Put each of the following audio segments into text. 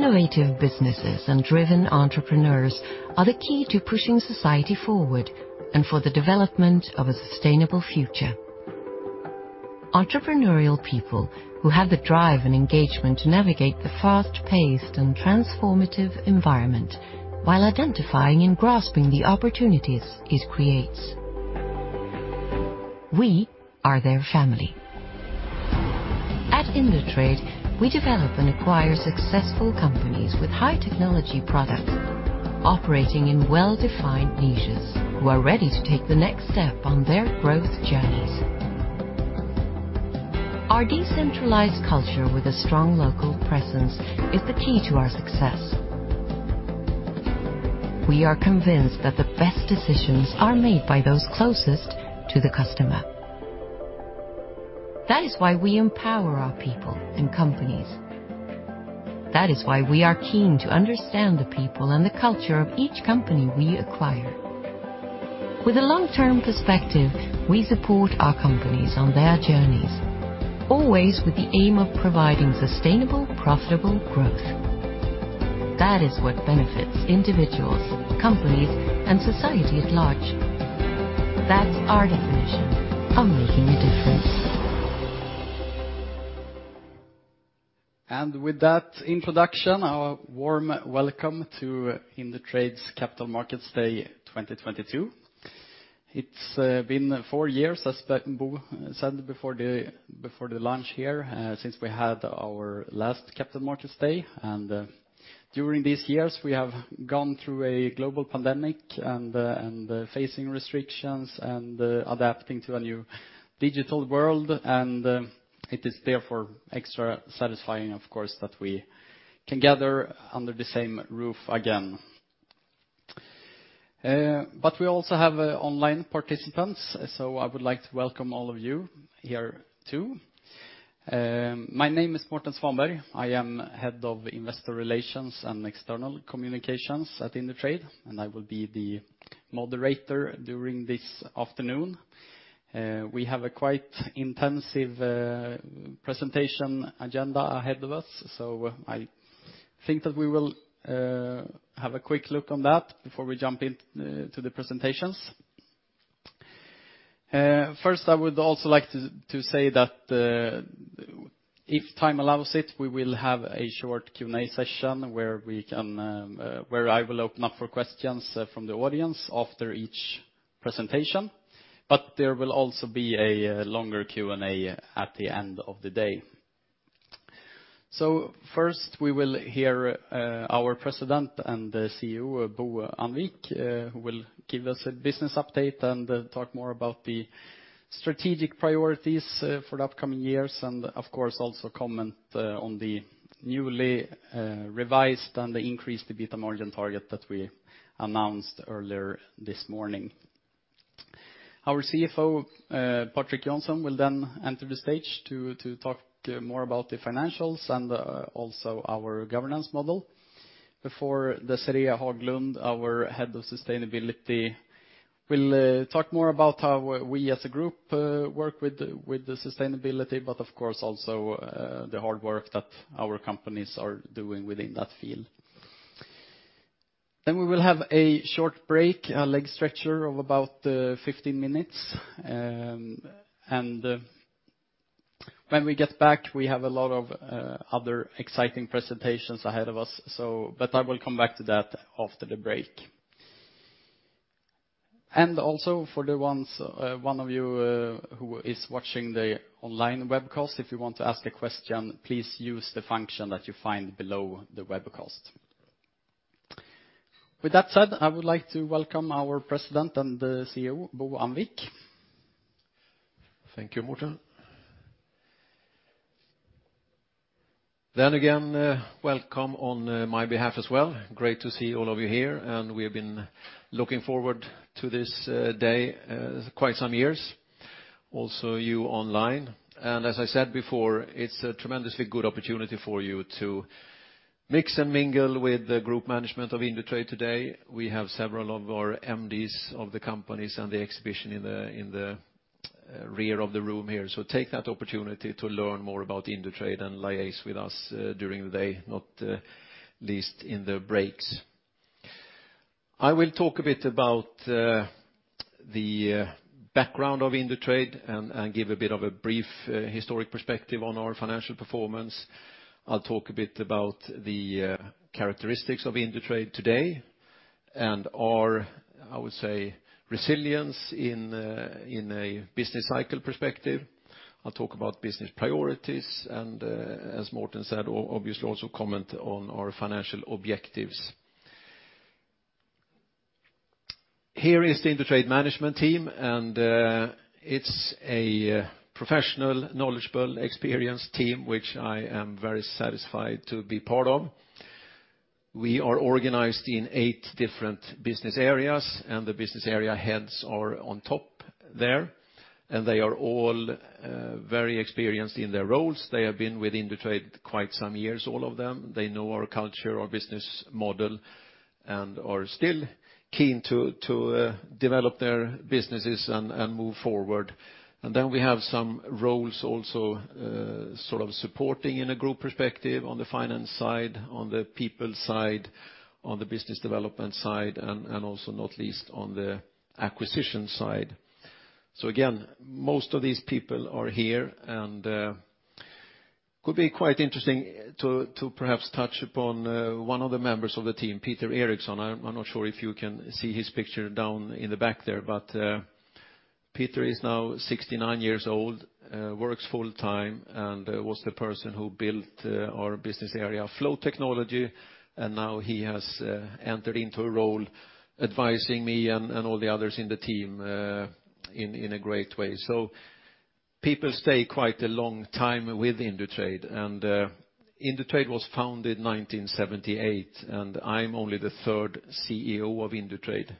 Innovative businesses and driven entrepreneurs are the key to pushing society forward and for the development of a sustainable future. Entrepreneurial people who have the drive and engagement to navigate the fast-paced and transformative environment while identifying and grasping the opportunities it creates. We are their family. At Indutrade, we develop and acquire successful companies with high-technology products operating in well-defined niches who are ready to take the next step on their growth journeys. Our decentralized culture with a strong local presence is the key to our success. We are convinced that the best decisions are made by those closest to the customer. That is why we empower our people and companies. That is why we are keen to understand the people and the culture of each company we acquire. With a long-term perspective, we support our companies on their journeys, always with the aim of providing sustainable, profitable growth. That is what benefits individuals, companies, and society at large. That's our definition of making a difference. With that introduction, a warm welcome to Indutrade's Capital Markets Day 2022. It's been four years, as Bo said before the launch here, since we had our last Capital Markets Day. During these years, we have gone through a global pandemic and facing restrictions and adapting to a new digital world. It is therefore extra satisfying, of course, that we can gather under the same roof again. We also have online participants, so I would like to welcome all of you here too. My name is Mårten Svanberg. I am Head of Investor Relations and External Communications at Indutrade, and I will be the moderator during this afternoon. We have a quite intensive presentation agenda ahead of us, so I think that we will have a quick look on that before we jump into the presentations. First, I would also like to say that if time allows it, we will have a short Q&A session where I will open up for questions from the audience after each presentation. There will also be a longer Q&A at the end of the day. First, we will hear our President and CEO, Bo Annvik, who will give us a business update and talk more about the strategic priorities for the upcoming years and of course, also comment on the newly revised and the increased EBITDA margin target that we announced earlier this morning. Our CFO, Patrik Johnson, will then enter the stage to talk more about the financials and also our governance model before Desiré Haglund, our head of sustainability, will talk more about how we as a group work with the sustainability, but of course also the hard work that our companies are doing within that field. We will have a short break, a leg stretcher of about 15 minutes. When we get back, we have a lot of other exciting presentations ahead of us, but I will come back to that after the break. Also for the one of you who is watching the online webcast, if you want to ask a question, please use the function that you find below the webcast. With that said, I would like to welcome our President and CEO, Bo Annvik. Thank you, Mårten. Again, welcome on my behalf as well. Great to see all of you here, and we have been looking forward to this day quite some years, also you online. As I said before, it's a tremendously good opportunity for you to mix and mingle with the group management of Indutrade today. We have several of our MDs of the companies and the exhibition in the rear of the room here. So take that opportunity to learn more about Indutrade and liaise with us during the day, not least in the breaks. I will talk a bit about the background of Indutrade and give a bit of a brief historic perspective on our financial performance. I'll talk a bit about the characteristics of Indutrade today and our, I would say, resilience in a business cycle perspective. I'll talk about business priorities and, as Mårten said, obviously also comment on our financial objectives. Here is the Indutrade management team, and it's a professional, knowledgeable, experienced team which I am very satisfied to be part of. We are organized in eight different business areas, and the business area heads are on top there, and they are all very experienced in their roles. They have been with Indutrade quite some years, all of them. They know our culture, our business model. They are still keen to develop their businesses and move forward. We have some roles also, sort of supporting in a group perspective on the finance side, on the people side, on the business development side, and also not least on the acquisition side. Again, most of these people are here and could be quite interesting to perhaps touch upon one of the members of the team, Peter Eriksson. I'm not sure if you can see his picture down in the back there, but Peter is now 69 years old, works full time, and was the person who built our business area Flow Technology, and now he has entered into a role advising me and all the others in the team in a great way. People stay quite a long time with Indutrade. Indutrade was founded 1978, and I'm only the third CEO of Indutrade.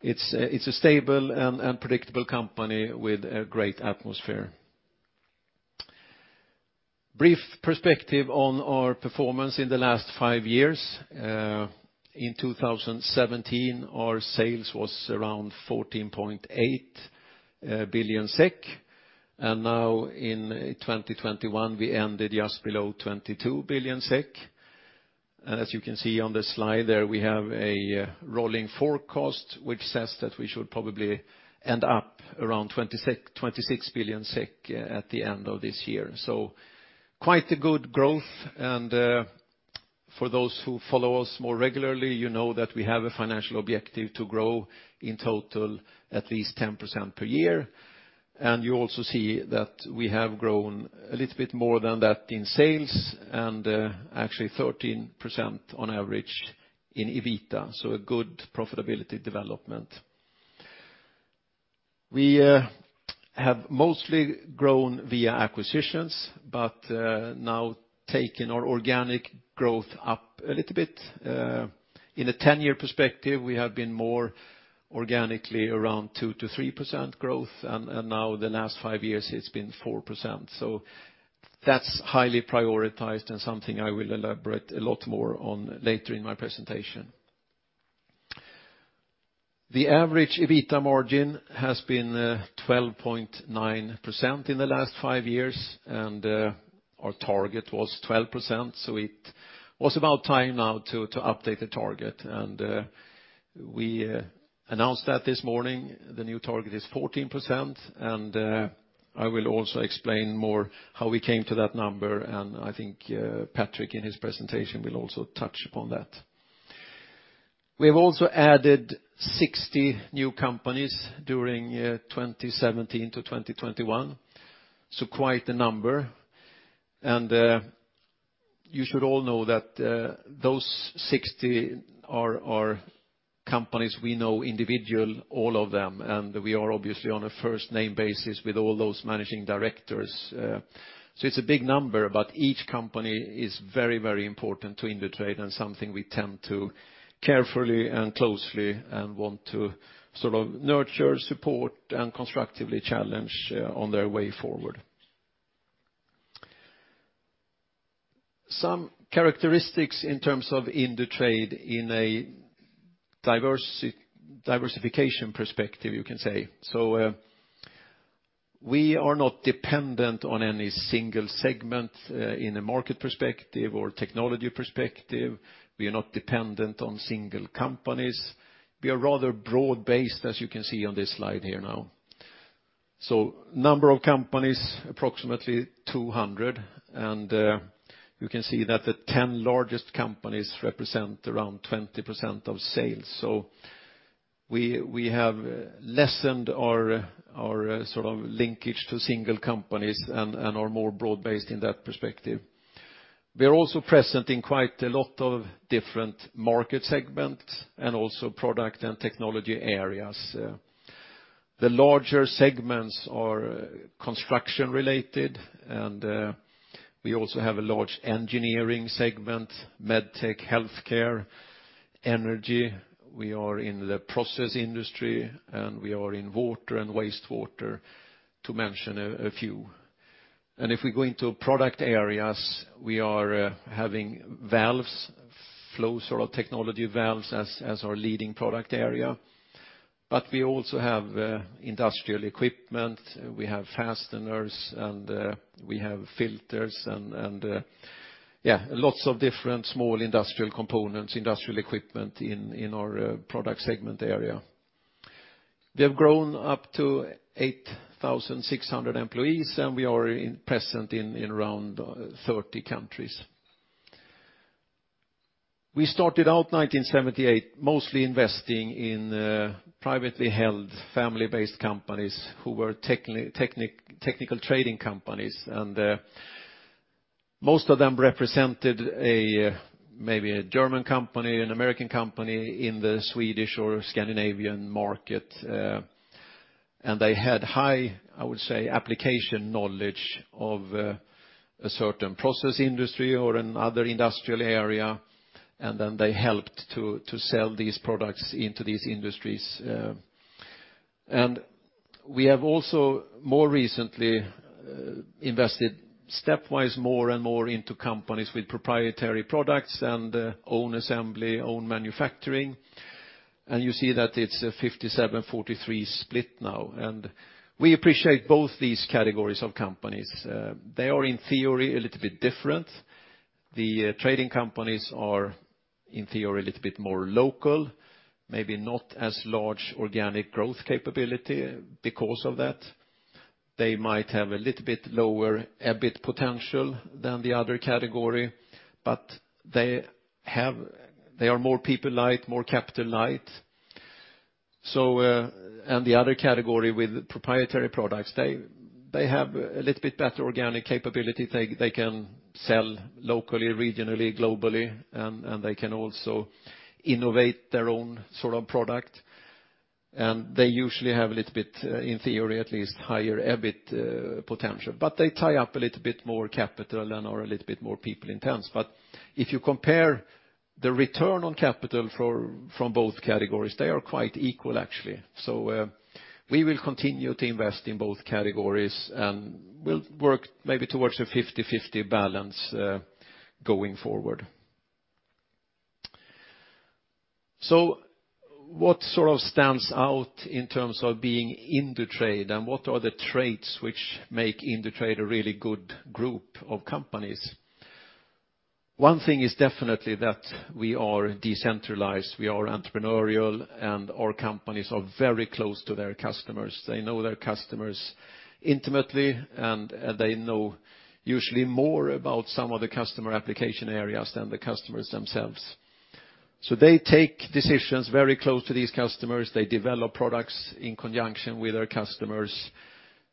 It's a stable and predictable company with a great atmosphere. Brief perspective on our performance in the last five years. In 2017, our sales was around 14.8 billion SEK, and now in 2021, we ended just below 22 billion SEK. As you can see on the slide there, we have a rolling forecast which says that we should probably end up around 26 billion SEK at the end of this year. Quite a good growth. For those who follow us more regularly, you know that we have a financial objective to grow in total at least 10% per year. You also see that we have grown a little bit more than that in sales, and actually 13% on average in EBITDA, so a good profitability development. We have mostly grown via acquisitions, but now taking our organic growth up a little bit. In a 10-year perspective, we have been more organically around 2%-3% growth, and now the last five years, it's been 4%. That's highly prioritized and something I will elaborate a lot more on later in my presentation. The average EBITDA margin has been 12.9% in the last five years, and our target was 12%, so it was about time now to update the target. We announced that this morning, the new target is 14%, and I will also explain more how we came to that number, and I think Patrik in his presentation will also touch upon that. We have also added 60 new companies during 2017 to 2021, so quite a number. You should all know that those 60 are companies we know individually, all of them, and we are obviously on a first-name basis with all those managing directors. So it's a big number, but each company is very, very important to Indutrade and something we tend to carefully and closely and want to sort of nurture, support, and constructively challenge on their way forward. Some characteristics in terms of Indutrade in a diversification perspective, you can say. We are not dependent on any single segment in a market perspective or technology perspective. We are not dependent on single companies. We are rather broad-based, as you can see on this slide here now. Number of companies, approximately 200, and you can see that the 10 largest companies represent around 20% of sales. We have lessened our sort of linkage to single companies and are more broad-based in that perspective. We are also present in quite a lot of different market segments and also product and technology areas. The larger segments are construction-related, and we also have a large engineering segment, med tech, healthcare, energy. We are in the process industry, and we are in water and wastewater, to mention a few. If we go into product areas, we are having valves, Flow Technology valves as our leading product area. We also have industrial equipment, we have fasteners, and we have filters and yeah, lots of different small industrial components, industrial equipment in our product segment area. We have grown up to 8,600 employees, and we are present in around 30 countries. We started out 1978 mostly investing in privately held family-based companies who were technical trading companies. Most of them represented a, maybe a German company, an American company in the Swedish or Scandinavian market. They had high, I would say, application knowledge of a certain process industry or another industrial area, and then they helped to sell these products into these industries. We have also more recently invested stepwise more and more into companies with proprietary products and own assembly, own manufacturing. You see that it's a 57-43 split now, and we appreciate both these categories of companies. They are in theory a little bit different. The trading companies are in theory a little bit more local, maybe not as large organic growth capability because of that. They might have a little bit lower EBIT potential than the other category, but they have, they are more people light, more capital light. The other category with proprietary products, they have a little bit better organic capability. They can sell locally, regionally, globally, and they can also innovate their own sort of product. They usually have a little bit, in theory, at least higher EBIT potential. They tie up a little bit more capital and are a little bit more people intense. If you compare the return on capital from both categories, they are quite equal actually. We will continue to invest in both categories, and we'll work maybe towards a 50-50 balance going forward. What sort of stands out in terms of being Indutrade, and what are the traits which make Indutrade a really good group of companies? One thing is definitely that we are decentralized, we are entrepreneurial, and our companies are very close to their customers. They know their customers intimately, and they know usually more about some of the customer application areas than the customers themselves. They take decisions very close to these customers. They develop products in conjunction with their customers,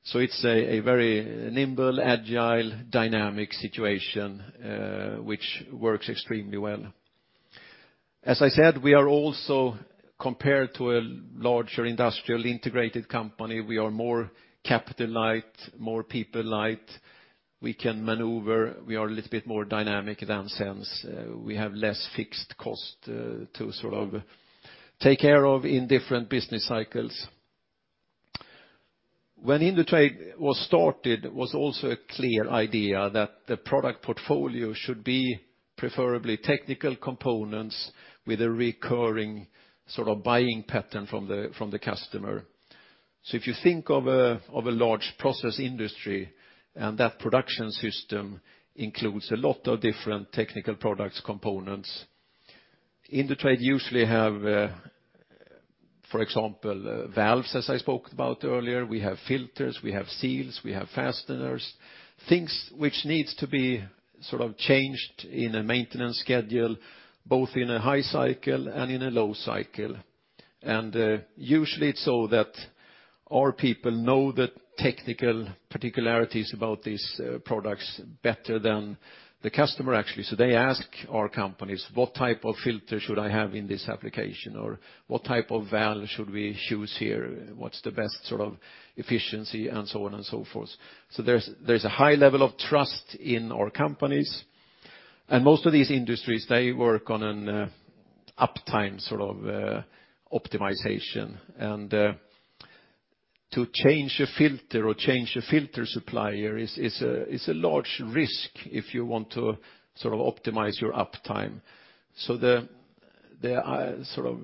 so it's a very nimble, agile, dynamic situation, which works extremely well. As I said, we are also compared to a larger industrial integrated company. We are more capital light, more people light. We can maneuver. We are a little bit more dynamic in that sense. We have less fixed cost to sort of take care of in different business cycles. When Indutrade was started, was also a clear idea that the product portfolio should be preferably technical components with a recurring sort of buying pattern from the customer. If you think of a large process industry, and that production system includes a lot of different technical products components, Indutrade usually have, for example, valves, as I spoke about earlier. We have filters, we have seals, we have fasteners, things which needs to be sort of changed in a maintenance schedule, both in a high cycle and in a low cycle. Usually it's so that our people know the technical particularities about these products better than the customer actually. They ask our companies, "What type of filter should I have in this application?" Or, "What type of valve should we choose here? What's the best sort of efficiency?" And so on and so forth. There's a high level of trust in our companies. Most of these industries, they work on an uptime sort of optimization. To change a filter or change a filter supplier is a large risk if you want to sort of optimize your uptime. The sort of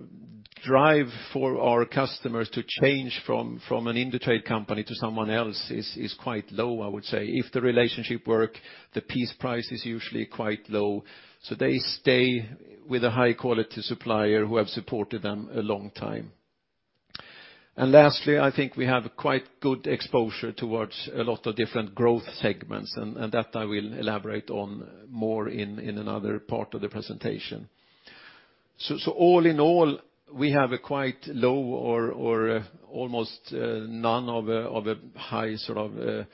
drive for our customers to change from an Indutrade company to someone else is quite low, I would say. If the relationship work, the piece price is usually quite low, so they stay with a high-quality supplier who have supported them a long time. Lastly, I think we have quite good exposure towards a lot of different growth segments, and that I will elaborate on more in another part of the presentation. All in all, we have a quite low or almost none of a high sort of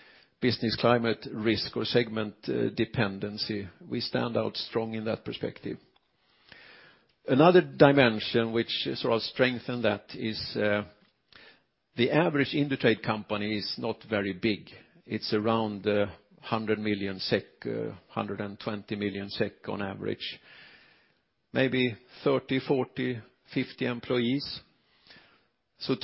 business climate risk or segment dependency. We stand out strong in that perspective. Another dimension which sort of strengthens that is, the average Indutrade company is not very big. It's around 100 million SEK, 120 million SEK on average, maybe 30, 40, 50 employees.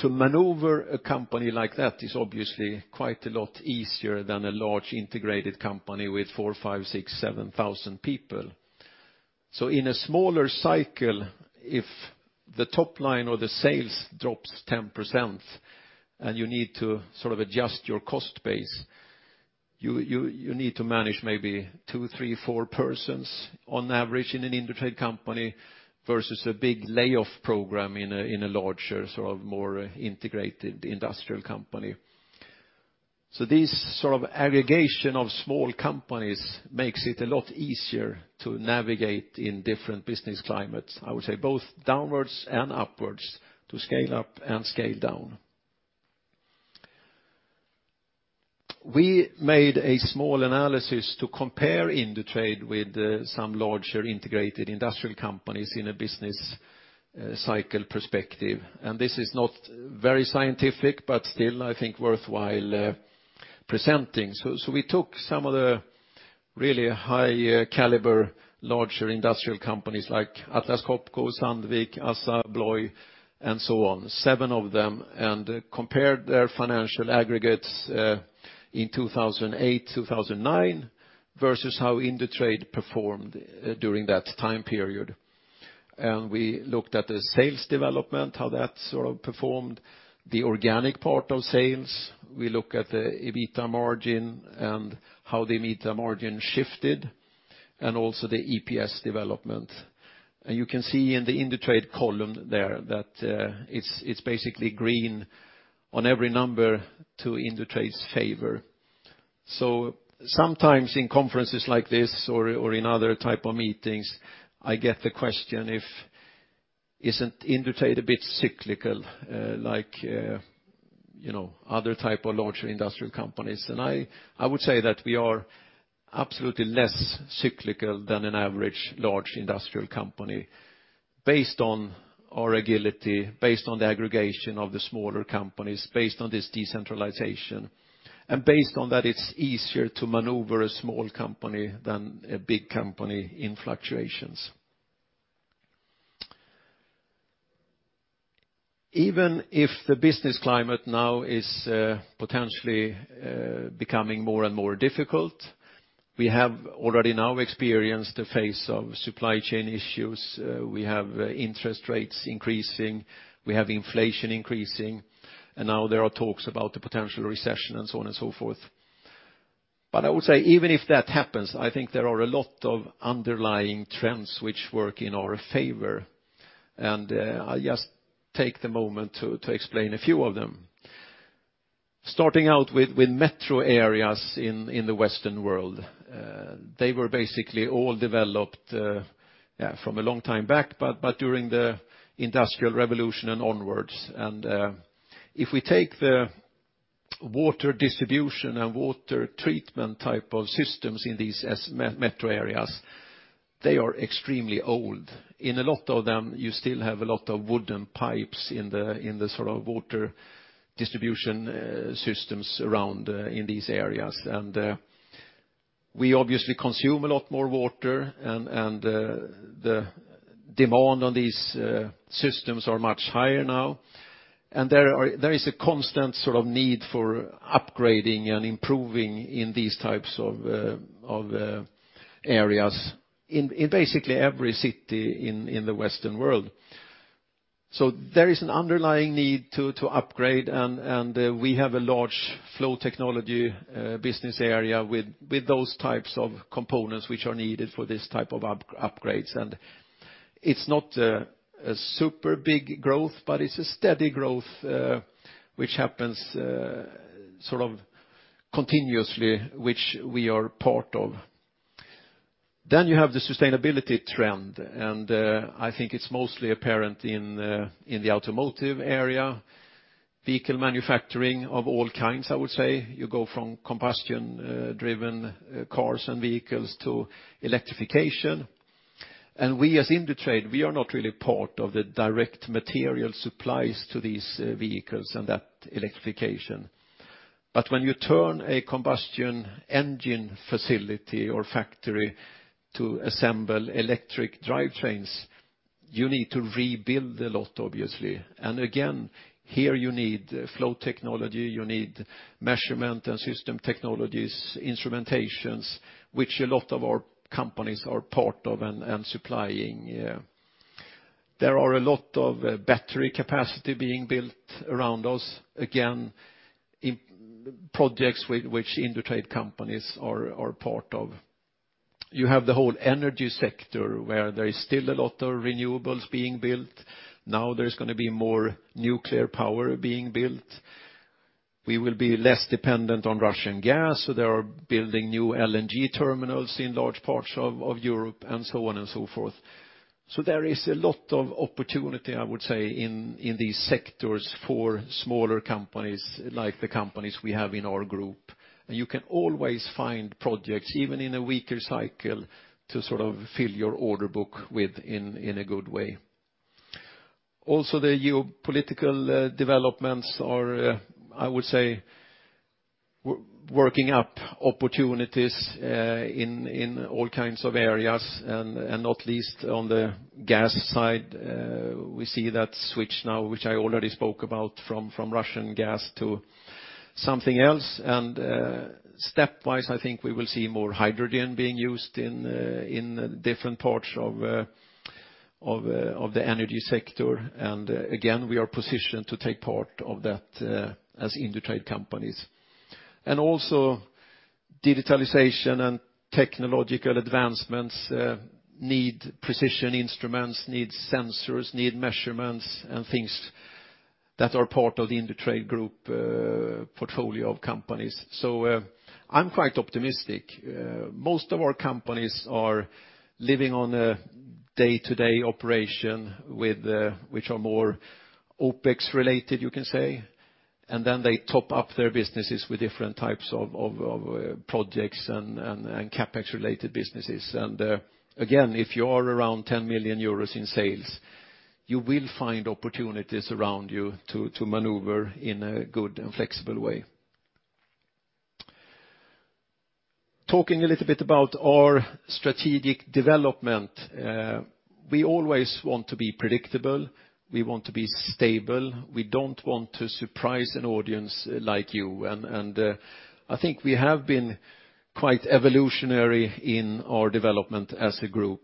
To maneuver a company like that is obviously quite a lot easier than a large integrated company with 4,000, 5,000, 6,000, 7,000 people. In a smaller cycle, if the top line or the sales drops 10% and you need to sort of adjust your cost base, you need to manage maybe two, three, four persons on average in an Indutrade company versus a big layoff program in a larger sort of more integrated industrial company. This sort of aggregation of small companies makes it a lot easier to navigate in different business climates, I would say both downwards and upwards to scale up and scale down. We made a small analysis to compare Indutrade with some larger integrated industrial companies in a business cycle perspective. This is not very scientific, but still, I think worthwhile presenting. We took some of the really high caliber, larger industrial companies like Atlas Copco, Sandvik, ASSA ABLOY, and so on, seven of them, and compared their financial aggregates in 2008, 2009 versus how Indutrade performed during that time period. We looked at the sales development, how that sort of performed, the organic part of sales. We look at the EBITDA margin and how the EBITDA margin shifted, and also the EPS development. You can see in the Indutrade column there that it's basically green on every number to Indutrade's favor. Sometimes in conferences like this or in other type of meetings, I get the question if isn't Indutrade a bit cyclical like you know other type of larger industrial companies? I would say that we are absolutely less cyclical than an average large industrial company based on our agility, based on the aggregation of the smaller companies, based on this decentralization, and based on that it's easier to maneuver a small company than a big company in fluctuations. Even if the business climate now is potentially becoming more and more difficult, we have already now experienced the phase of supply chain issues, we have interest rates increasing, we have inflation increasing, and now there are talks about the potential recession and so on and so forth. I would say even if that happens, I think there are a lot of underlying trends which work in our favor, and I'll just take the moment to explain a few of them. Starting out with metro areas in the Western world, they were basically all developed from a long time back, but during the Industrial Revolution and onwards. If we take the water distribution and water treatment type of systems in these metro areas, they are extremely old. In a lot of them, you still have a lot of wooden pipes in the sort of water distribution systems around in these areas. We obviously consume a lot more water and the demand on these systems are much higher now. There is a constant sort of need for upgrading and improving in these types of areas in basically every city in the Western world. There is an underlying need to upgrade and we have a large Flow Technology business area with those types of components which are needed for this type of upgrades. It's not a super big growth, but it's a steady growth which happens sort of continuously, which we are part of. You have the sustainability trend, and I think it's mostly apparent in the automotive area, vehicle manufacturing of all kinds, I would say. You go from combustion driven cars and vehicles to electrification. We as Indutrade, we are not really part of the direct material supplies to these vehicles and that electrification. When you turn a combustion engine facility or factory to assemble electric drivetrains, you need to rebuild a lot obviously. Again, here you need flow technology, you need measurement and system technologies, instrumentations, which a lot of our companies are part of and supplying. There are a lot of battery capacity being built around us, again, in projects which Indutrade companies are part of. You have the whole energy sector where there is still a lot of renewables being built. Now there's gonna be more nuclear power being built. We will be less dependent on Russian gas, so they are building new LNG terminals in large parts of Europe and so on and so forth. There is a lot of opportunity, I would say, in these sectors for smaller companies like the companies we have in our group. You can always find projects, even in a weaker cycle, to sort of fill your order book with in a good way. Also, the geopolitical developments are, I would say, working up opportunities in all kinds of areas and not least on the gas side, we see that switch now, which I already spoke about from Russian gas to something else. Stepwise, I think we will see more hydrogen being used in different parts of the energy sector. Again, we are positioned to take part of that as Indutrade companies. Also, digitalization and technological advancements need precision instruments, need sensors, need measurements, and things that are part of the Indutrade Group portfolio of companies. I'm quite optimistic. Most of our companies are living on a day-to-day operation with which are more OpEx related, you can say, and then they top up their businesses with different types of projects and CapEx related businesses. Again, if you are around 10 million euros in sales, you will find opportunities around you to maneuver in a good and flexible way. Talking a little bit about our strategic development, we always want to be predictable. We want to be stable. We don't want to surprise an audience like you. I think we have been quite evolutionary in our development as a group.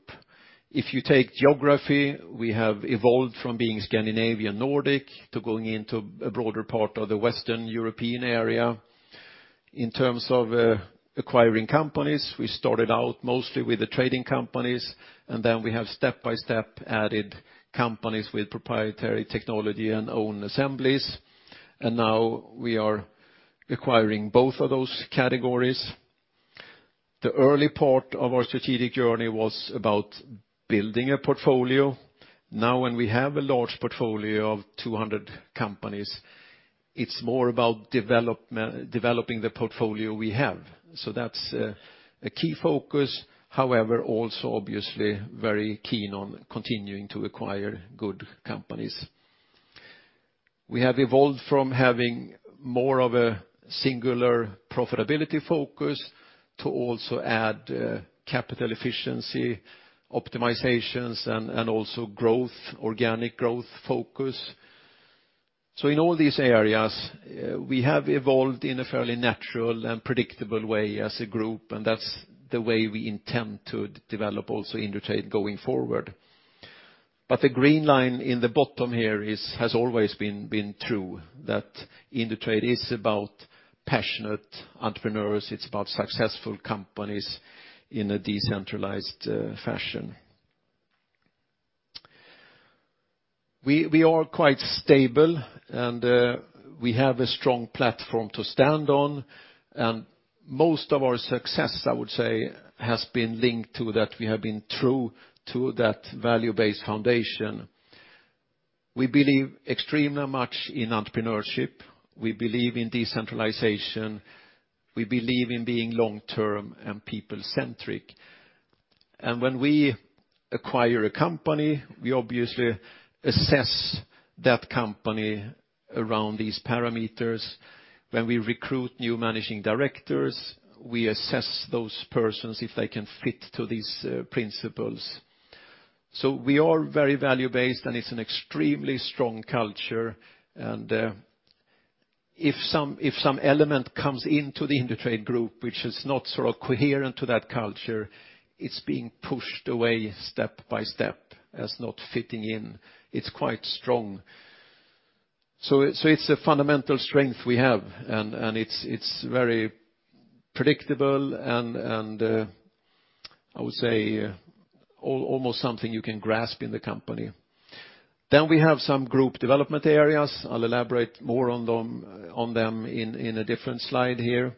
If you take geography, we have evolved from being Scandinavian Nordic to going into a broader part of the Western European area. In terms of acquiring companies, we started out mostly with the trading companies, and then we have step-by-step added companies with proprietary technology and own assemblies. Now we are acquiring both of those categories. The early part of our strategic journey was about building a portfolio. Now when we have a large portfolio of 200 companies, it's more about developing the portfolio we have. That's a key focus. However, also obviously very keen on continuing to acquire good companies. We have evolved from having more of a singular profitability focus to also add capital efficiency, optimizations, and also growth, organic growth focus. In all these areas, we have evolved in a fairly natural and predictable way as a group, and that's the way we intend to develop also Indutrade going forward. The green line in the bottom here has always been true that Indutrade is about passionate entrepreneurs. It's about successful companies in a decentralized fashion. We are quite stable, and we have a strong platform to stand on. Most of our success, I would say, has been linked to that we have been true to that value-based foundation. We believe extremely much in entrepreneurship. We believe in decentralization. We believe in being long-term and people-centric. When we acquire a company, we obviously assess that company around these parameters. When we recruit new managing directors, we assess those persons if they can fit to these principles. We are very value-based, and it's an extremely strong culture. If some element comes into the Indutrade Group, which is not sort of coherent to that culture, it's being pushed away step by step as not fitting in. It's quite strong. It's a fundamental strength we have. It's very predictable and I would say almost something you can grasp in the company. We have some group development areas. I'll elaborate more on them in a different slide here.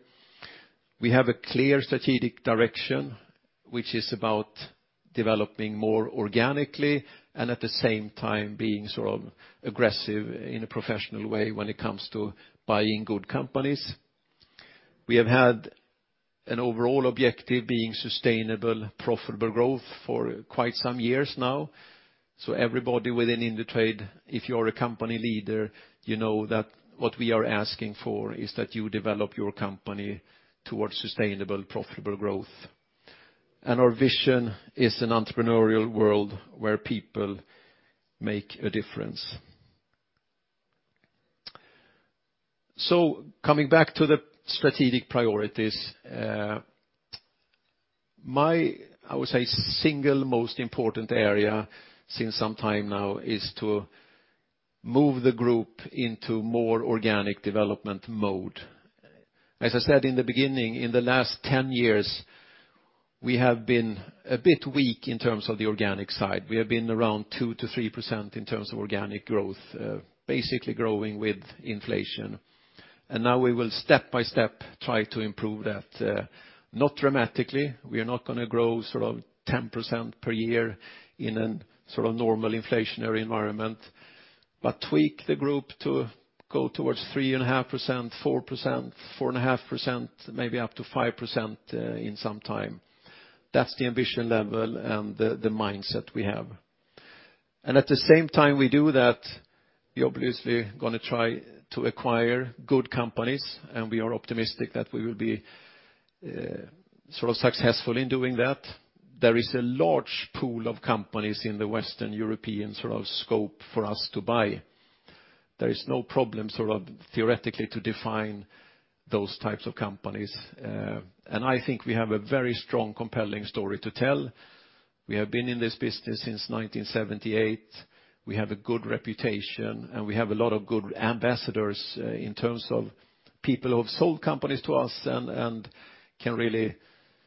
We have a clear strategic direction, which is about developing more organically and at the same time being sort of aggressive in a professional way when it comes to buying good companies. We have had an overall objective being sustainable, profitable growth for quite some years now. Everybody within Indutrade, if you're a company leader, you know that what we are asking for is that you develop your company towards sustainable, profitable growth. Our vision is an entrepreneurial world where people make a difference. Coming back to the strategic priorities, my, I would say, single most important area since some time now is to move the group into more organic development mode. As I said in the beginning, in the last 10 years, we have been a bit weak in terms of the organic side. We have been around 2%-3% in terms of organic growth, basically growing with inflation. Now we will step-by-step try to improve that, not dramatically. We are not gonna grow sort of 10% per year in a sort of normal inflationary environment. Tweak the group to go towards 3.5%, 4%, 4.5%, maybe up to 5%, in some time. That's the ambition level and the mindset we have. At the same time we do that, we're obviously gonna try to acquire good companies, and we are optimistic that we will be sort of successful in doing that. There is a large pool of companies in the Western European sort of scope for us to buy. There is no problem sort of theoretically to define those types of companies. I think we have a very strong, compelling story to tell. We have been in this business since 1978. We have a good reputation, and we have a lot of good ambassadors in terms of people who have sold companies to us and can really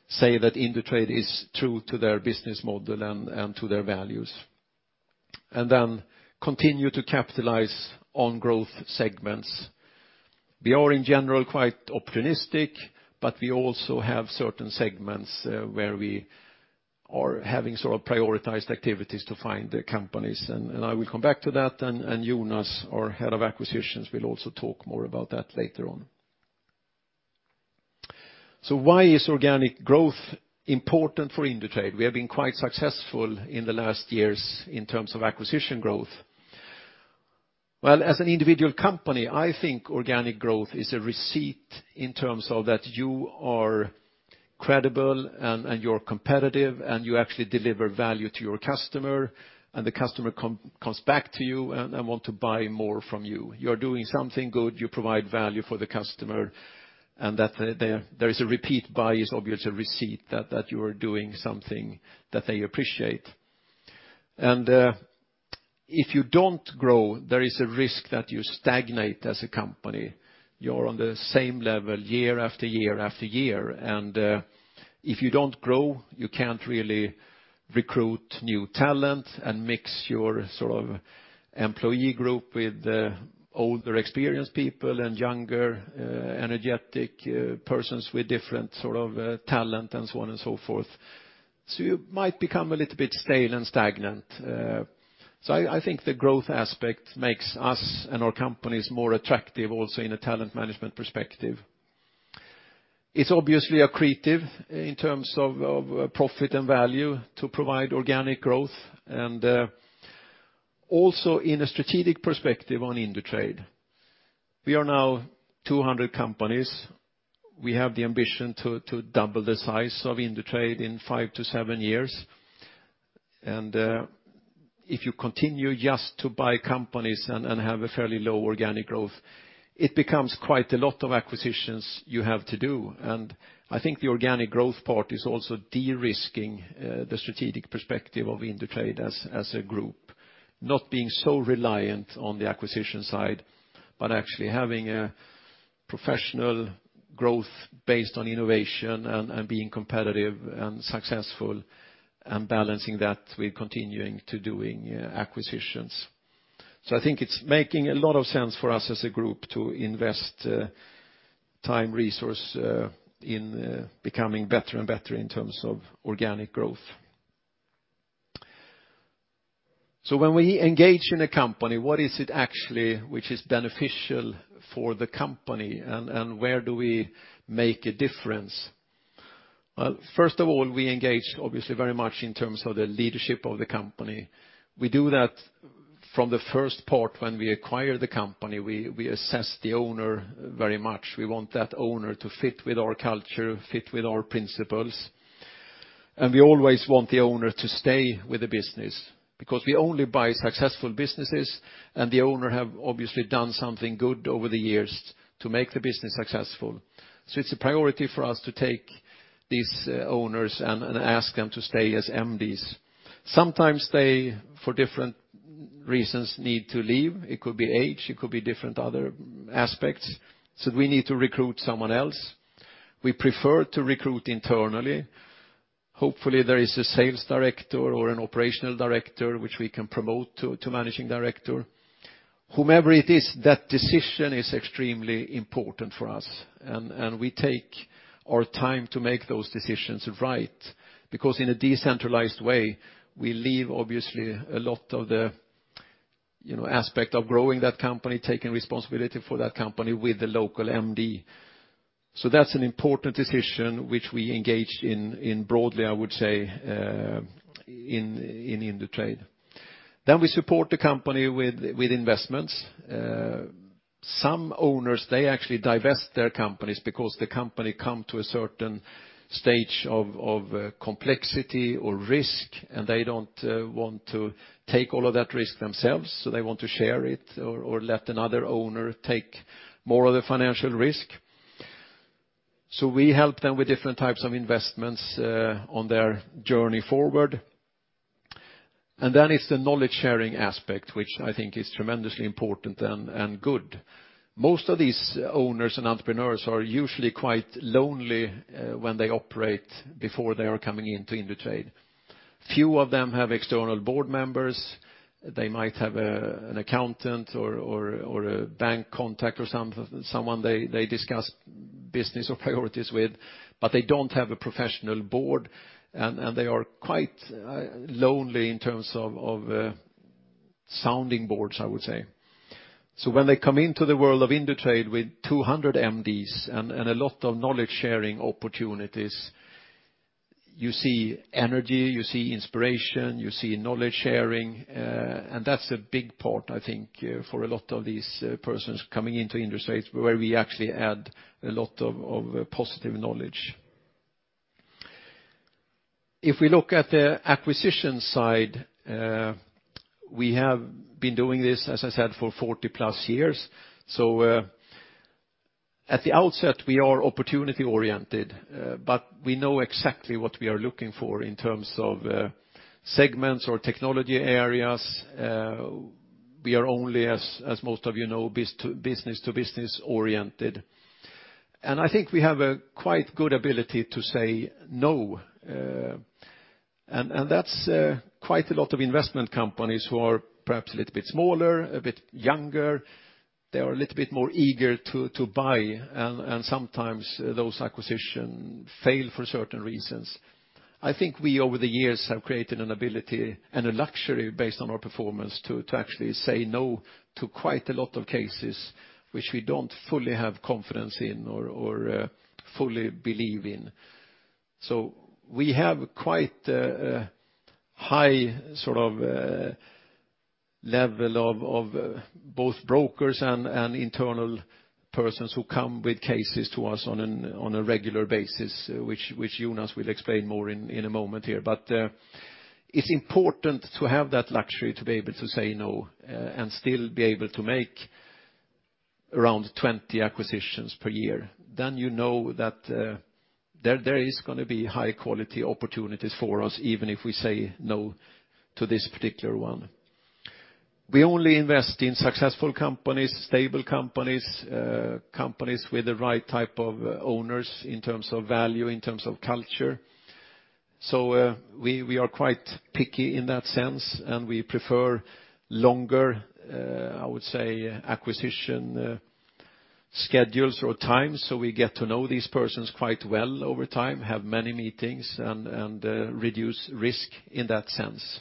say that Indutrade is true to their business model and to their values. Continue to capitalize on growth segments. We are in general quite opportunistic, but we also have certain segments where we are having sort of prioritized activities to find the companies. I will come back to that, and Jonas, our head of acquisitions, will also talk more about that later on. Why is organic growth important for Indutrade? We have been quite successful in the last years in terms of acquisition growth. Well, as an individual company, I think organic growth is a receipt in terms of that you are credible and you're competitive, and you actually deliver value to your customer, and the customer comes back to you and want to buy more from you. You're doing something good, you provide value for the customer, and that there is a repeat buy is obviously a receipt that you are doing something that they appreciate. If you don't grow, there is a risk that you stagnate as a company. You're on the same level year after year after year. If you don't grow, you can't really recruit new talent and mix your sort of employee group with older, experienced people and younger energetic persons with different sort of talent and so on and so forth. You might become a little bit stale and stagnant. I think the growth aspect makes us and our companies more attractive also in a talent management perspective. It's obviously accretive in terms of profit and value to provide organic growth. Also in a strategic perspective on Indutrade. We are now 200 companies. We have the ambition to double the size of Indutrade in five to seven years. If you continue just to buy companies and have a fairly low organic growth, it becomes quite a lot of acquisitions you have to do. I think the organic growth part is also de-risking the strategic perspective of Indutrade as a group. Not being so reliant on the acquisition side, but actually having a professional growth based on innovation and being competitive and successful and balancing that with continuing to doing acquisitions. I think it's making a lot of sense for us as a group to invest time, resource, in becoming better and better in terms of organic growth. When we engage in a company, what is it actually which is beneficial for the company and where do we make a difference? Well, first of all, we engage obviously very much in terms of the leadership of the company. We do that from the first part when we acquire the company, we assess the owner very much. We want that owner to fit with our culture, fit with our principles. We always want the owner to stay with the business because we only buy successful businesses, and the owner have obviously done something good over the years to make the business successful. It's a priority for us to take these owners and ask them to stay as MDs. Sometimes they, for different reasons, need to leave. It could be age, it could be different other aspects. We need to recruit someone else. We prefer to recruit internally. Hopefully, there is a sales director or an operational director which we can promote to managing director. Whomever it is, that decision is extremely important for us. We take our time to make those decisions right because in a decentralized way, we leave obviously a lot of the, you know, aspect of growing that company, taking responsibility for that company with the local MD. That's an important decision which we engage in broadly, I would say, in Indutrade. We support the company with investments. Some owners, they actually divest their companies because the company come to a certain stage of complexity or risk, and they don't want to take all of that risk themselves, so they want to share it or let another owner take more of the financial risk. We help them with different types of investments on their journey forward. It's the knowledge-sharing aspect, which I think is tremendously important and good. Most of these owners and entrepreneurs are usually quite lonely, when they operate before they are coming into Indutrade. Few of them have external board members. They might have, an accountant or a bank contact or someone they discuss business or priorities with, but they don't have a professional board, and they are quite, lonely in terms of, sounding boards, I would say. When they come into the world of Indutrade with 200 MDs and a lot of knowledge-sharing opportunities, you see energy, you see inspiration, you see knowledge-sharing, and that's a big part, I think, for a lot of these, persons coming into Indutrade where we actually add a lot of, positive knowledge. If we look at the acquisition side, we have been doing this, as I said, for 40+ years. At the outset, we are opportunity-oriented, but we know exactly what we are looking for in terms of segments or technology areas. We are only, as most of you know, business to business-oriented. I think we have a quite good ability to say no, and that's quite a lot of investment companies who are perhaps a little bit smaller, a bit younger, they are a little bit more eager to buy, and sometimes those acquisitions fail for certain reasons. I think we over the years have created an ability and a luxury based on our performance to actually say no to quite a lot of cases which we don't fully have confidence in or fully believe in. We have quite a high sort of level of both brokers and internal persons who come with cases to us on a regular basis, which Jonas will explain more in a moment here. It's important to have that luxury to be able to say no and still be able to make around 20 acquisitions per year. You know that there is gonna be high quality opportunities for us even if we say no to this particular one. We only invest in successful companies, stable companies with the right type of owners in terms of value, in terms of culture. We are quite picky in that sense, and we prefer longer, I would say, acquisition schedules or times, so we get to know these persons quite well over time, have many meetings and reduce risk in that sense.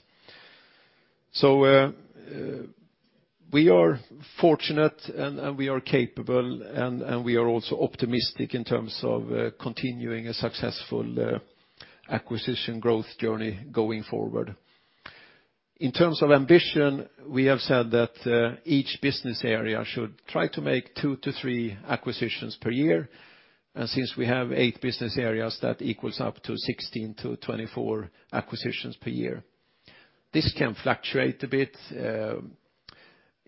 We are fortunate and we are capable and we are also optimistic in terms of continuing a successful acquisition growth journey going forward. In terms of ambition, we have said that each business area should try to make two to three acquisitions per year. Since we have eight business areas, that equals up to 16-24 acquisitions per year. This can fluctuate a bit,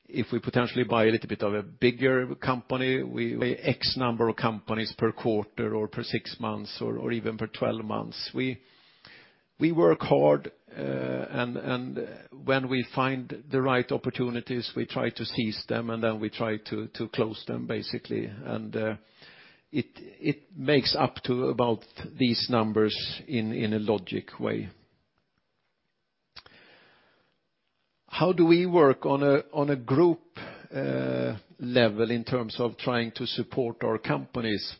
if we potentially buy a little bit of a bigger company, an X number of companies per quarter or per six months or even per 12 months. We work hard, and when we find the right opportunities, we try to seize them, and then we try to close them basically. It makes up to about these numbers in a logical way. How do we work on a group level in terms of trying to support our companies?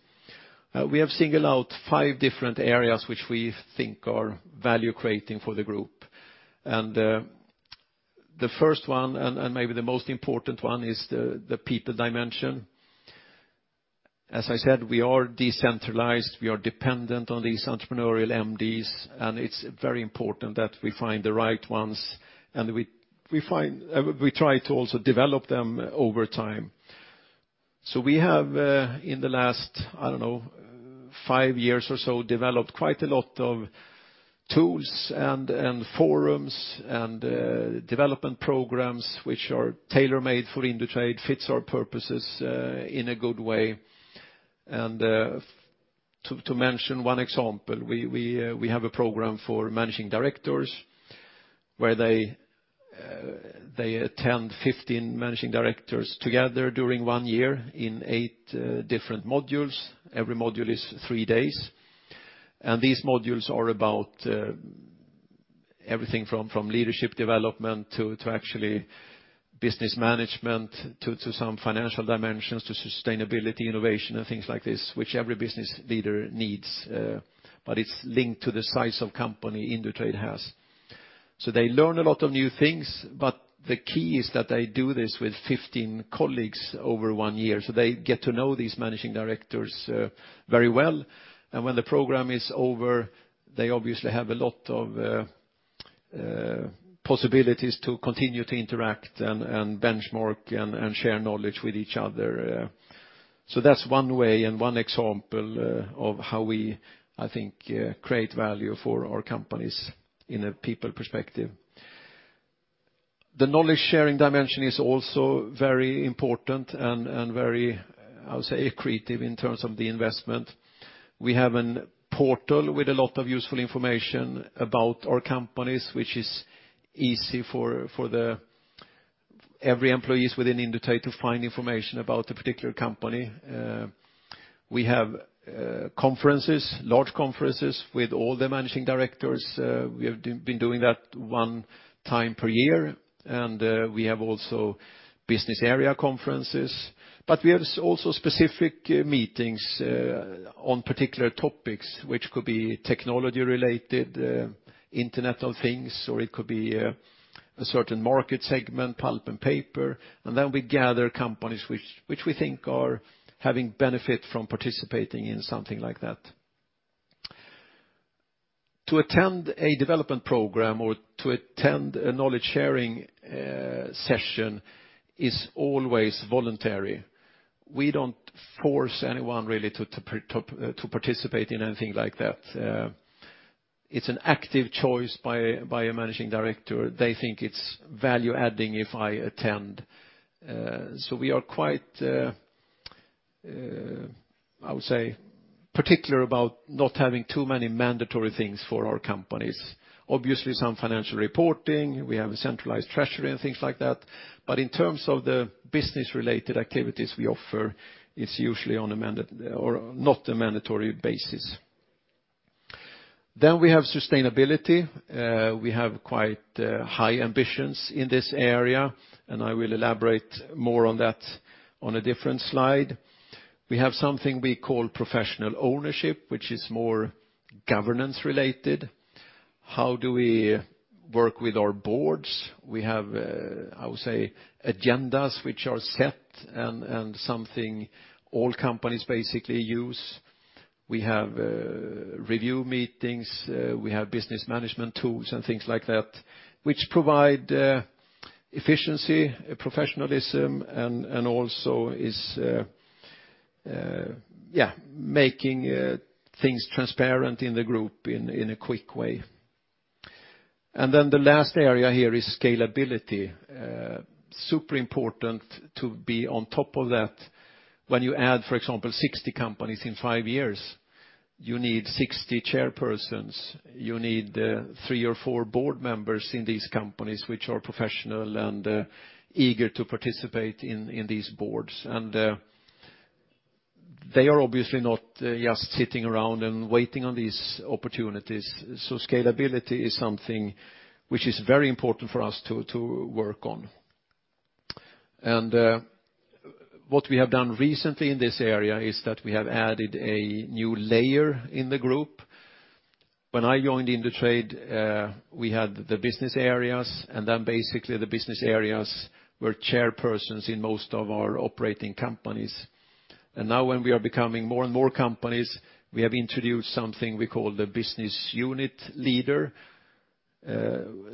We have singled out five different areas which we think are value-creating for the group. The first one, and maybe the most important one is the people dimension. As I said, we are decentralized, we are dependent on these entrepreneurial MDs, and it's very important that we find the right ones, and we try to also develop them over time. We have, in the last, I don't know, five years or so, developed quite a lot of tools and forums and development programs which are tailor-made for Indutrade, fits our purposes, in a good way. To mention one example, we have a program for managing directors, where they attend 15 managing directors together during one year in eight different modules. Every module is three days. These modules are about everything from leadership development to actually business management, to some financial dimensions, to sustainability, innovation, and things like this, which every business leader needs, but it's linked to the size of company Indutrade has. They learn a lot of new things, but the key is that they do this with 15 colleagues over one year, so they get to know these managing directors very well. When the program is over, they obviously have a lot of possibilities to continue to interact and benchmark and share knowledge with each other. That's one way and one example of how we, I think, create value for our companies in a people perspective. The knowledge-sharing dimension is also very important and very, I would say, creative in terms of the investment. We have a portal with a lot of useful information about our companies, which is easy for every employee within Indutrade to find information about a particular company. We have conferences, large conferences with all the managing directors. We have been doing that one time per year, and we have also business area conferences. We have also specific meetings on particular topics, which could be technology-related, Internet of Things, or it could be a certain market segment, pulp and paper. Then we gather companies which we think are having benefit from participating in something like that. To attend a development program or to attend a knowledge-sharing session is always voluntary. We don't force anyone to participate in anything like that. It's an active choice by a managing director. They think it's value-adding if I attend. We are quite, I would say, particular about not having too many mandatory things for our companies. Obviously, some financial reporting, we have a centralized treasury and things like that. In terms of the business-related activities we offer, it's usually on a or not a mandatory basis. We have sustainability. We have quite high ambitions in this area, and I will elaborate more on that on a different slide. We have something we call professional ownership, which is more governance-related. How do we work with our boards? We have, I would say, agendas which are set and something all companies basically use. We have review meetings, we have business management tools and things like that which provide efficiency, professionalism, and also making things transparent in the group in a quick way. The last area here is scalability. Super important to be on top of that. When you add, for example, 60 companies in five years, you need 60 chairpersons, you need three or four board members in these companies which are professional and eager to participate in these boards. They are obviously not just sitting around and waiting on these opportunities. Scalability is something which is very important for us to work on. What we have done recently in this area is that we have added a new layer in the group. When I joined Indutrade, we had the business areas, and then basically the business areas were chairpersons in most of our operating companies. Now when we are becoming more and more companies, we have introduced something we call the business unit leader,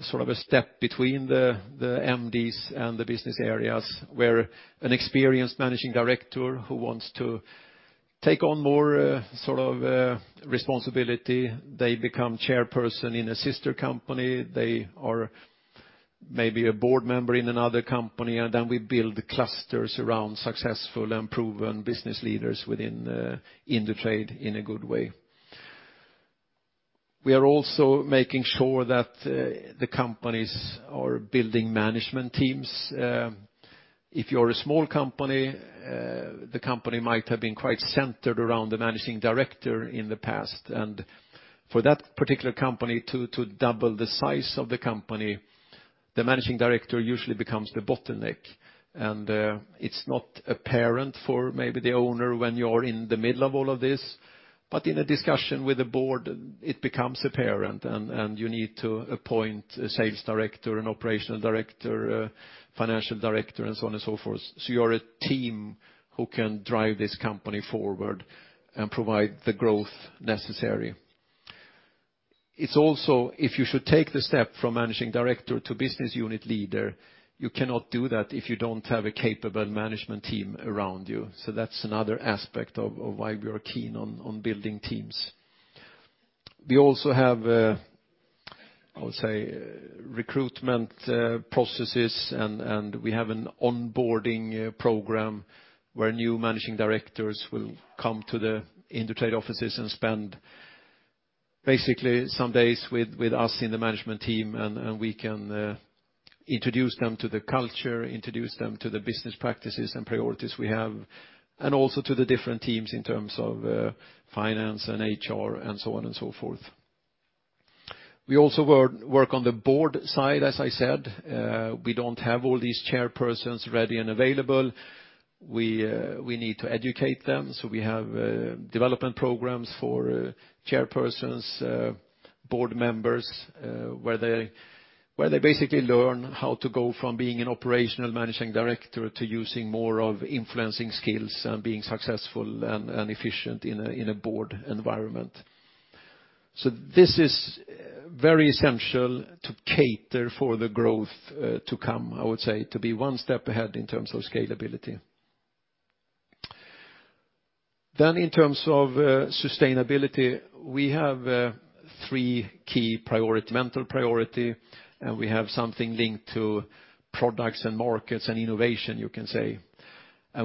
sort of a step between the MDs and the business areas, where an experienced managing director who wants to take on more, sort of, responsibility, they become chairperson in a sister company. They are maybe a board member in another company. Then we build clusters around successful and proven business leaders within Indutrade in a good way. We are also making sure that the companies are building management teams. If you're a small company, the company might have been quite centered around the managing director in the past. For that particular company to double the size of the company, the managing director usually becomes the bottleneck. It's not apparent for maybe the owner when you're in the middle of all of this, but in a discussion with the board, it becomes apparent and you need to appoint a sales director, an operational director, a financial director, and so on and so forth. You're a team who can drive this company forward and provide the growth necessary. It's also, if you should take the step from managing director to business unit leader, you cannot do that if you don't have a capable management team around you. That's another aspect of why we are keen on building teams. We also have, I would say, recruitment processes, and we have an onboarding program where new managing directors will come to the Indutrade offices and spend basically some days with us in the management team, and we can introduce them to the culture, introduce them to the business practices and priorities we have, and also to the different teams in terms of finance and HR and so on and so forth. We also work on the board side, as I said. We don't have all these chairpersons ready and available. We need to educate them, so we have development programs for chairpersons, board members, where they basically learn how to go from being an operational managing director to using more of influencing skills and being successful and efficient in a board environment. This is very essential to cater for the growth to come, I would say, to be one step ahead in terms of scalability. In terms of sustainability, we have three key priorities, mental priority, and we have something linked to products and markets and innovation, you can say.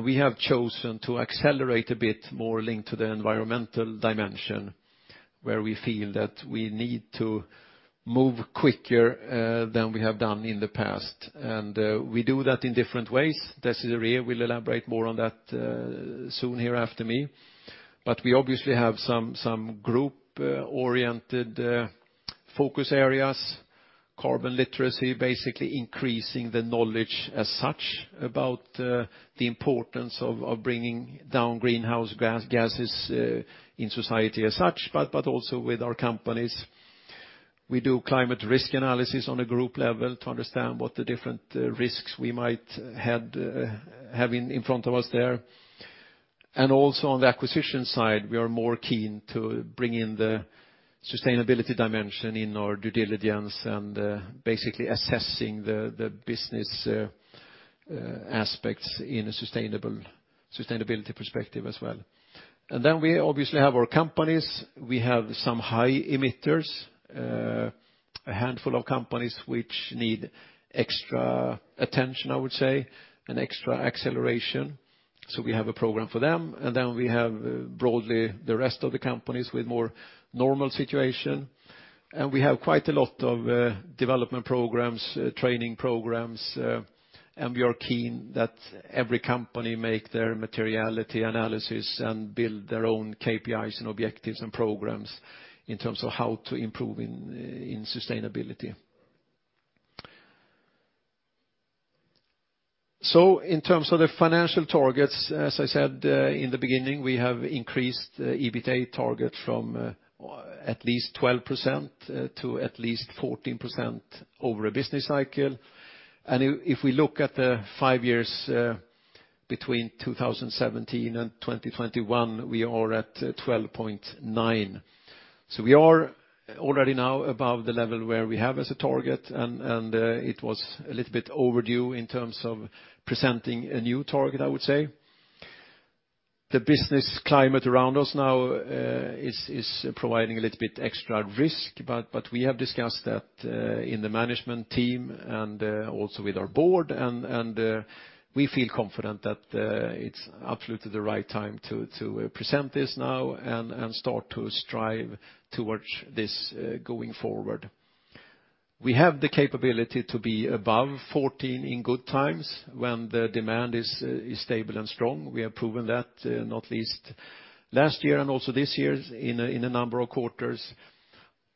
We have chosen to accelerate a bit more linked to the environmental dimension, where we feel that we need to move quicker than we have done in the past. We do that in different ways. Desiré will elaborate more on that soon here after me. We obviously have some group-oriented focus areas, carbon literacy, basically increasing the knowledge as such about the importance of bringing down greenhouse gases in society as such, but also with our companies. We do climate risk analysis on a group level to understand what the different risks we might have in front of us there. Also on the acquisition side, we are more keen to bring in the sustainability dimension in our due diligence and basically assessing the business aspects in a sustainability perspective as well. We obviously have our companies. We have some high emitters, a handful of companies which need extra attention, I would say, and extra acceleration. We have a program for them. Then we have broadly the rest of the companies with more normal situation. We have quite a lot of development programs, training programs, and we are keen that every company make their materiality analysis and build their own KPIs and objectives and programs in terms of how to improve in sustainability. In terms of the financial targets, as I said in the beginning, we have increased EBITDA target from at least 12% to at least 14% over a business cycle. If we look at the five years between 2017 and 2021, we are at 12.9%. We are already now above the level where we have as a target, and it was a little bit overdue in terms of presenting a new target, I would say. The business climate around us now is providing a little bit extra risk, but we have discussed that in the management team and also with our board, and we feel confident that it's absolutely the right time to present this now and start to strive towards this going forward. We have the capability to be above 14% in good times when the demand is stable and strong. We have proven that not least last year and also this year in a number of quarters.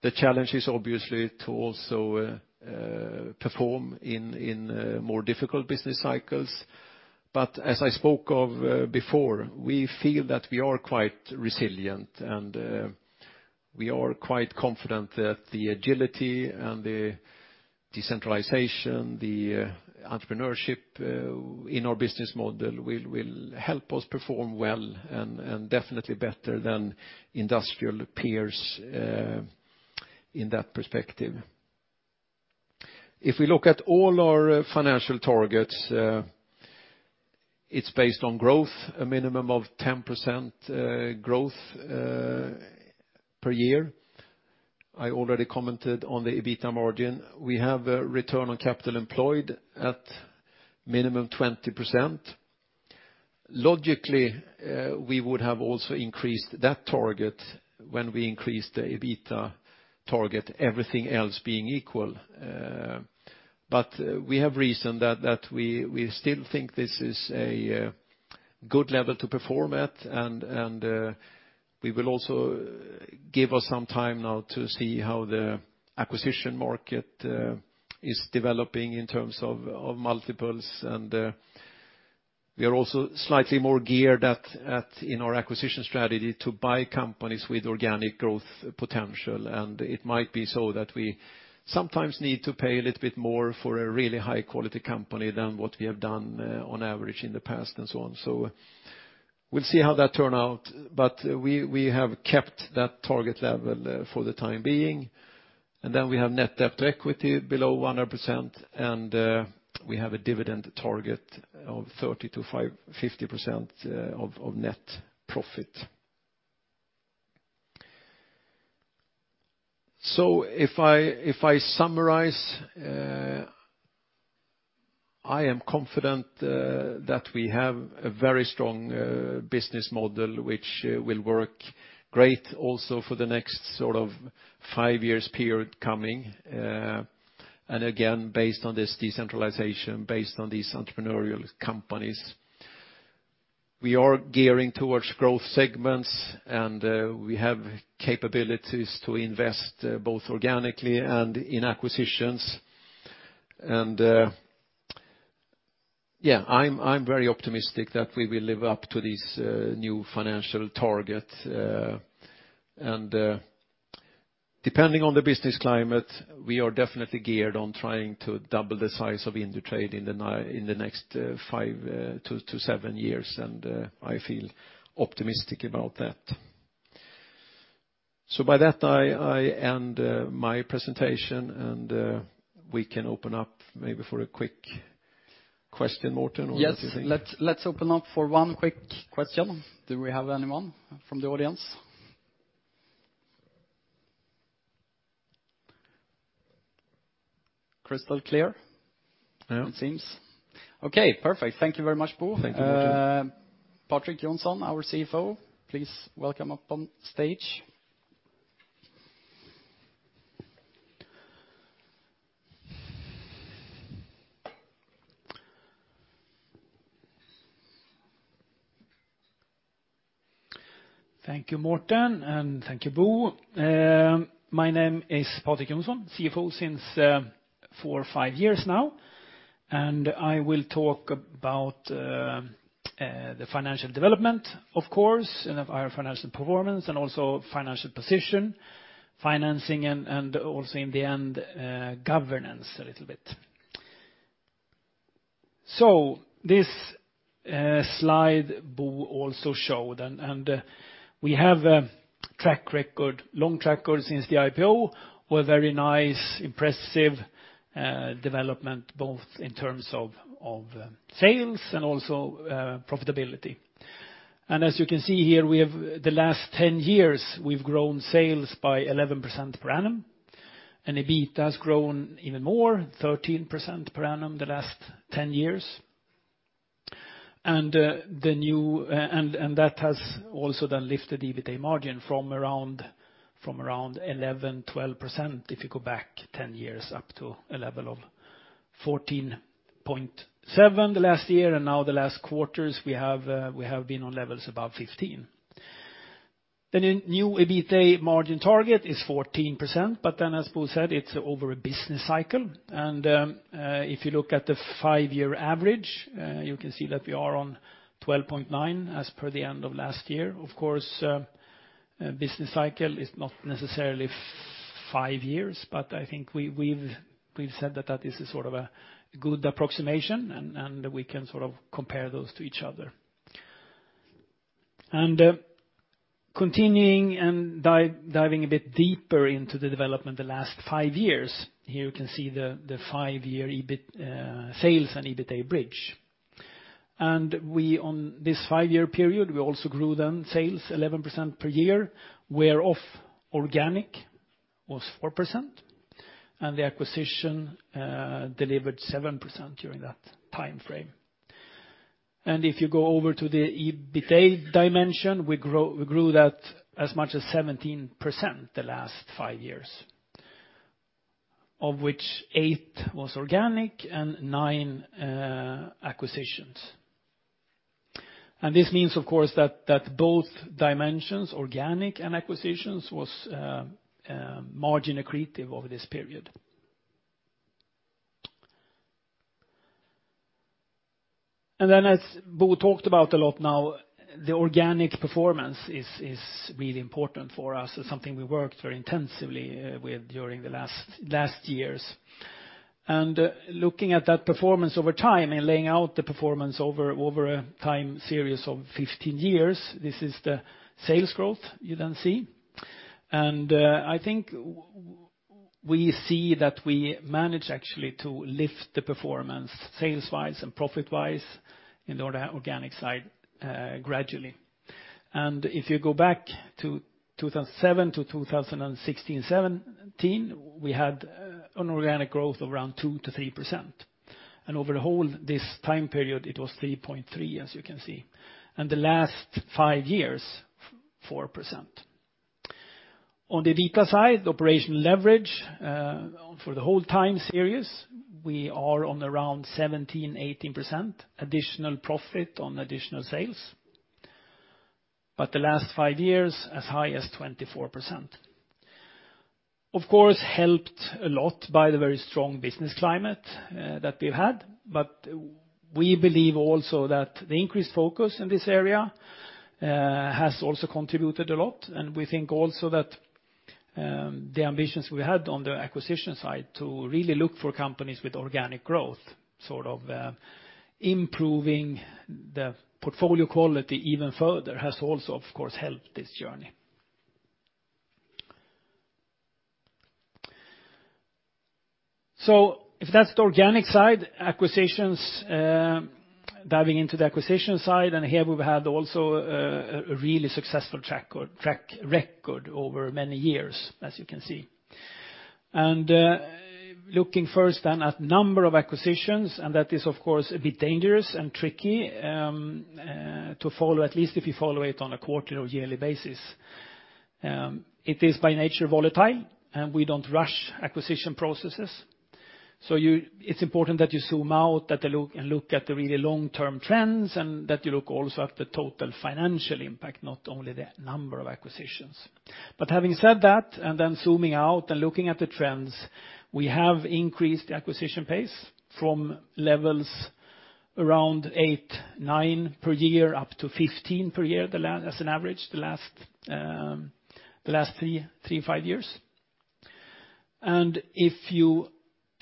The challenge is obviously to also perform in more difficult business cycles. As I spoke of before, we feel that we are quite resilient, and we are quite confident that the agility and the decentralization, the entrepreneurship in our business model will help us perform well and definitely better than industrial peers in that perspective. If we look at all our financial targets, it's based on growth, a minimum of 10% growth per year. I already commented on the EBITDA margin. We have a return on capital employed at minimum 20%. Logically, we would have also increased that target when we increased the EBITDA target, everything else being equal. We have reasoned that we still think this is a good level to perform at, and we will also give us some time now to see how the acquisition market is developing in terms of multiples. We are also slightly more geared at in our acquisition strategy to buy companies with organic growth potential. It might be so that we sometimes need to pay a little bit more for a really high-quality company than what we have done on average in the past and so on. We'll see how that turn out, but we have kept that target level for the time being. Then we have net debt equity below 100%, and we have a dividend target of 30%-50% of net profit. If I summarize, I am confident that we have a very strong business model which will work great also for the next sort of five years period coming, and again, based on this decentralization, based on these entrepreneurial companies. We are gearing towards growth segments, and we have capabilities to invest both organically and in acquisitions. I'm very optimistic that we will live up to this new financial target. Depending on the business climate, we are definitely geared on trying to double the size of Indutrade in the next five to seven years, and I feel optimistic about that. By that, I end my presentation, and we can open up maybe for a quick question, Mårten. Yes. What do you think? Let's open up for one quick question. Do we have anyone from the audience? Yeah It seems. Okay, perfect. Thank you very much, Bo. Thank you, Mårten. Patrik Johnson, our CFO, please welcome up on stage. Thank you, Mårten, and thank you, Bo. My name is Patrik Johnson, CFO since four or five years now. I will talk about the financial development, of course, and of our financial performance and also financial position, financing and also in the end governance a little bit. This slide Bo also showed, and we have a track record, long track record since the IPO, with very nice, impressive development, both in terms of sales and also profitability. As you can see here, the last 10 years, we've grown sales by 11% per annum, and EBITDA has grown even more, 13% per annum the last 10 years. That has also then lifted EBITA margin from around 11%-12% if you go back 10 years, up to a level of 14.7% the last year, and now the last quarters we have been on levels above 15%. The new EBITA margin target is 14%, but then as Bo said, it's over a business cycle. If you look at the five-year average, you can see that we are on 12.9% as per the end of last year. Of course, business cycle is not necessarily five years, but I think we've said that that is a sort of a good approximation and we can sort of compare those to each other. Continuing and diving a bit deeper into the development the last five years, here you can see the five-year EBIT sales and EBITA bridge. We on this five-year period also grew the sales 11% per year, whereof organic was 4%, and the acquisition delivered 7% during that timeframe. If you go over to the EBITA dimension, we grew that as much as 17% the last five years, of which 8% was organic and 9% acquisitions. This means, of course, that both dimensions, organic and acquisitions, was margin accretive over this period. As Bo talked about a lot now, the organic performance is really important for us. It's something we worked very intensively with during the last years. Looking at that performance over time and laying out the performance over a time series of 15 years, this is the sales growth you then see. I think we see that we manage actually to lift the performance sales-wise and profit-wise on the organic side gradually. If you go back to 2007 to 2016, 2017, we had an organic growth of around 2%-3%. Over the whole this time period, it was 3.3%, as you can see. The last five years, 4%. On the EBITDA side, operational leverage for the whole time series, we are on around 17%-18% additional profit on additional sales. The last five years, as high as 24%. Of course, helped a lot by the very strong business climate that we've had. We believe also that the increased focus in this area has also contributed a lot. We think also that the ambitions we had on the acquisition side to really look for companies with organic growth, sort of, improving the portfolio quality even further has also, of course, helped this journey. If that's the organic side, acquisitions, diving into the acquisition side, and here we've had also a really successful track record over many years, as you can see. Looking first then at number of acquisitions, and that is, of course, a bit dangerous and tricky to follow, at least if you follow it on a quarter or yearly basis. It is by nature volatile, and we don't rush acquisition processes. It's important that you zoom out and take a look and look at the really long-term trends, and that you look also at the total financial impact, not only the number of acquisitions. Having said that, then zooming out and looking at the trends, we have increased the acquisition pace from levels around eight, nine per year up to 15 per year as an average, the last three to five years. If you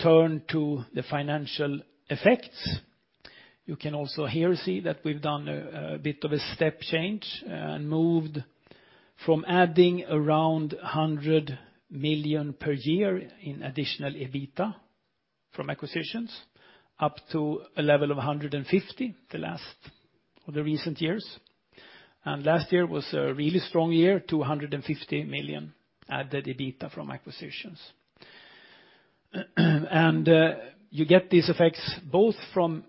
turn to the financial effects, you can also see here that we've done a bit of a step change, and moved from adding around 100 million per year in additional EBITDA from acquisitions up to a level of 150 million the recent years. Last year was a really strong year, 250 million added EBITDA from acquisitions. You get these effects both from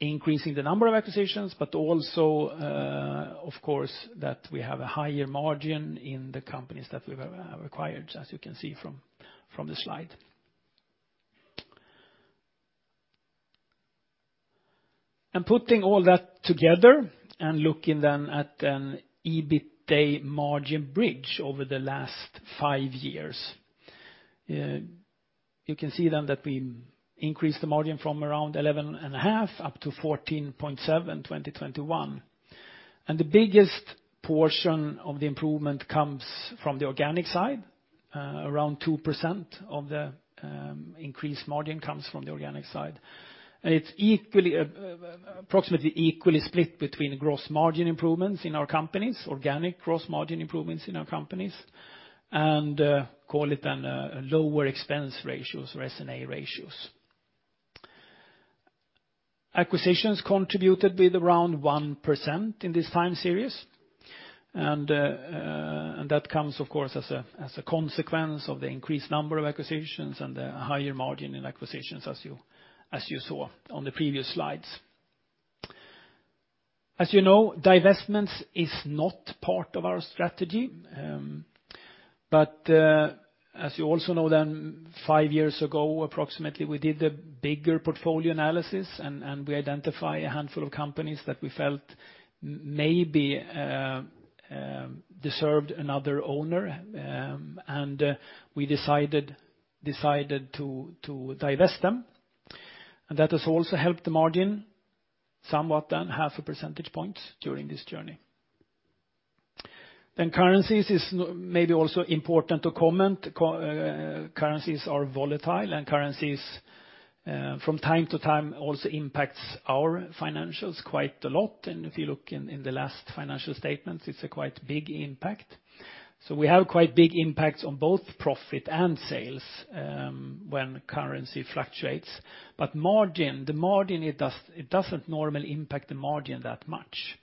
increasing the number of acquisitions, but also, of course, that we have a higher margin in the companies that we've acquired, as you can see from the slide. Putting all that together and looking then at an EBITA margin bridge over the last five years, you can see then that we increased the margin from around 11.5% up to 14.7% 2021. The biggest portion of the improvement comes from the organic side. Around 2% of the increased margin comes from the organic side. It's equally, approximately equally split between gross margin improvements in our companies, organic gross margin improvements in our companies, and call it then a lower expense ratios or S&A ratios. Acquisitions contributed with around 1% in this time series, and that comes, of course, as a consequence of the increased number of acquisitions and the higher margin in acquisitions as you saw on the previous slides. As you know, divestments is not part of our strategy. As you also know then, five years ago, approximately, we did a bigger portfolio analysis and we identify a handful of companies that we felt maybe deserved another owner, and we decided to divest them. That has also helped the margin somewhat by half a percentage point during this journey. Currencies is maybe also important to comment. Currencies are volatile, and currencies from time to time also impacts our financials quite a lot. If you look in the last financial statements, it's a quite big impact. We have quite big impacts on both profit and sales when currency fluctuates. Margin, it doesn't normally impact the margin that much,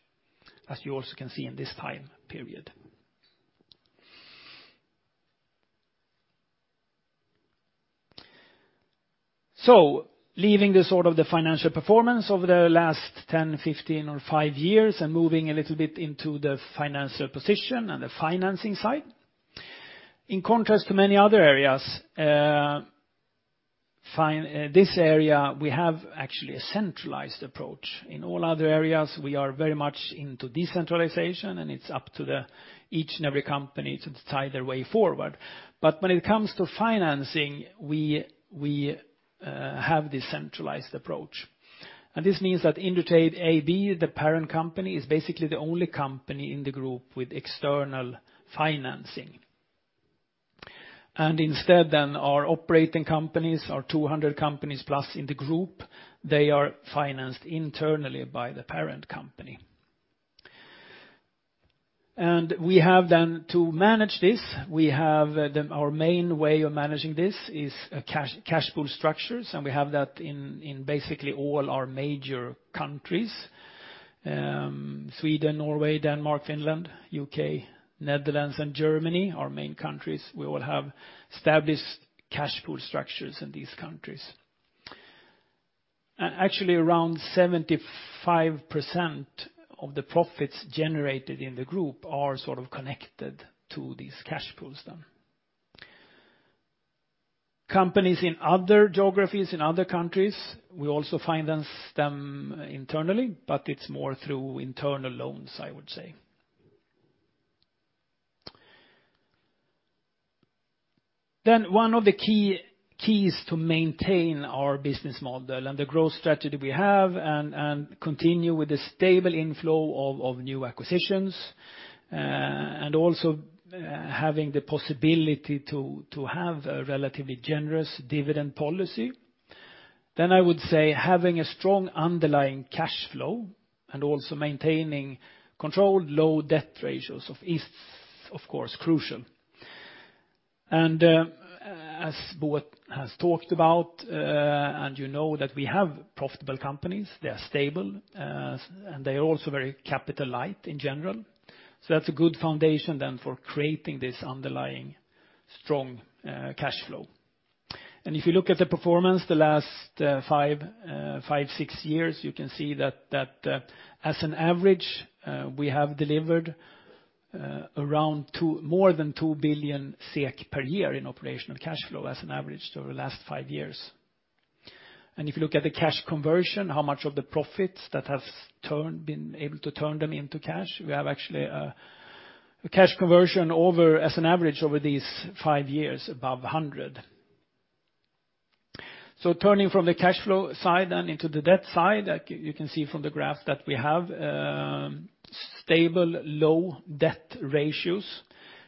as you also can see in this time period. Leaving the sort of financial performance over the last 10, 15, or five years and moving a little bit into the financial position and the financing side. In contrast to many other areas, this area, we have actually a centralized approach. In all other areas, we are very much into decentralization, and it's up to each and every company to decide their way forward. When it comes to financing, we have this centralized approach. This means that Indutrade AB, the parent company, is basically the only company in the group with external financing. Instead our operating companies, our 200 companies plus in the group, they are financed internally by the parent company. We have to manage this. Our main way of managing this is cash pool structures, and we have that in basically all our major countries, Sweden, Norway, Denmark, Finland, U.K., Netherlands, and Germany, our main countries. We have established cash pool structures in these countries. Actually, around 75% of the profits generated in the group are sort of connected to these cash pools. Companies in other geographies, in other countries, we also finance them internally, but it's more through internal loans, I would say. One of the keys to maintain our business model and the growth strategy we have and continue with the stable inflow of new acquisitions, and also having the possibility to have a relatively generous dividend policy, I would say having a strong underlying cash flow and also maintaining controlled low debt ratios is, of course, crucial. As Bo has talked about, and you know that we have profitable companies, they are stable, and they are also very capital light in general. That's a good foundation for creating this underlying strong cash flow. If you look at the performance the last five, six years, you can see that as an average we have delivered more than 2 billion SEK per year in operational cash flow as an average over the last five years. If you look at the cash conversion, how much of the profits that has been able to turn them into cash, we have actually a cash conversion over, as an average over these five years, above 100%. Turning from the cash flow side and into the debt side, you can see from the graph that we have stable low debt ratios.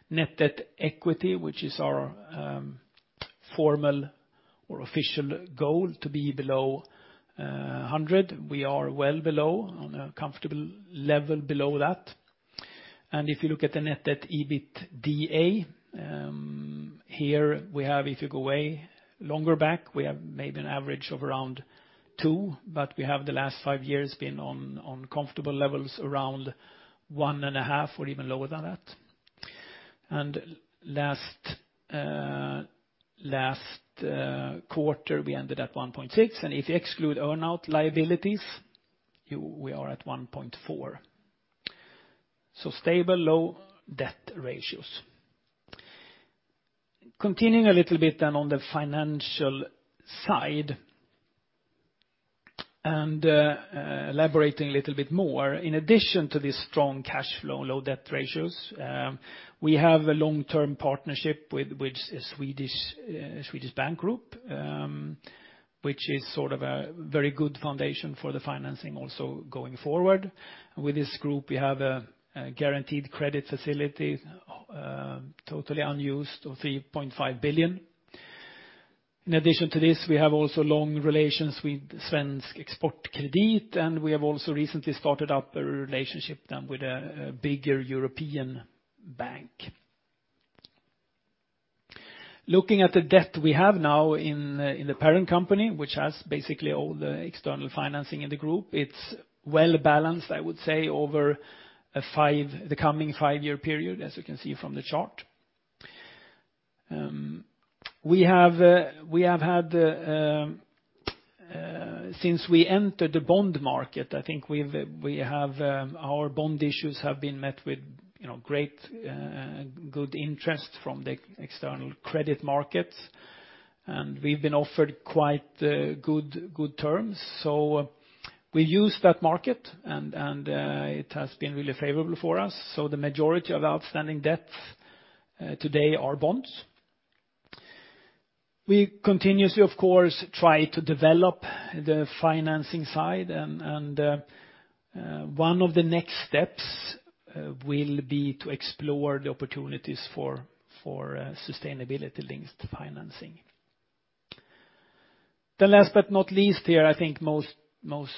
Net debt equity, which is our formal or official goal to be below 100%. We are well below on a comfortable level below that. If you look at the net debt EBITDA, here we have, if you go way longer back, we have maybe an average of around 2x, but we have the last five years been on comfortable levels around 1.5x or even lower than that. Last quarter, we ended at 1.6x. If you exclude earn-out liabilities, we are at 1.4x. Stable low debt ratios. Continuing a little bit then on the financial side and elaborating a little bit more, in addition to the strong cash flow and low debt ratios, we have a long-term partnership with a Swedish bank group, which is sort of a very good foundation for the financing also going forward. With this group, we have a guaranteed credit facility, totally unused of 3.5 billion. In addition to this, we have also long relations with Svensk Exportkredit, and we have also recently started up a relationship then with a bigger European bank. Looking at the debt we have now in the parent company, which has basically all the external financing in the group, it's well-balanced, I would say, over the coming five-year period, as you can see from the chart. We have had, since we entered the bond market, I think we have our bond issues have been met with, you know, great good interest from the external credit markets, and we've been offered quite good terms. We use that market, it has been really favorable for us. The majority of the outstanding debts today are bonds. We continuously, of course, try to develop the financing side and one of the next steps will be to explore the opportunities for sustainability-linked financing. Last but not least here, I think most of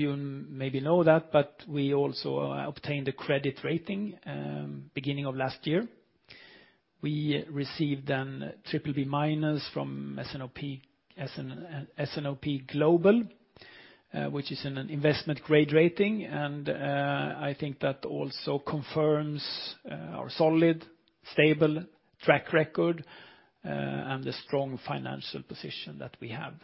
you maybe know that, but we also obtained a credit rating beginning of last year. We received then BBB- from S&P, S&P Global, which is an investment grade rating. I think that also confirms our solid, stable track record and the strong financial position that we have.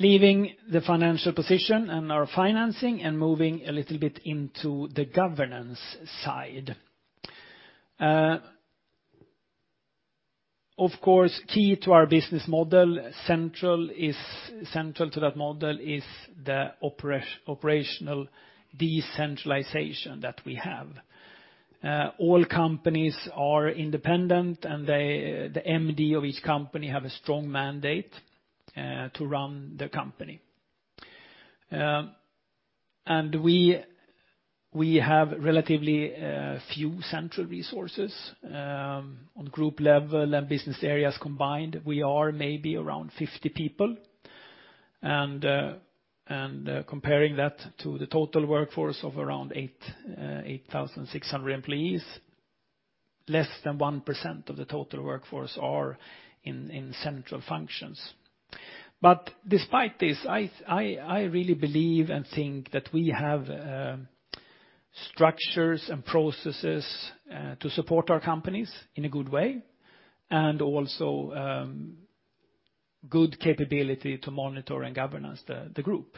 Leaving the financial position and our financing and moving a little bit into the governance side. Of course, key to our business model, central to that model is the operational decentralization that we have. All companies are independent, and they, the MD of each company have a strong mandate to run the company. We have relatively few central resources on group level and business areas combined; we are maybe around 50 people. Comparing that to the total workforce of around 8,600 employees, less than 1% of the total workforce are in central functions. Despite this, I really believe and think that we have structures and processes to support our companies in a good way and also good capability to monitor and govern the group.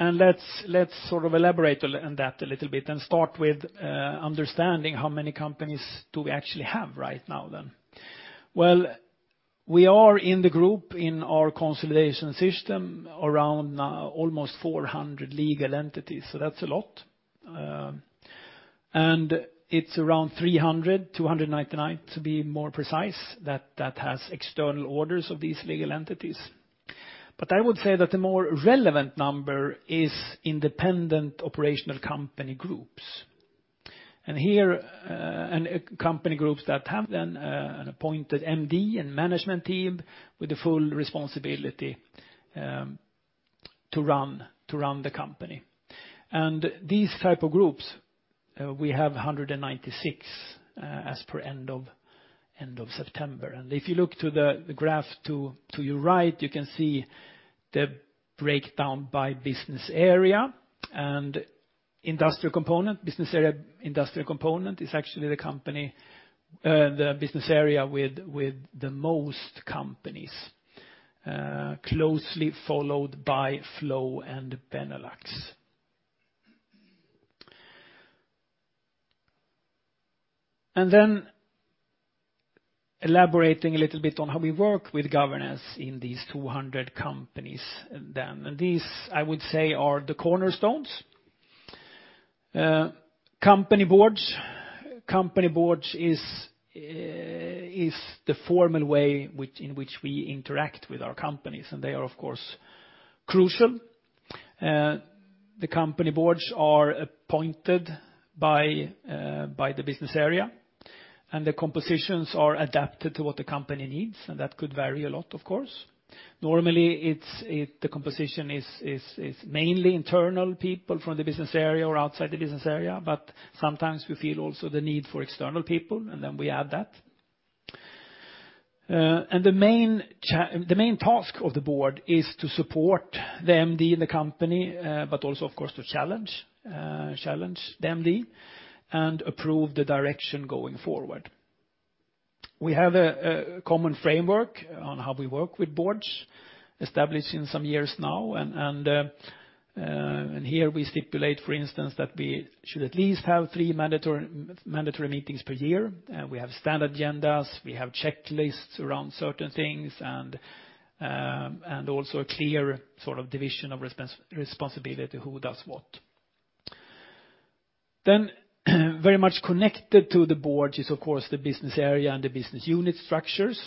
Let's sort of elaborate on that a little bit and start with understanding how many companies do we actually have right now then. Well, we are in the group in our consolidation system around almost 400 legal entities. So that's a lot. And it's around 300, 299 to be more precise, that has external orders of these legal entities. But I would say that the more relevant number is independent operational company groups. And here company groups that have then an appointed MD and management team with the full responsibility to run the company. And these type of groups we have 196 as per end of September. If you look to the graph to your right, you can see the breakdown by business area and Industrial Components. Business Area Industrial Components is actually the business area with the most companies, closely followed by Flow and Benelux. Then elaborating a little bit on how we work with governance in these 200 companies. These, I would say, are the cornerstones. Company boards. Company boards is the formal way in which we interact with our companies, and they are, of course, crucial. The company boards are appointed by the business area, and the compositions are adapted to what the company needs, and that could vary a lot, of course. Normally, the composition is mainly internal people from the business area or outside the business area, but sometimes we feel also the need for external people, and then we add that. The main task of the board is to support the MD in the company, but also, of course, to challenge the MD and approve the direction going forward. We have a common framework on how we work with boards established in some years now. Here we stipulate, for instance, that we should at least have three mandatory meetings per year. We have standard agendas, we have checklists around certain things, and also a clear sort of division of responsibility, who does what. Very much connected to the board is, of course, the business area and the business unit structures.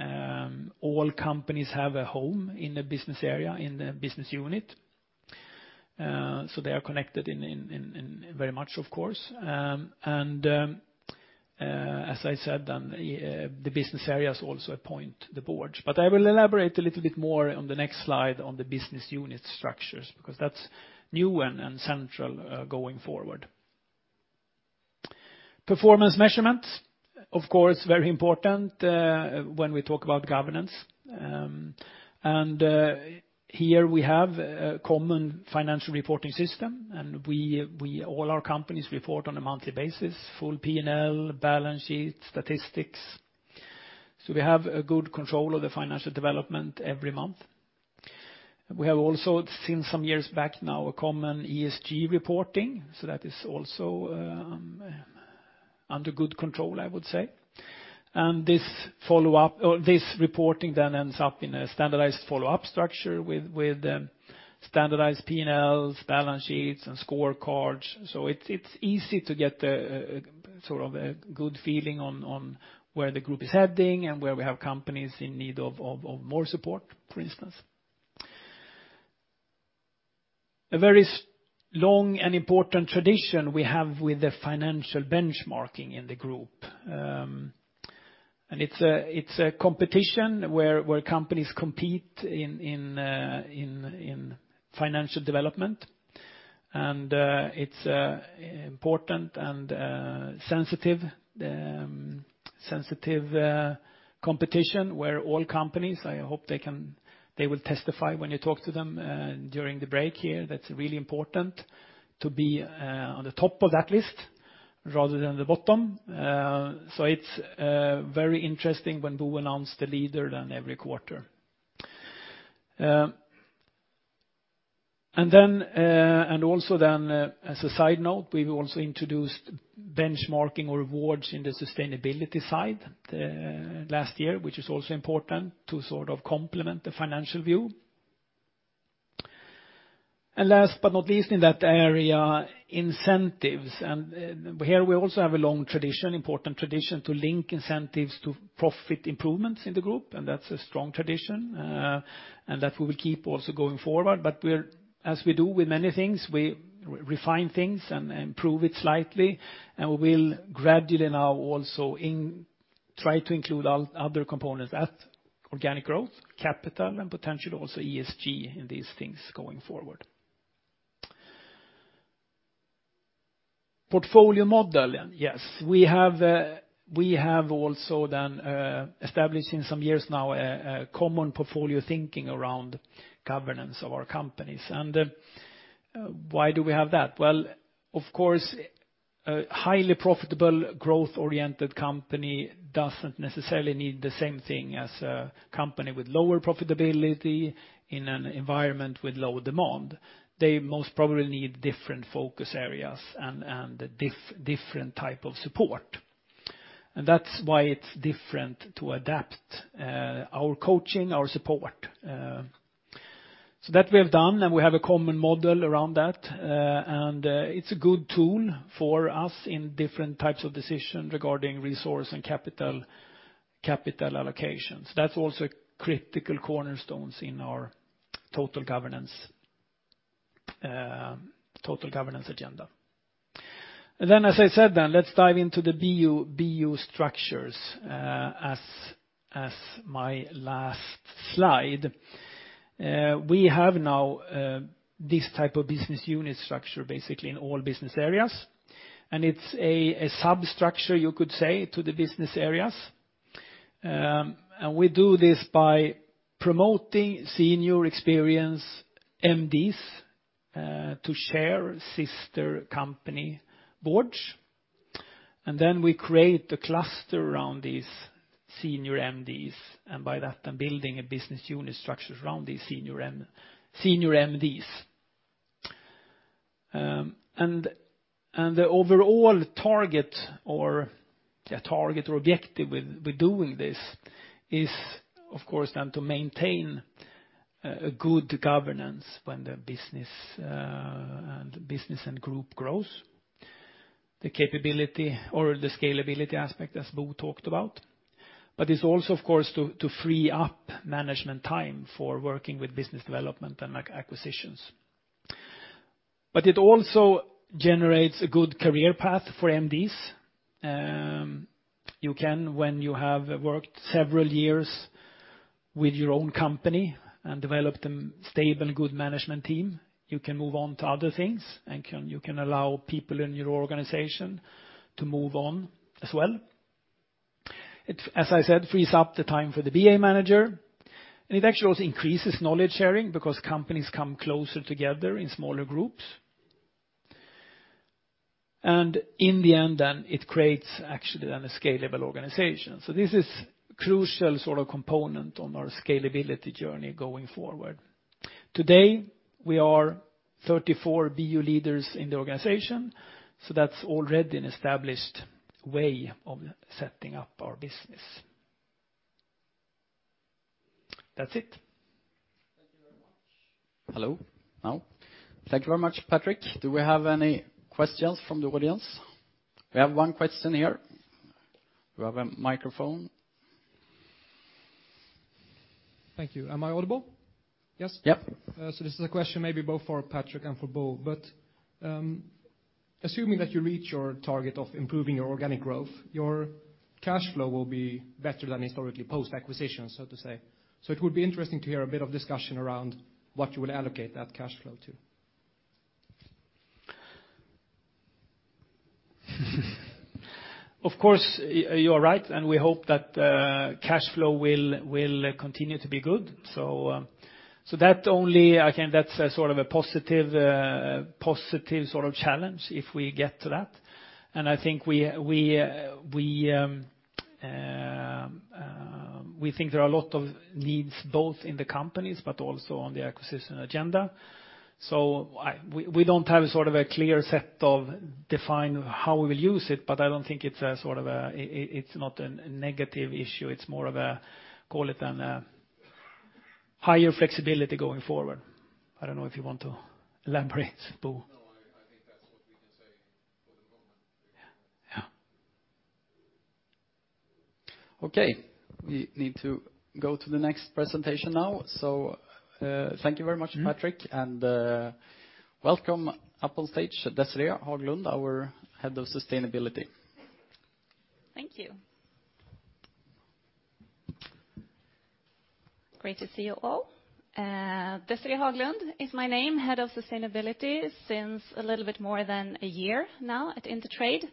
All companies have a home in a business area, in a business unit, so they are connected in very much, of course. As I said, the business areas also appoint the board. But I will elaborate a little bit more on the next slide on the business unit structures because that's new and central going forward. Performance measurement, of course, very important when we talk about governance. Here we have a common financial reporting system, and we all our companies report on a monthly basis, full P&L, balance sheet, statistics. So we have a good control of the financial development every month. We have also, since some years back now, a common ESG reporting. That is also under good control, I would say. This follow-up or this reporting then ends up in a standardized follow-up structure with standardized P&Ls, balance sheets and scorecards. It's easy to get a sort of a good feeling on where the group is heading and where we have companies in need of more support, for instance. A very long and important tradition we have with the financial benchmarking in the group. It's a competition where companies compete in financial development. It's important and sensitive competition where all companies, I hope they will testify when you talk to them during the break here. That's really important to be on the top of that list rather than the bottom. It's very interesting when Bo announces the leaders in every quarter. As a side note, we've also introduced benchmarking rewards in the sustainability side last year, which is also important to sort of complement the financial view. Last but not least in that area, incentives. Here we also have a long tradition, important tradition to link incentives to profit improvements in the group, and that's a strong tradition. That we will keep also going forward. As we do with many things, we refine things and improve it slightly. We will gradually now also try to include other components, that organic growth, capital, and potentially also ESG in these things going forward. Portfolio model, yes. We have also then established in some years now a common portfolio thinking around governance of our companies. Why do we have that? Well, of course, a highly profitable growth-oriented company doesn't necessarily need the same thing as a company with lower profitability in an environment with low demand. They most probably need different focus areas and different type of support. That's why it's different to adapt our coaching, our support. That we have done, and we have a common model around that. It's a good tool for us in different types of decision regarding resource and capital allocations. That's also critical cornerstones in our total governance agenda. As I said, let's dive into the BU structures as my last slide. We have now this type of business unit structure basically in all business areas, and it's a substructure, you could say, to the business areas. We do this by promoting senior experienced MDs to share sister company boards. We create a cluster around these senior MDs, and by that I'm building a business unit structure around these senior MDs. The overall target or objective with doing this is of course then to maintain a good governance when the business and group grows. The capability or the scalability aspect, as Bo talked about. It's also of course to free up management time for working with business development and acquisitions. It also generates a good career path for MDs. You can, when you have worked several years with your own company and developed a stable good management team, you can move on to other things and you can allow people in your organization to move on as well. It, as I said, frees up the time for the BA manager, and it actually also increases knowledge sharing because companies come closer together in smaller groups. In the end, then it creates actually then a scalable organization. This is crucial sort of component on our scalability journey going forward. Today, we are 34 BU leaders in the organization, so that's already an established way of setting up our business. That's it. Thank you very much. Hello now. Thank you very much, Patrik. Do we have any questions from the audience? We have one question here. We have a microphone. Thank you. Am I audible? Yes? Yep. This is a question maybe both for Patrik and for Bo. Assuming that you reach your target of improving your organic growth, your cash flow will be better than historically post-acquisition, so to say. It would be interesting to hear a bit of discussion around what you will allocate that cash flow to. Of course, you are right, and we hope that cash flow will continue to be good. That only again, that's a sort of a positive sort of challenge if we get to that. We think there are a lot of needs both in the companies but also on the acquisition agenda. We don't have sort of a clearly defined how we'll use it, but I don't think it's a negative issue. It's more of a call it a higher flexibility going forward. I don't know if you want to elaborate, Bo. No, I think that's what we can say for the moment. Yeah. Okay. We need to go to the next presentation now. Thank you very much, Patrik. Welcome up on stage, Desiré Haglund, our head of sustainability. Thank you. Great to see you all. Desiré Haglund is my name, Head of Sustainability since a little bit more than a year now at Indutrade,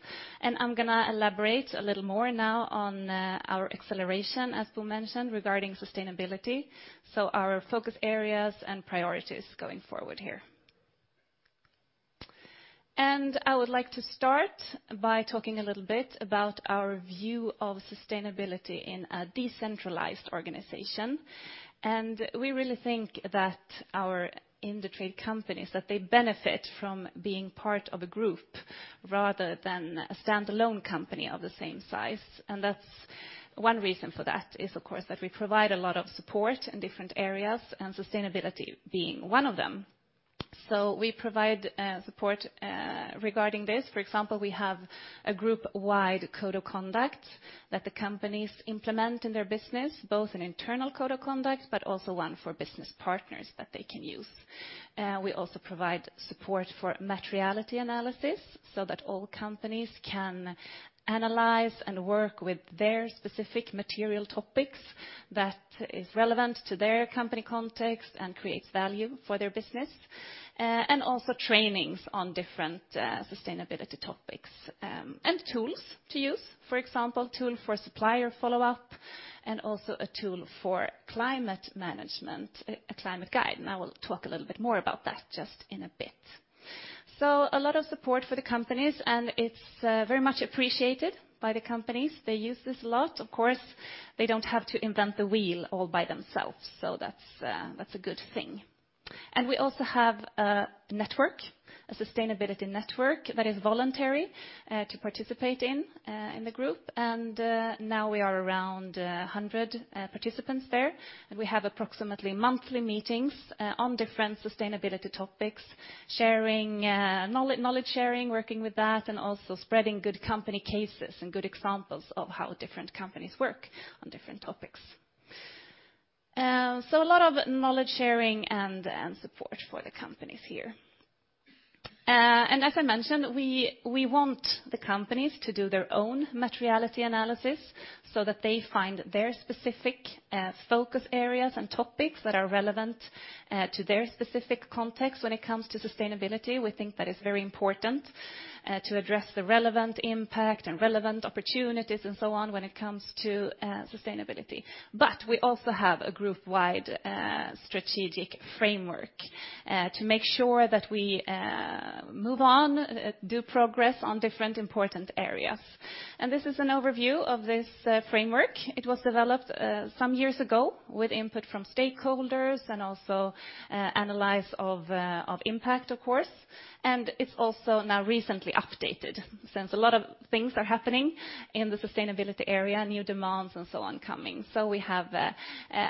and I'm gonna elaborate a little more now on our acceleration, as Bo mentioned, regarding sustainability, so our focus areas and priorities going forward here. I would like to start by talking a little bit about our view of sustainability in a decentralized organization. We really think that our Indutrade companies, that they benefit from being part of a group rather than a stand-alone company of the same size, and that's one reason for that is, of course, that we provide a lot of support in different areas, and sustainability being one of them. We provide support regarding this. For example, we have a group-wide code of conduct that the companies implement in their business, both an internal code of conduct, but also one for business partners that they can use. We also provide support for materiality analysis so that all companies can analyze and work with their specific material topics that is relevant to their company context and creates value for their business. Also trainings on different, sustainability topics, and tools to use. For example, tool for supplier follow-up and also a tool for climate management, a climate guide, and I will talk a little bit more about that just in a bit. A lot of support for the companies, and it's very much appreciated by the companies. They use this a lot. Of course, they don't have to invent the wheel all by themselves, so that's a good thing. We also have a network, a sustainability network that is voluntary to participate in in the group. Now we are around 100 participants there. We have approximately monthly meetings on different sustainability topics, sharing knowledge sharing, working with that, and also spreading good company cases and good examples of how different companies work on different topics. A lot of knowledge sharing and support for the companies here. As I mentioned, we want the companies to do their own materiality analysis so that they find their specific focus areas and topics that are relevant to their specific context when it comes to sustainability. We think that is very important to address the relevant impact and relevant opportunities and so on when it comes to sustainability. We also have a group-wide strategic framework to make sure that we make progress on different important areas. This is an overview of this framework. It was developed some years ago with input from stakeholders and also analysis of impact, of course. It's also now recently updated since a lot of things are happening in the sustainability area, new demands and so on coming. We have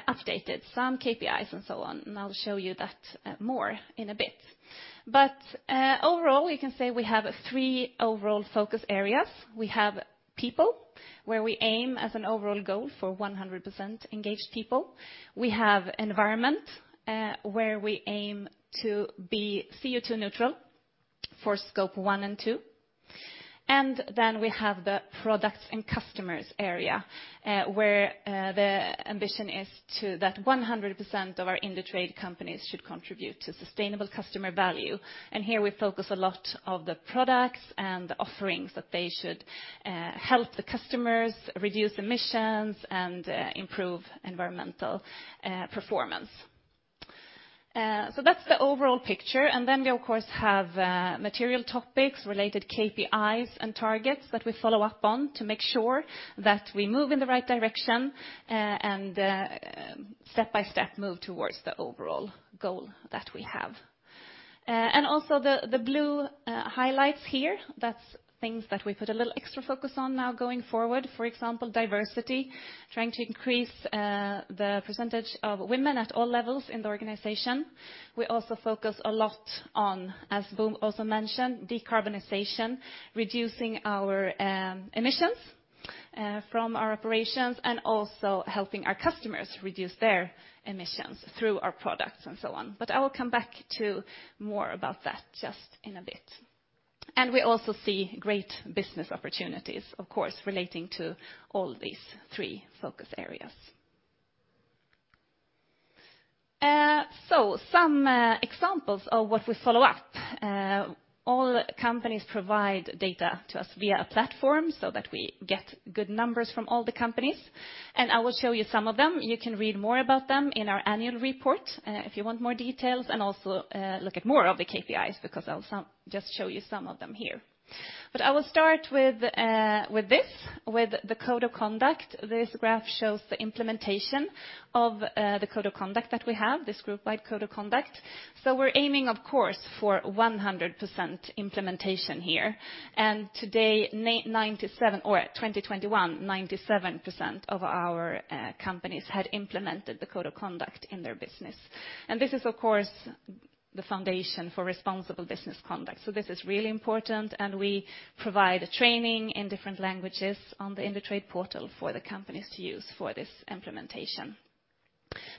updated some KPIs and so on, and I'll show you that more in a bit. Overall, we can say we have three overall focus areas. We have people, where we aim as an overall goal for 100% engaged people. We have environment, where we aim to be CO2 neutral for Scope One and Two. We have the products and customers area, where the ambition is that 100% of our Indutrade companies should contribute to sustainable customer value. Here we focus a lot on the products and the offerings that they should help the customers reduce emissions and improve environmental performance. That's the overall picture. We of course have material topics, related KPIs and targets that we follow up on to make sure that we move in the right direction, and step by step move towards the overall goal that we have. Also the blue highlights here, that's things that we put a little extra focus on now going forward. For example, diversity, trying to increase the percentage of women at all levels in the organization. We also focus a lot on, as Bo also mentioned, decarbonization, reducing our emissions from our operations and also helping our customers reduce their emissions through our products and so on. I will come back to more about that just in a bit. We also see great business opportunities, of course, relating to all these three focus areas. Some examples of what we follow up. All companies provide data to us via a platform so that we get good numbers from all the companies, and I will show you some of them. You can read more about them in our annual report, if you want more details, and also look at more of the KPIs because I'll just show you some of them here. I will start with the code of conduct. This graph shows the implementation of the code of conduct that we have, this group-wide code of conduct. We're aiming, of course, for 100% implementation here. In 2021, 97% of our companies had implemented the code of conduct in their business. This is, of course, the foundation for responsible business conduct, so this is really important, and we provide training in different languages on the Indutrade portal for the companies to use for this implementation.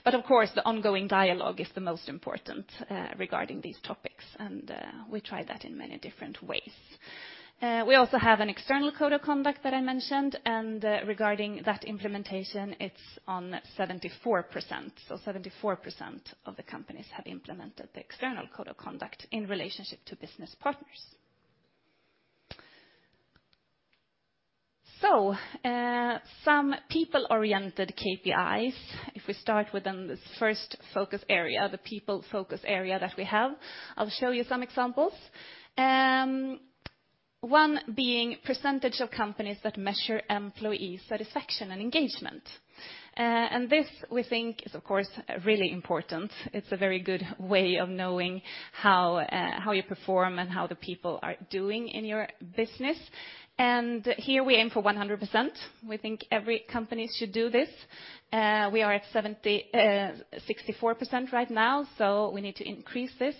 Of course, the ongoing dialogue is the most important, regarding these topics, and we try that in many different ways. We also have an external code of conduct that I mentioned, and, regarding that implementation, it's on 74%. 74% of the companies have implemented the external code of conduct in relationship to business partners. Some people-oriented KPIs, if we start within this first focus area, the people focus area that we have, I'll show you some examples. One being percentage of companies that measure employee satisfaction and engagement. This we think is, of course, really important. It's a very good way of knowing how you perform and how the people are doing in your business. Here we aim for 100%. We think every company should do this. We are at 64% right now, so we need to increase this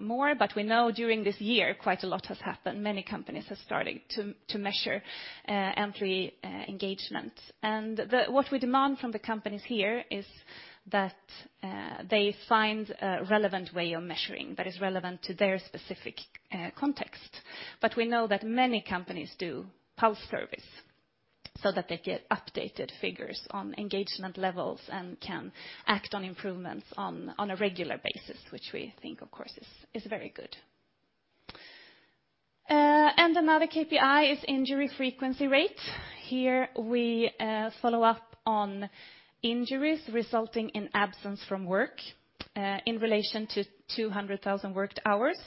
more. We know during this year, quite a lot has happened. Many companies are starting to measure employee engagement. What we demand from the companies here is that they find a relevant way of measuring that is relevant to their specific context. We know that many companies do pulse surveys so that they get updated figures on engagement levels and can act on improvements on a regular basis, which we think, of course, is very good. Another KPI is injury frequency rate. Here we follow up on injuries resulting in absence from work in relation to 200,000 worked hours.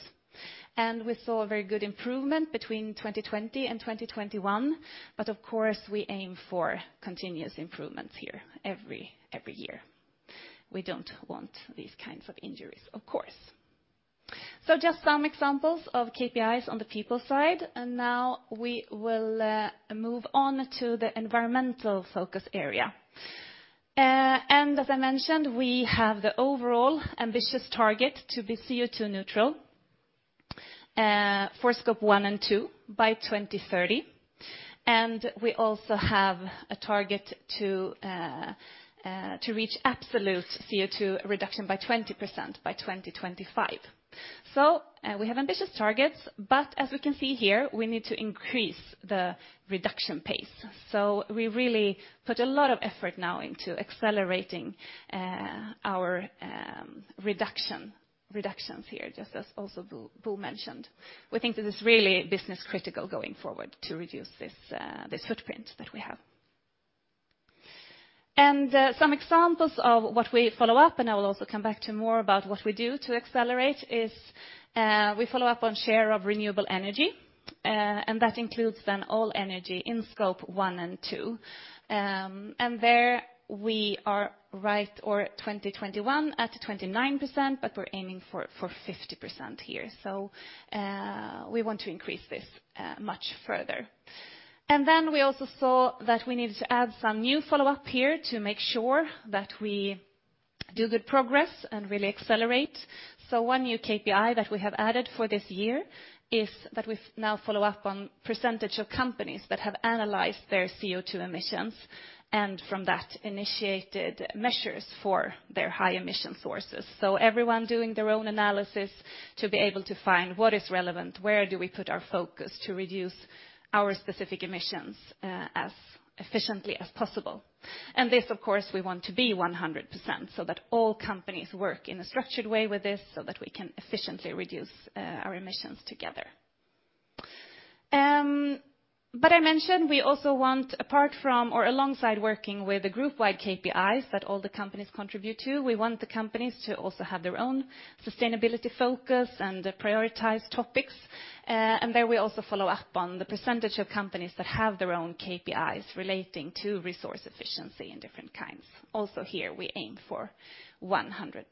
We saw a very good improvement between 2020 and 2021, but of course we aim for continuous improvements here every year. We don't want these kinds of injuries, of course. Just some examples of KPIs on the people side, and now we will move on to the environmental focus area. As I mentioned, we have the overall ambitious target to be CO2 neutral for Scope One and Two by 2030. We also have a target to reach absolute CO2 reduction by 20% by 2025. We have ambitious targets, but as we can see here, we need to increase the reduction pace. We really put a lot of effort now into accelerating our reductions here, just as also Bo mentioned. We think this is really business critical going forward to reduce this footprint that we have. Some examples of what we follow up, and I will also come back to more about what we do to accelerate, is we follow up on share of renewable energy, and that includes then all energy in Scope One and Two. There we are in 2021 at 29%, but we're aiming for 50% here. We want to increase this much further. Then we also saw that we needed to add some new follow-up here to make sure that we do good progress and really accelerate. One new KPI that we have added for this year is that we've now follow up on percentage of companies that have analyzed their CO2 emissions and from that initiated measures for their high emission sources. Everyone doing their own analysis to be able to find what is relevant, where do we put our focus to reduce our specific emissions, as efficiently as possible. This, of course, we want to be 100% so that all companies work in a structured way with this so that we can efficiently reduce, our emissions together. I mentioned we also want, apart from or alongside working with the group-wide KPIs that all the companies contribute to, we want the companies to also have their own sustainability focus and prioritize topics. There we also follow up on the percentage of companies that have their own KPIs relating to resource efficiency in different kinds. Also here we aim for 100%.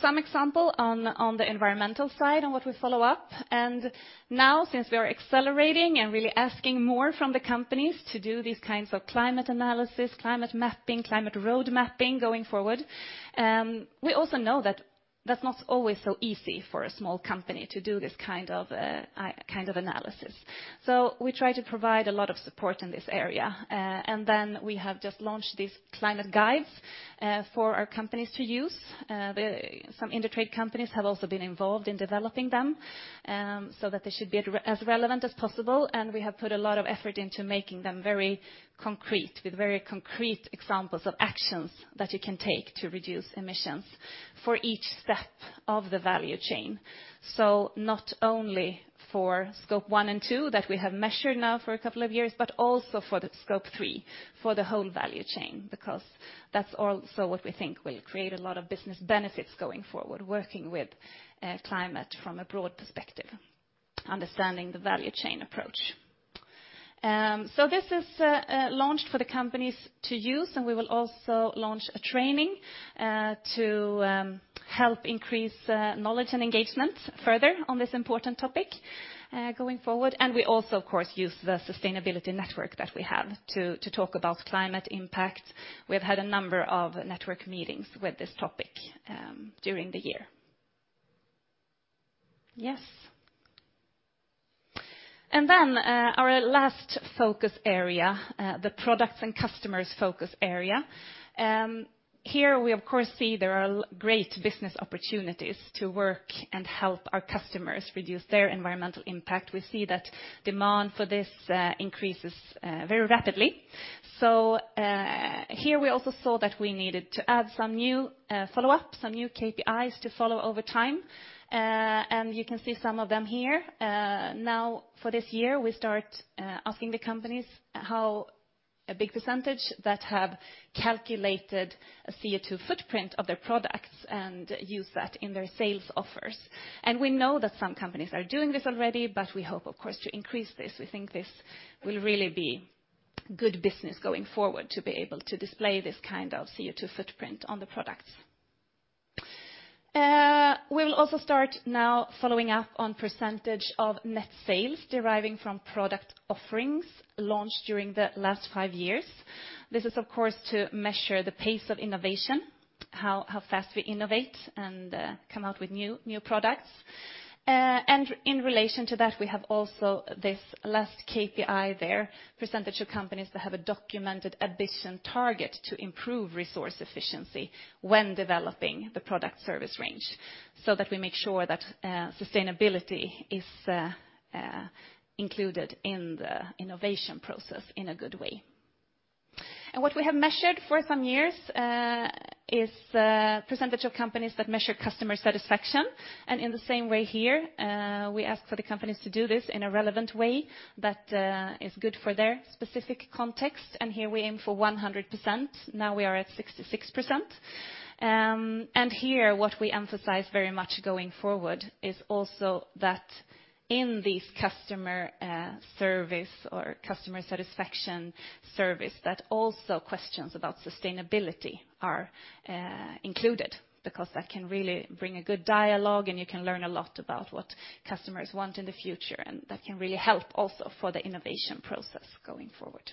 Some example on the environmental side on what we follow up, and now since we are accelerating and really asking more from the companies to do these kinds of climate analysis, climate mapping, climate road mapping going forward, we also know that's not always so easy for a small company to do this kind of kind of analysis. We try to provide a lot of support in this area. Then we have just launched these climate guides for our companies to use. Some Indutrade companies have also been involved in developing them, so that they should be as relevant as possible, and we have put a lot of effort into making them very concrete, with very concrete examples of actions that you can take to reduce emissions for each step of the value chain. Not only for Scope One and Two that we have measured now for a couple of years, but also for the Scope Three, for the whole value chain, because that's also what we think will create a lot of business benefits going forward, working with climate from a broad perspective, understanding the value chain approach. This is launched for the companies to use, and we will also launch a training to help increase knowledge and engagement further on this important topic, going forward. We also, of course, use the sustainability network that we have to talk about climate impact. We've had a number of network meetings with this topic during the year. Yes. Our last focus area, the products and customers focus area. Here we of course see there are great business opportunities to work and help our customers reduce their environmental impact. We see that demand for this increases very rapidly. Here we also saw that we needed to add some new follow-up, some new KPIs to follow over time. You can see some of them here. Now for this year, we start asking the companies how big a percentage that have calculated a CO2 footprint of their products and use that in their sales offers. We know that some companies are doing this already, but we hope, of course, to increase this. We think this will really be good business going forward to be able to display this kind of CO2 footprint on the products. We'll also start now following up on percentage of net sales deriving from product offerings launched during the last five years. This is, of course, to measure the pace of innovation, how fast we innovate and come out with new products. In relation to that, we have also this last KPI there, percentage of companies that have a documented ambition target to improve resource efficiency when developing the product service range, so that we make sure that sustainability is included in the innovation process in a good way. What we have measured for some years is the percentage of companies that measure customer satisfaction. In the same way here, we ask for the companies to do this in a relevant way that is good for their specific context. Here we aim for 100%. Now we are at 66%. Here, what we emphasize very much going forward is also that in this customer service or customer satisfaction service, that also questions about sustainability are included, because that can really bring a good dialogue, and you can learn a lot about what customers want in the future. That can really help also for the innovation process going forward.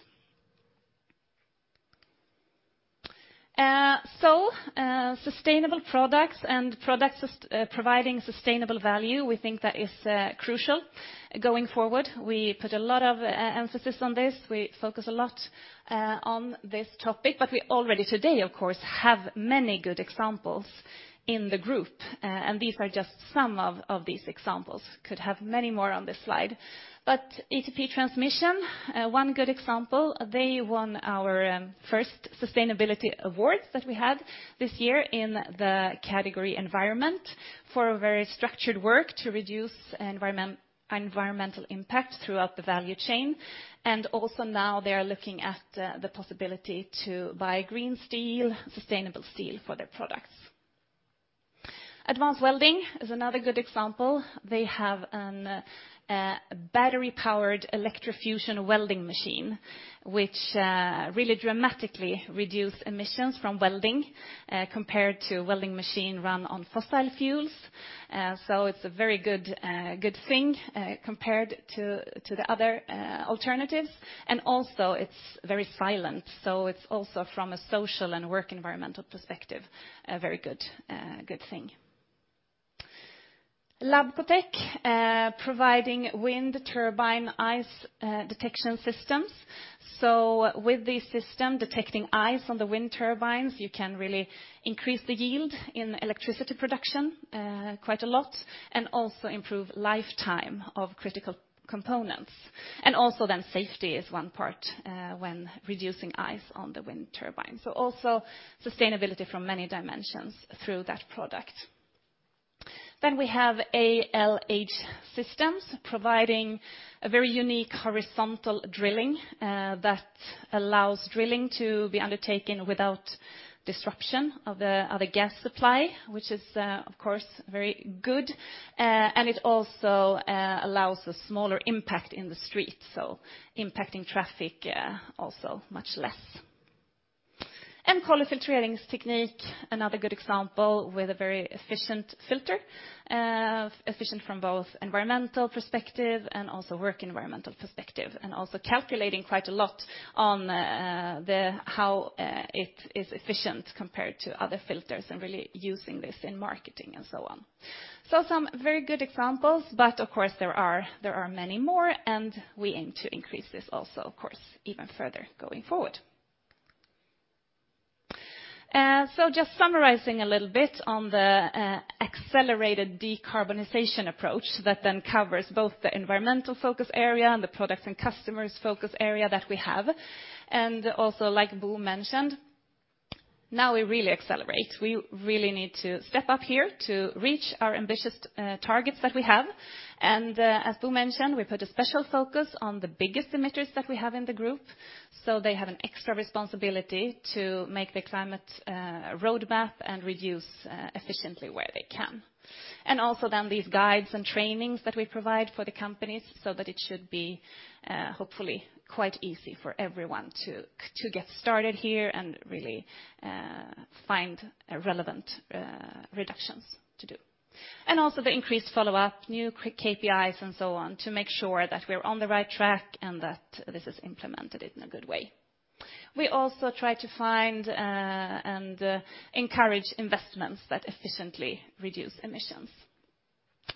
Sustainable products and products providing sustainable value, we think that is crucial going forward. We put a lot of emphasis on this. We focus a lot on this topic, but we already today, of course, have many good examples in the group. These are just some of these examples. Could have many more on this slide. ETP Transmission one good example, they won our first sustainability award that we had this year in the category environment for a very structured work to reduce environmental impact throughout the value chain. They are looking at the possibility to buy green steel, sustainable steel for their products. Advance Welding is another good example. They have a battery-powered electrofusion welding machine, which really dramatically reduce emissions from welding compared to welding machine run on fossil fuels. It's a very good thing compared to the other alternatives. It's very silent. It's also from a social and work environmental perspective, a very good thing. Labkotec providing wind turbine ice detection systems. With this system detecting ice on the wind turbines, you can really increase the yield in electricity production quite a lot, and also improve lifetime of critical components. Safety is one part when reducing ice on the wind turbine. Sustainability from many dimensions through that product. We have ALH Systems providing a very unique horizontal drilling that allows drilling to be undertaken without disruption of the gas supply, which is of course very good. It also allows a smaller impact in the street, so impacting traffic also much less. Colly Filtreringsteknik, another good example with a very efficient filter. Efficient from both environmental perspective and also work environmental perspective, and also calculating quite a lot on the how it is efficient compared to other filters and really using this in marketing and so on. Some very good examples, but of course, there are many more, and we aim to increase this also, of course, even further going forward. Just summarizing a little bit on the accelerated decarbonization approach that then covers both the environmental focus area and the products and customers focus area that we have. Like Bo mentioned, now we really accelerate. We really need to step up here to reach our ambitious targets that we have. As Bo mentioned, we put a special focus on the biggest emitters that we have in the group, so they have an extra responsibility to make the climate roadmap and reduce efficiently where they can. Also then these guides and trainings that we provide for the companies so that it should be hopefully quite easy for everyone to get started here and really find relevant reductions to do. Also the increased follow-up, new quick KPIs and so on to make sure that we're on the right track and that this is implemented in a good way. We also try to find and encourage investments that efficiently reduce emissions,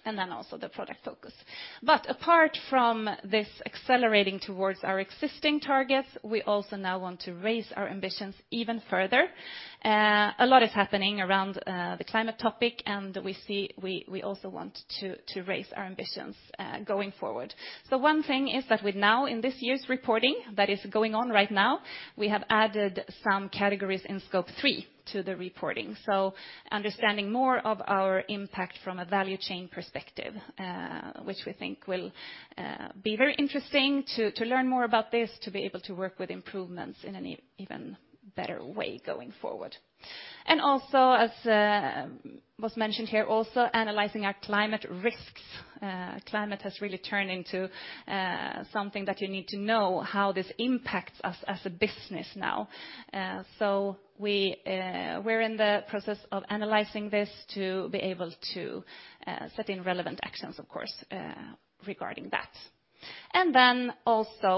and then also the product focus. Apart from this accelerating towards our existing targets, we also now want to raise our ambitions even further. A lot is happening around the climate topic, and we see we also want to raise our ambitions going forward. One thing is that with now in this year's reporting that is going on right now, we have added some categories in Scope Three to the reporting. Understanding more of our impact from a value chain perspective, which we think will be very interesting to learn more about this, to be able to work with improvements in an even better way going forward. Also, as was mentioned here, also analyzing our climate risks. Climate has really turned into something that you need to know how this impacts us as a business now. We are in the process of analyzing this to be able to set in relevant actions, of course, regarding that.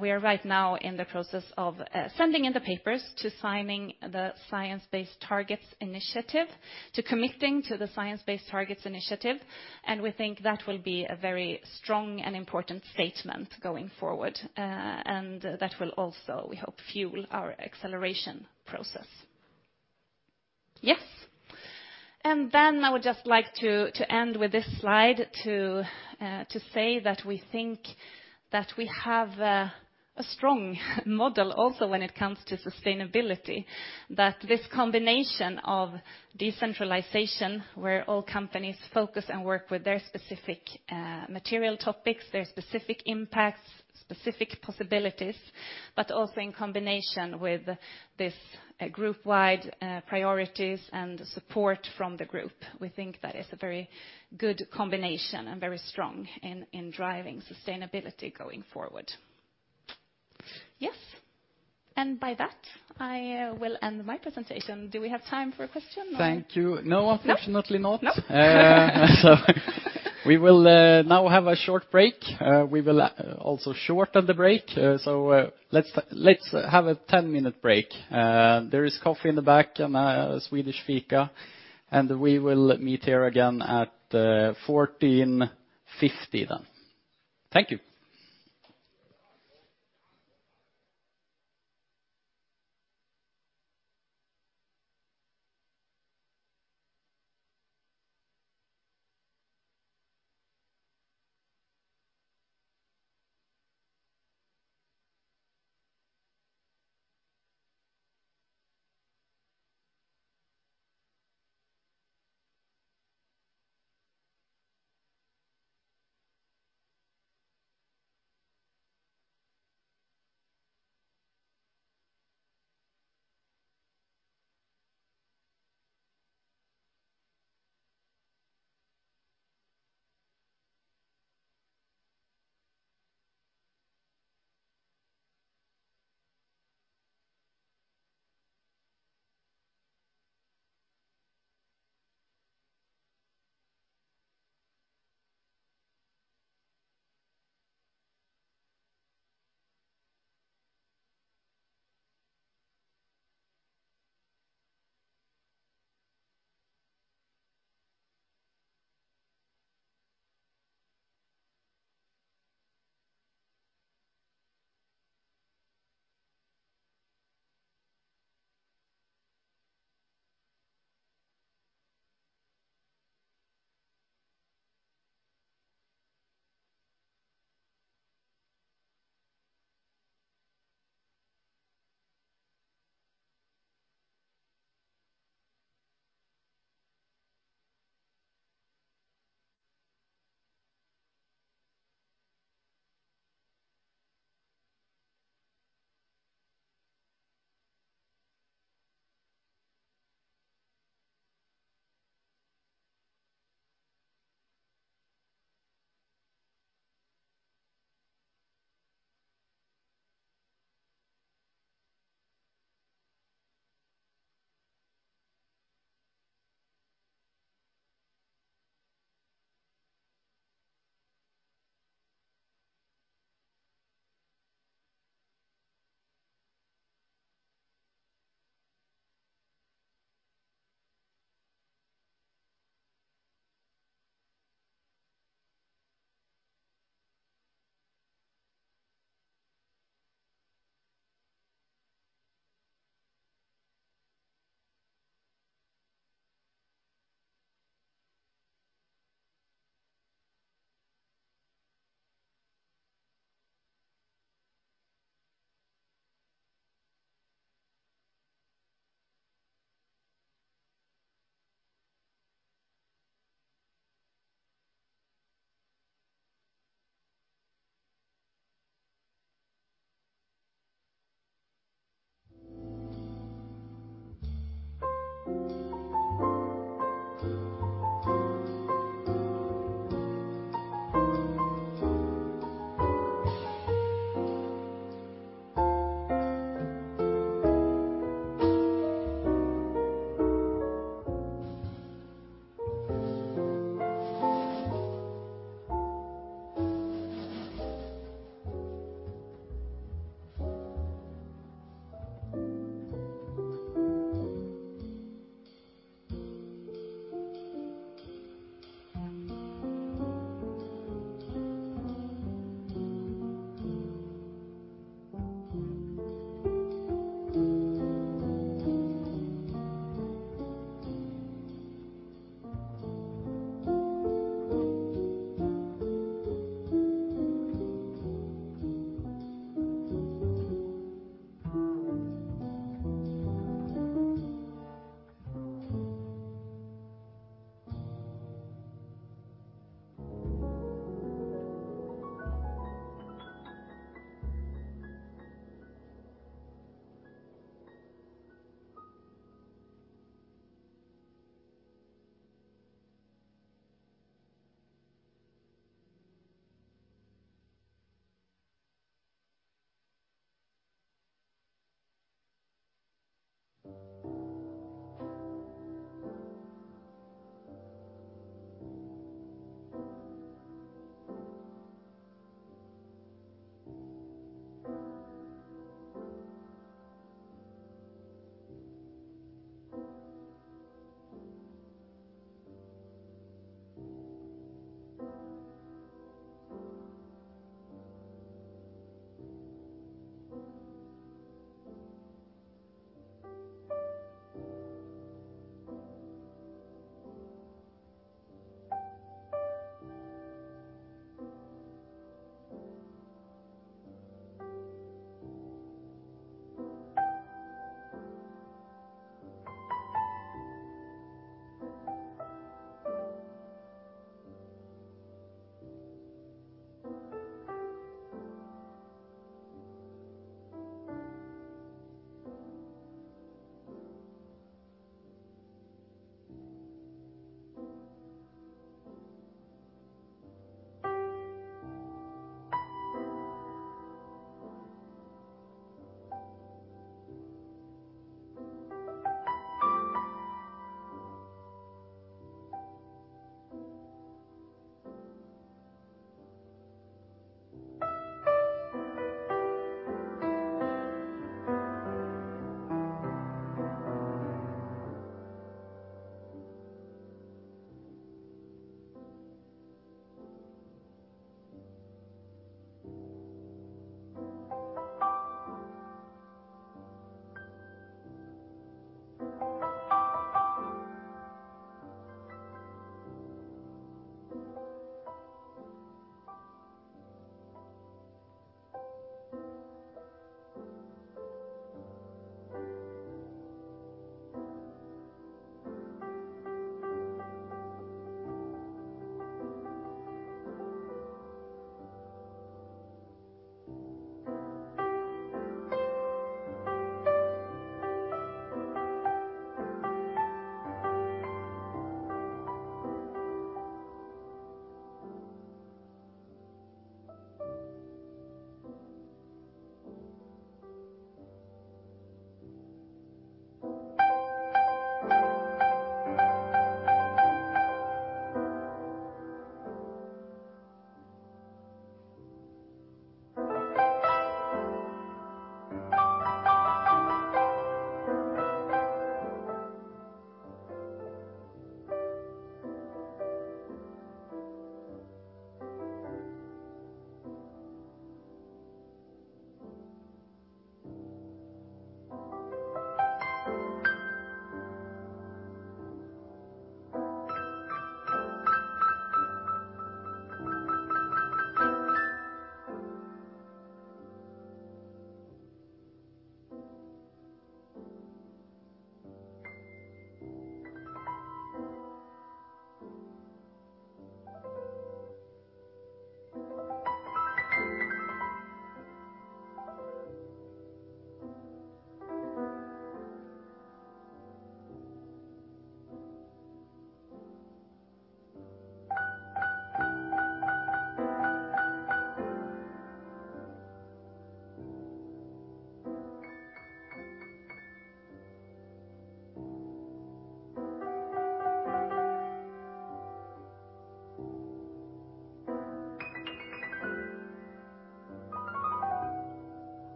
We are right now in the process of sending in the papers to signing the Science Based Targets initiative, to committing to the Science Based Targets initiative, and we think that will be a very strong and important statement going forward, and that will also, we hope, fuel our acceleration process. Yes. I would just like to end with this slide to say that we think that we have a strong model also when it comes to sustainability, that this combination of decentralization, where all companies focus and work with their specific material topics, their specific impacts, specific possibilities, but also in combination with this group-wide priorities and support from the group. We think that is a very good combination and very strong in driving sustainability going forward. Yes. By that, I will end my presentation. Do we have time for a question? Thank you. No, unfortunately not. No? We will now have a short break. We will also shorten the break. Let's have a 10-minute break. There is coffee in the back and Swedish fika, and we will meet here again at 2:50 P.M. then. Thank you.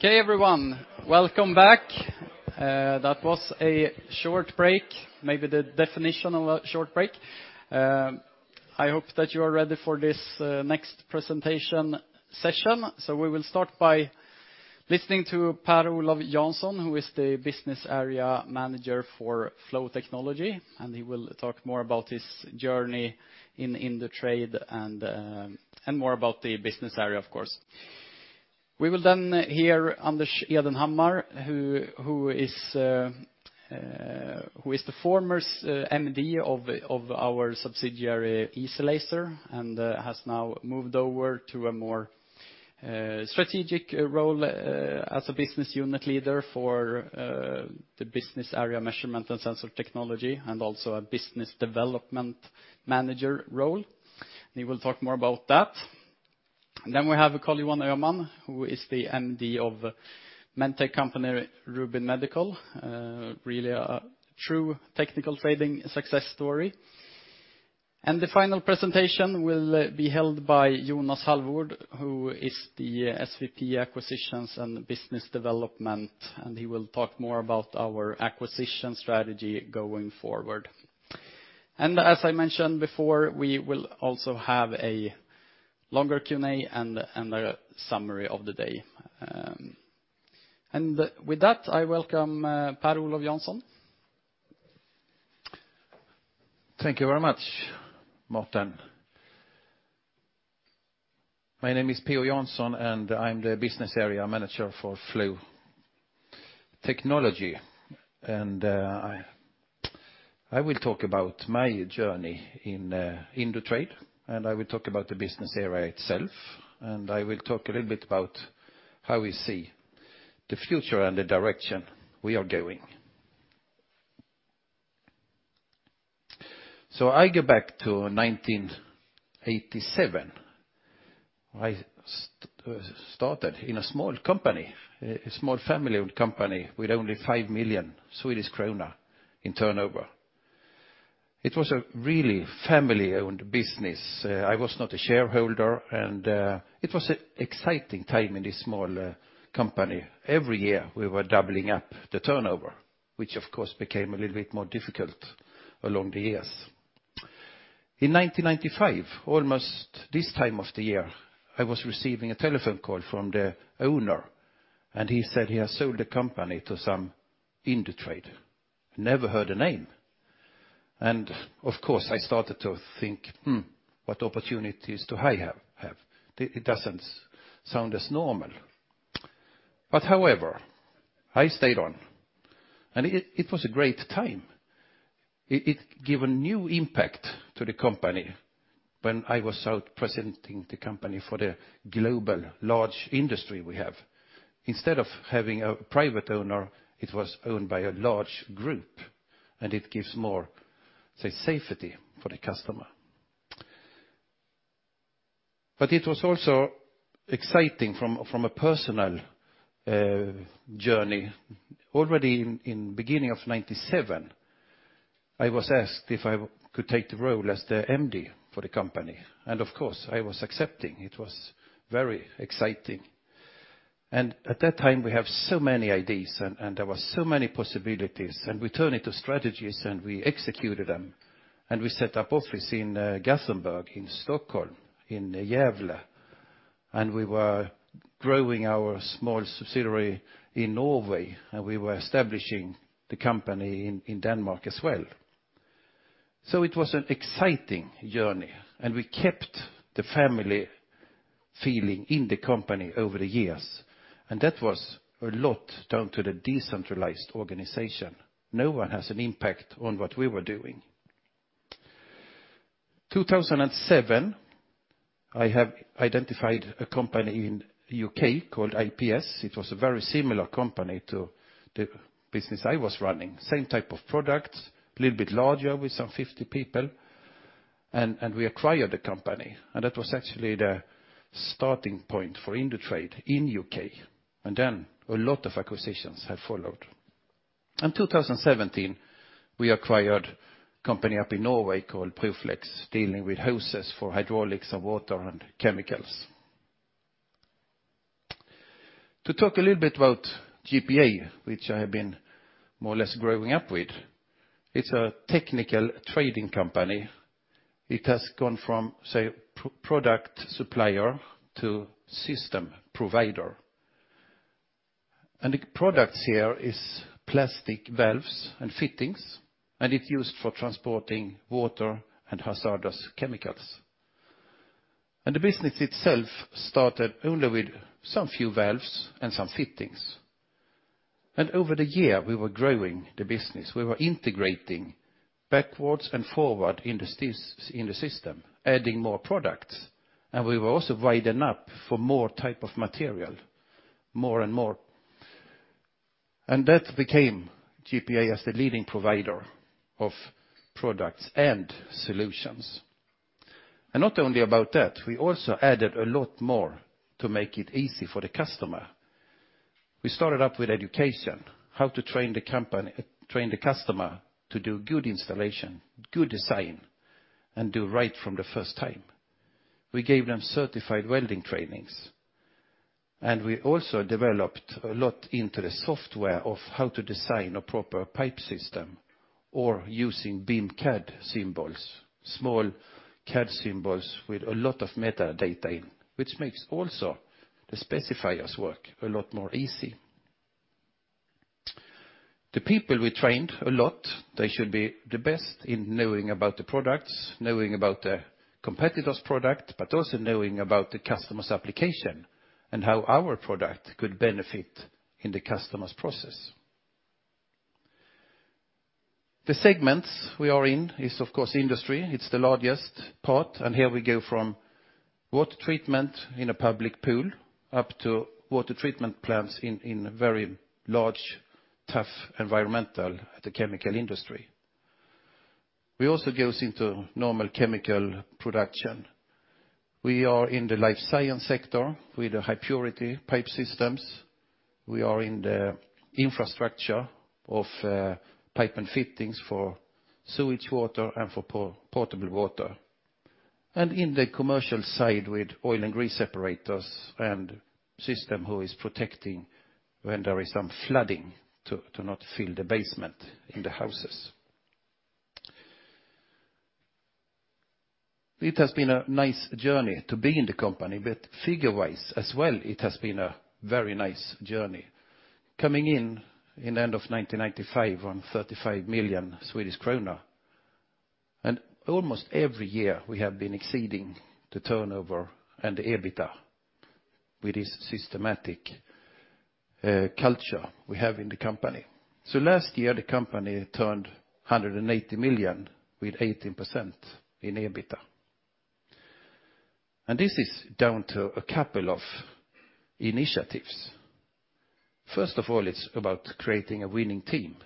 OK, everyone. Welcome back. That was a short break, maybe the definition of a short break. I hope that you are ready for this next presentation session. We will start by listening to Per-Olow Jansson, who is the business area manager for Flow Technology, and he will talk more about his journey in Indutrade and more about the business area, of course. We will then hear Anders Edenhammar, who is the former MD of our subsidiary Easy-Laser, and has now moved over to a more strategic role as a business unit leader for the business area measurement and sensor technology, and also a business development manager role. He will talk more about that. We have Karl-Johan Öhman, who is the MD of MedTech company Rubin Medical, really a true technical trading success story. The final presentation will be held by Jonas Halvord, who is the SVP acquisitions and business development, and he will talk more about our acquisition strategy going forward. As I mentioned before, we will also have a longer Q&A and a summary of the day. With that, I welcome Per-Olow Jansson. Thank you very much, Mårten. My name is P.O. Jansson, and I'm the business area manager for Flow Technology. I will talk about my journey in Indutrade, and I will talk about the business area itself, and I will talk a little bit about how we see the future and the direction we are going. I go back to 1987. I started in a small company, a small family-owned company with only 5 million Swedish krona in turnover. It was a really family-owned business. I was not a shareholder, and it was an exciting time in this small company. Every year, we were doubling up the turnover, which of course became a little bit more difficult along the years. In 1995, almost this time of the year, I was receiving a telephone call from the owner, and he said he has sold the company to some Indutrade. Never heard the name. Of course, I started to think, what opportunities do I have? It doesn't sound as normal. However, I stayed on, and it was a great time. It give a new impact to the company when I was out presenting the company for the global large industry we have. Instead of having a private owner, it was owned by a large group, and it gives more, say, safety for the customer. It was also exciting from a personal journey. Already in beginning of 1997, I was asked if I could take the role as the MD for the company. Of course, I was accepting. It was very exciting. At that time, we have so many ideas and there was so many possibilities, and we turn into strategies and we executed them, and we set up office in Gothenburg, in Stockholm, in Gävle, and we were growing our small subsidiary in Norway, and we were establishing the company in Denmark as well. It was an exciting journey, and we kept the family feeling in the company over the years, and that was a lot down to the decentralized organization. No one has an impact on what we were doing. 2007, I have identified a company in U.K. called IPS. It was a very similar company to the business I was running. Same type of products, a little bit larger with some 50 people, and we acquired the company. That was actually the starting point for Indutrade in the U.K. Then a lot of acquisitions have followed. In 2017, we acquired a company up in Norway called Pro-Flex, dealing with hoses for hydraulics and water and chemicals. To talk a little bit about GPA, which I have been more or less growing up with, it's a technical trading company. It has gone from, say, pure-product supplier to system provider. The products here are plastic valves and fittings, and it's used for transporting water and hazardous chemicals. The business itself started only with some few valves and some fittings. Over the year, we were growing the business. We were integrating backwards and forward in the system, adding more products. We were also widening up for more type of material, more and more. That became GPA as the leading provider of products and solutions. Not only about that, we also added a lot more to make it easy for the customer. We started up with education, how to train the customer to do good installation, good design, and do right from the first time. We gave them certified welding trainings, and we also developed a lot into the software of how to design a proper pipe system or using BIM CAD symbols, small CAD symbols with a lot of metadata in, which makes also the specifier's work a lot more easy. The people we trained a lot, they should be the best in knowing about the products, knowing about the competitor's product, but also knowing about the customer's application and how our product could benefit in the customer's process. The segments we are in is, of course, industry. It's the largest part, and here we go from water treatment in a public pool up to water treatment plants in very large, tough environmental, the chemical industry. We also goes into normal chemical production. We are in the life science sector with high purity pipe systems. We are in the infrastructure of pipe and fittings for sewage water and for portable water. In the commercial side with oil and grease separators and system who is protecting when there is some flooding to not fill the basement in the houses. It has been a nice journey to be in the company, but figure-wise as well, it has been a very nice journey. Coming in the end of 1995 on 35 million Swedish kronor, and almost every year, we have been exceeding the turnover and the EBITDA with this systematic culture we have in the company. Last year, the company turned 180 million with 18% in EBITDA. This is down to a couple of initiatives. First of all, it's about creating a winning team,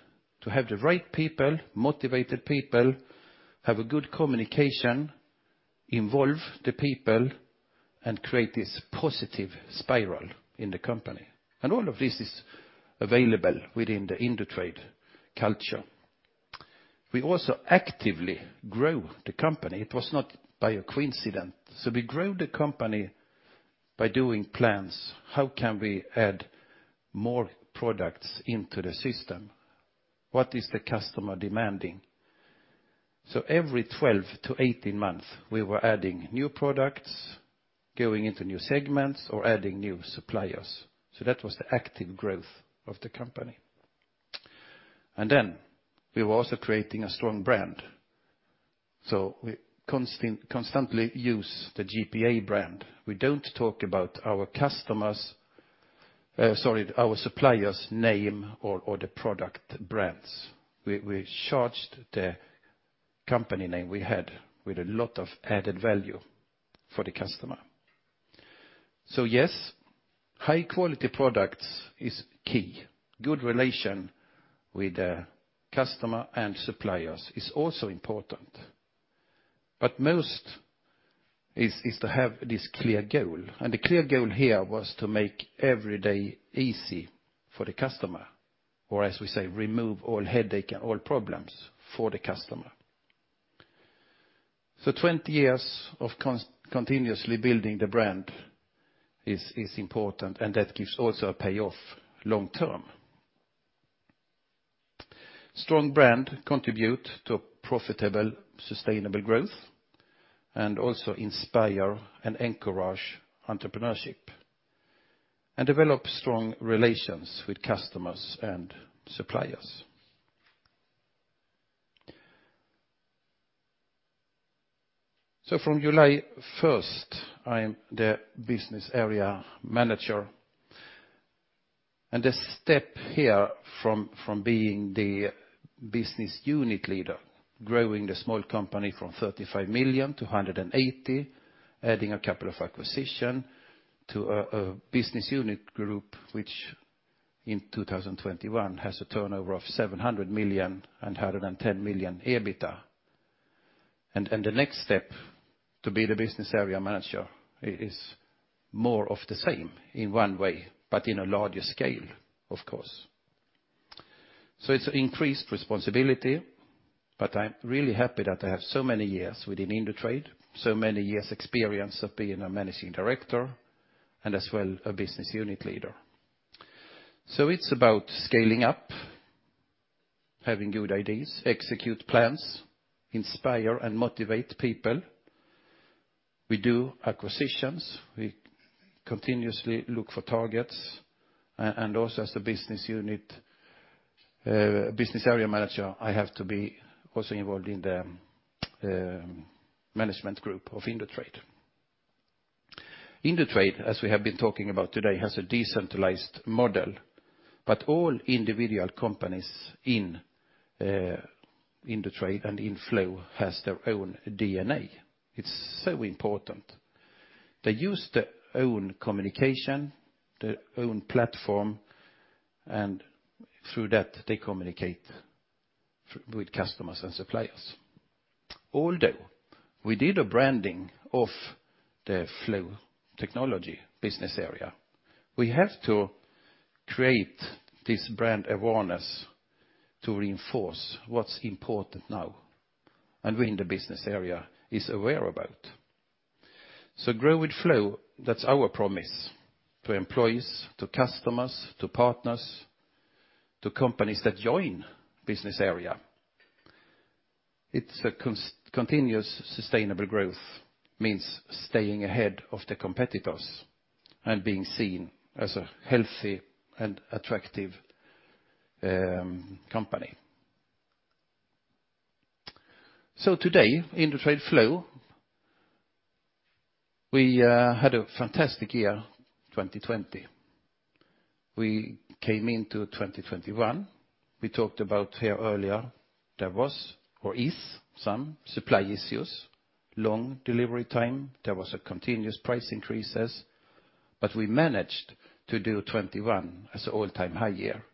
to have the right people, motivated people, have a good communication, involve the people, and create this positive spiral in the company. All of this is available within the Indutrade culture. We also actively grow the company. It was not by a coincidence. We grow the company by doing plans. How can we add more products into the system? What is the customer demanding? Every 12-18 months, we were adding new products, going into new segments or adding new suppliers. That was the active growth of the company. We were also creating a strong brand. We constantly use the GPA brand. We don't talk about our suppliers name or the product brands. We charged the company name we had with a lot of added value for the customer. Yes, high-quality products is key. Good relation with the customer and suppliers is also important. Most is to have this clear goal. The clear goal here was to make every day easy for the customer, or as we say, remove all headache and all problems for the customer. 20 years of continuously building the brand is important, and that gives also a payoff long term. Brands contribute to profitable, sustainable growth and also inspire and encourage entrepreneurship and develop strong relations with customers and suppliers. From July 1st, I am the business area manager. The step here from being the business unit leader, growing the small company from 35 million to 180 million, adding a couple of acquisitions to a business unit group which in 2021 has a turnover of 700 million and 110 million EBITDA. The next step to be the business area manager is more of the same in one way, but in a larger scale, of course. It's increased responsibility, but I'm really happy that I have so many years within Indutrade, so many years experience of being a managing director and as well a business unit leader. It's about scaling up, having good ideas, execute plans, inspire and motivate people. We do acquisitions, we continuously look for targets. As the business area manager, I have to be also involved in the management group of Indutrade. Indutrade, as we have been talking about today, has a decentralized model, but all individual companies in Indutrade and in Flow has their own DNA. It's so important. They use their own communication, their own platform, and through that they communicate with customers and suppliers. Although we did a branding of the Flow technology business area, we have to create this brand awareness to reinforce what's important now, and we in the business area is aware about. Grow with flow, that's our promise to employees, to customers, to partners, to companies that join business area. It's continuous sustainable growth, means staying ahead of the competitors and being seen as a healthy and attractive company. Today, in Indutrade Flow, we had a fantastic year, 2020. We came into 2021. We talked about here earlier, there was or is some supply issues, long delivery time, there was a continuous price increases, but we managed to do 2021 as all-time high year.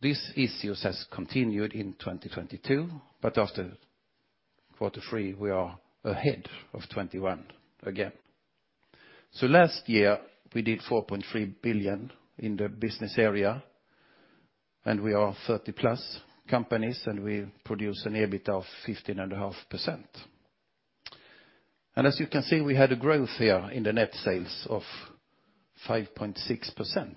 These issues has continued in 2022, but after quarter three, we are ahead of 2021 again. Last year, we did 4.3 billion in the business area, and we are 30+ companies, and we produce an EBIT of 15.5%. As you can see, we had a growth here in the net sales of 5.6%,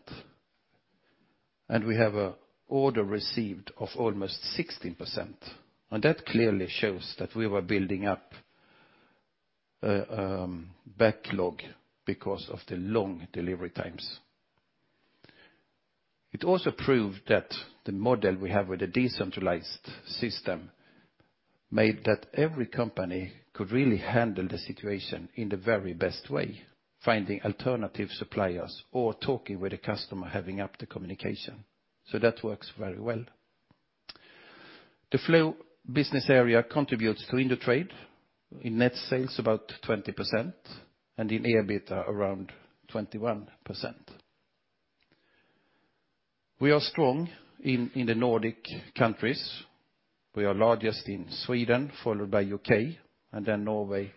and we have an order received of almost 16%. That clearly shows that we were building up a backlog because of the long delivery times. It also proved that the model we have with a decentralized system made that every company could really handle the situation in the very best way, finding alternative suppliers or talking with a customer, keeping up the communication. That works very well. The Flow business area contributes to Indutrade in net sales about 20% and in EBIT around 21%. We are strong in the Nordic countries. We are largest in Sweden, followed by U.K., and then Norway,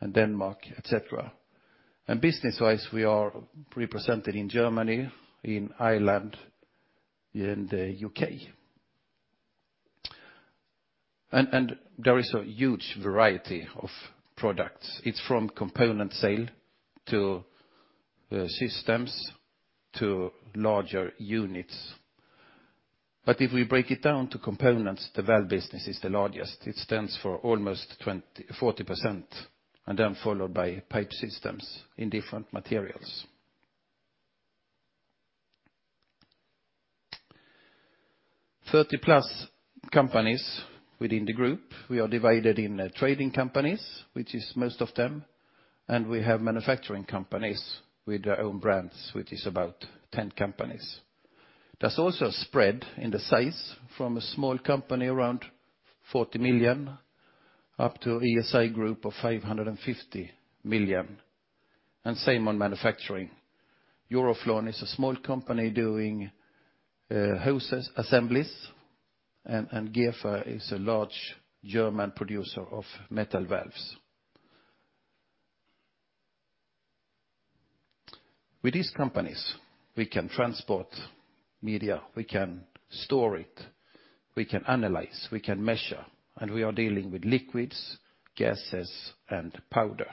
and Denmark, etc. Business-wise, we are represented in Germany, in Ireland, in the U.K. There is a huge variety of products. It's from component sale to systems to larger units. If we break it down to components, the valve business is the largest. It stands for almost 40%, and then followed by pipe systems in different materials. 30+ companies within the group. We are divided in trading companies, which is most of them, and we have manufacturing companies with their own brands, which is about 10 companies. That's also spread in the size from a small company around 40 million up to ESI Group of 550 million. Same on manufacturing. Euroflon is a small company doing hose assemblies, and GEFA is a large German producer of metal valves. With these companies, we can transport media, we can store it, we can analyze, we can measure, and we are dealing with liquids, gases, and powder.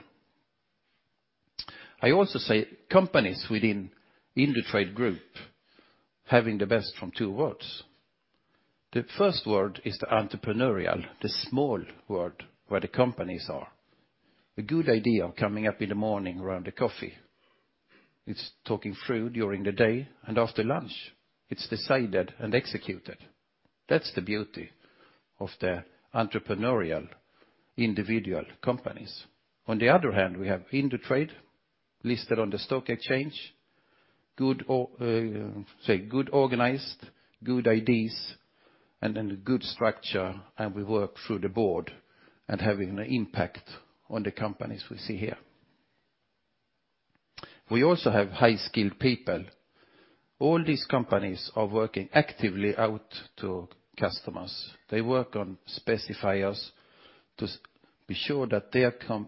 I also say companies within Indutrade Group having the best of two worlds. The first world is the entrepreneurial, the small world where the companies are. A good idea coming up in the morning around the coffee. It's talking through during the day and after lunch. It's decided and executed. That's the beauty of the entrepreneurial individual companies. On the other hand, we have Indutrade listed on the stock exchange, good or, say, good organized, good ideas, and then good structure, and we work through the board and having an impact on the companies we see here. We also have high-skilled people. All these companies are working actively out to customers. They work on specifiers to be sure that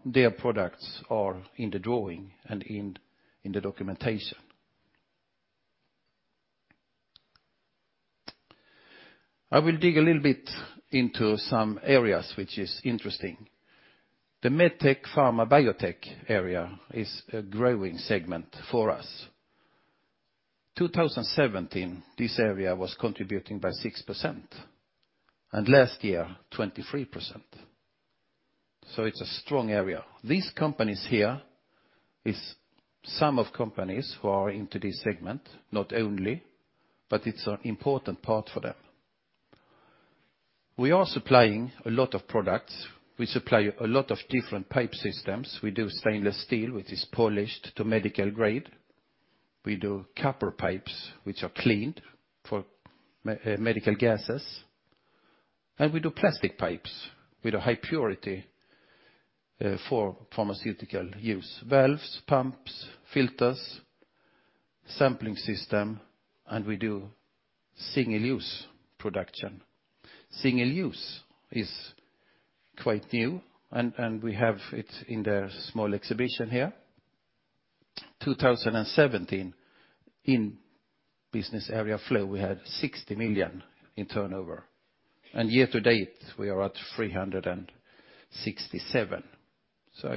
their products are in the drawing and in the documentation. I will dig a little bit into some areas which is interesting. The Medtech/Pharma/Biotech area is a growing segment for us. 2017, this area was contributing by 6%, and last year, 23%. It's a strong area. These companies here is some of companies who are into this segment, not only, but it's an important part for them. We are supplying a lot of products. We supply a lot of different pipe systems. We do stainless steel, which is polished to medical grade. We do copper pipes, which are cleaned for medical gases, and we do plastic pipes with a high purity for pharmaceutical use. Valves, pumps, filters, sampling system, and we do single-use production. Single-use is quite new, and we have it in the small exhibition here. 2017 in business area Flow, we had 60 million in turnover, and year to date, we are at 367 million.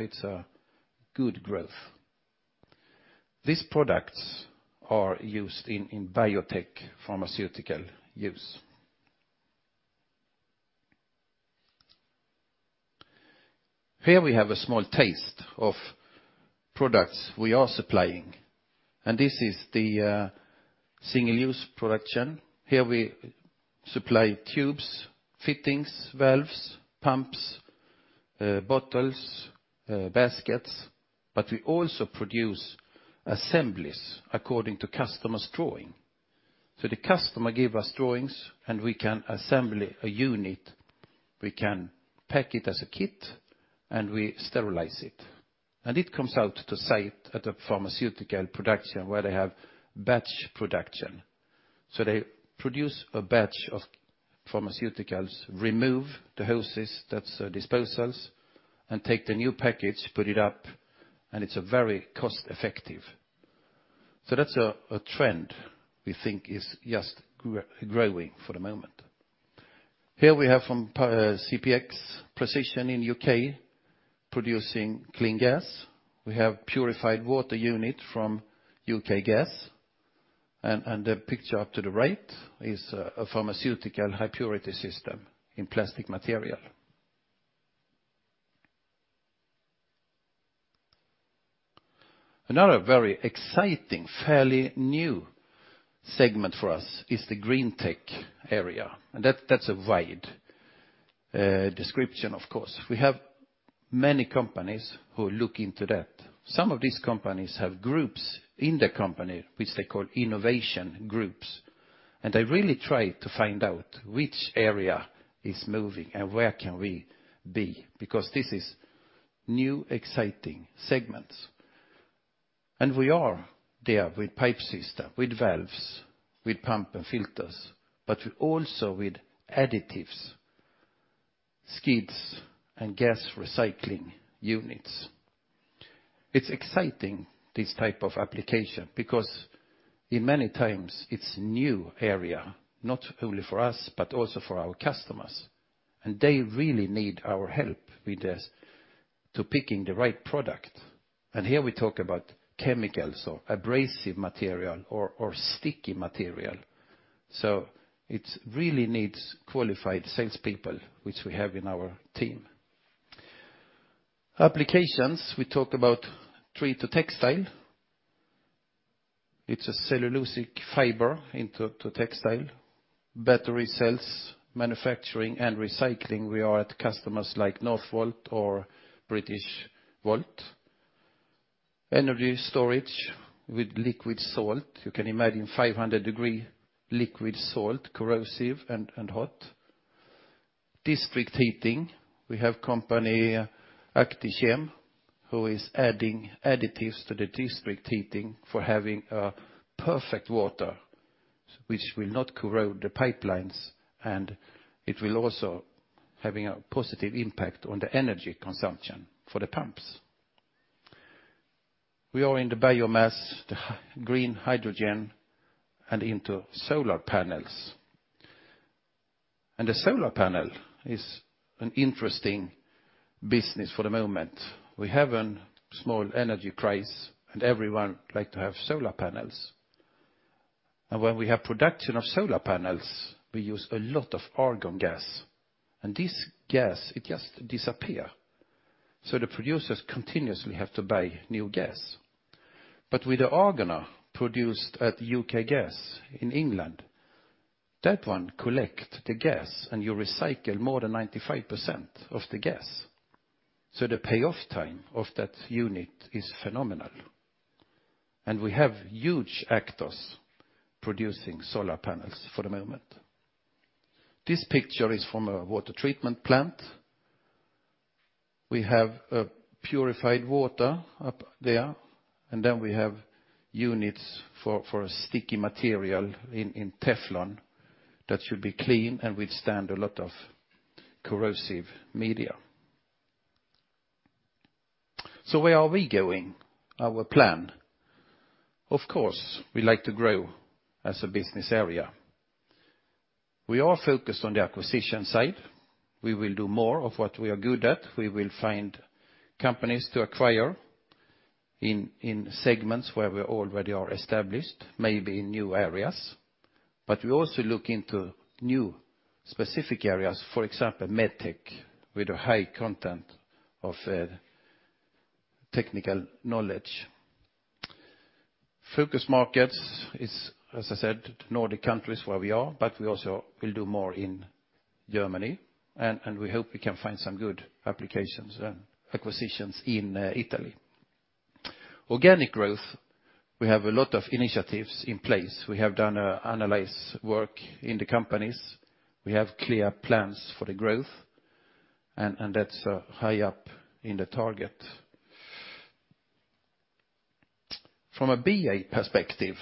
It's a good growth. These products are used in biotech pharmaceutical use. Here we have a small taste of products we are supplying, and this is the single-use production. Here we supply tubes, fittings, valves, pumps, bottles, baskets, but we also produce assemblies according to customer's drawing. The customer give us drawings, and we can assemble a unit, we can pack it as a kit, and we sterilize it. It comes out to site at a pharmaceutical production where they have batch production. They produce a batch of pharmaceuticals, remove the hoses, that's the disposables, and take the new package, put it up, and it's very cost effective. That's a trend we think is just growing for the moment. Here we have from CPX Precision U.K. producing clean gas. We have purified water unit from UK Gas, and the picture up to the right is a pharmaceutical high purity system in plastic material. Another very exciting, fairly new segment for us is the green tech area, and that's a wide description, of course. We have many companies who look into that. Some of these companies have groups in the company which they call innovation groups. They really try to find out which area is moving and where can we be, because this is new, exciting segments. We are there with pipe system, with valves, with pump and filters, but also with additives, skids, and gas recycling units. It's exciting, this type of application, because in many times it's new area, not only for us, but also for our customers. They really need our help with this to picking the right product. Here we talk about chemicals or abrasive material or sticky material. It's really needs qualified salespeople, which we have in our team. Applications, we talk about tree-to-textile. It's a cellulosic fiber to textile. Battery cells manufacturing and recycling, we are at customers like Northvolt or Britishvolt. Energy storage with liquid salt. You can imagine 500-degree liquid salt, corrosive and hot. District heating, we have company acti-Chem, who is adding additives to the district heating for having a perfect water, which will not corrode the pipelines, and it will also having a positive impact on the energy consumption for the pumps. We are in the biomass, the green hydrogen, and into solar panels. The solar panel is an interesting business for the moment. We have a small energy crisis, and everyone like to have solar panels. When we have production of solar panels, we use a lot of argon gas. This gas, it just disappears. The producers continuously have to buy new gas. With the Argonø produced at UK Gas in England, that one collect the gas, and you recycle more than 95% of the gas. The payoff time of that unit is phenomenal. We have huge actors producing solar panels for the moment. This picture is from a water treatment plant. We have purified water up there, and then we have units for a sticky material in Teflon that should be clean and withstand a lot of corrosive media. Where are we going? Our plan. Of course, we like to grow as a business area. We are focused on the acquisition side. We will do more of what we are good at. We will find companies to acquire in segments where we already are established, maybe in new areas. We also look into new specific areas, for example, MedTech, with a high content of technical knowledge. Focus markets is, as I said, Nordic countries where we are, but we also will do more in Germany. We hope we can find some good applications, acquisitions in Italy. Organic growth, we have a lot of initiatives in place. We have done an analysis work in the companies. We have clear plans for the growth and that's high up in the target. From a BA perspective,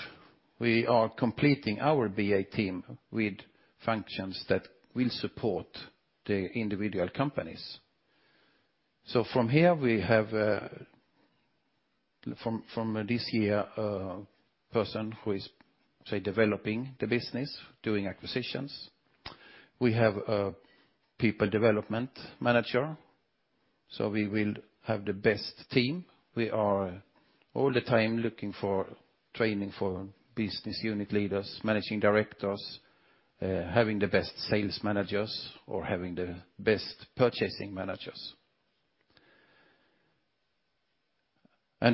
we are completing our BA team with functions that will support the individual companies. So from here we have, from this year, a person who is, say, developing the business, doing acquisitions. We have a people development manager, so we will have the best team. We are all the time looking for training for business unit leaders, managing directors, having the best sales managers or having the best purchasing managers.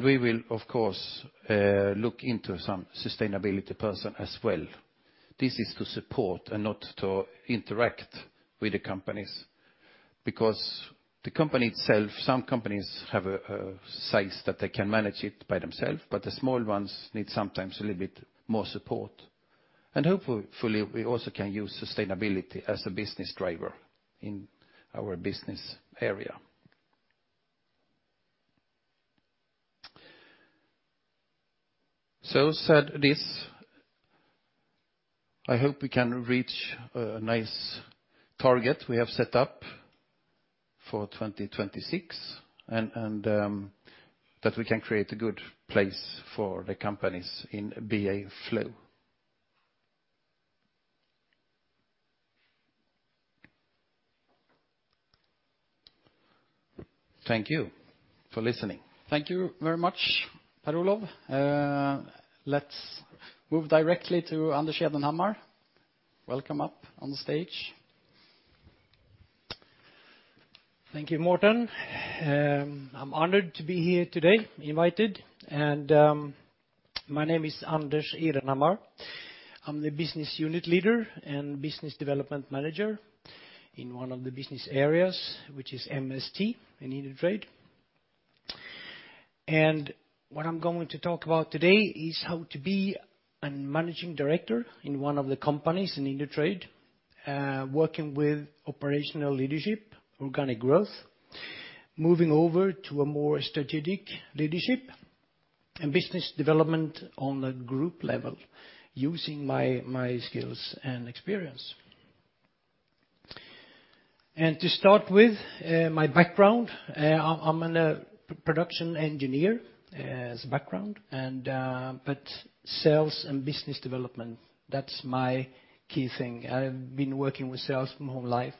We will, of course, look into some sustainability person as well. This is to support and not to interact with the companies. The company itself, some companies have a size that they can manage it by themselves, but the small ones need sometimes a little bit more support. Hopefully, we also can use sustainability as a business driver in our business area. Having said this, I hope we can reach a nice target we have set up for 2026, and that we can create a good place for the companies in BA Flow. Thank you for listening. Thank you very much, Per-Olow. Let's move directly to Anders Edenhammar. Welcome up on stage. Thank you, Mårten. I'm honored to be here today, invited. My name is Anders Edenhammar. I'm the business unit leader and business development manager in one of the business areas, which is MST in Indutrade. What I'm going to talk about today is how to be a managing director in one of the companies in Indutrade, working with operational leadership, organic growth, moving over to a more strategic leadership and business development on the group level using my skills and experience. To start with, my background, I'm a production engineer as a background and but sales and business development, that's my key thing. I've been working with sales my whole life,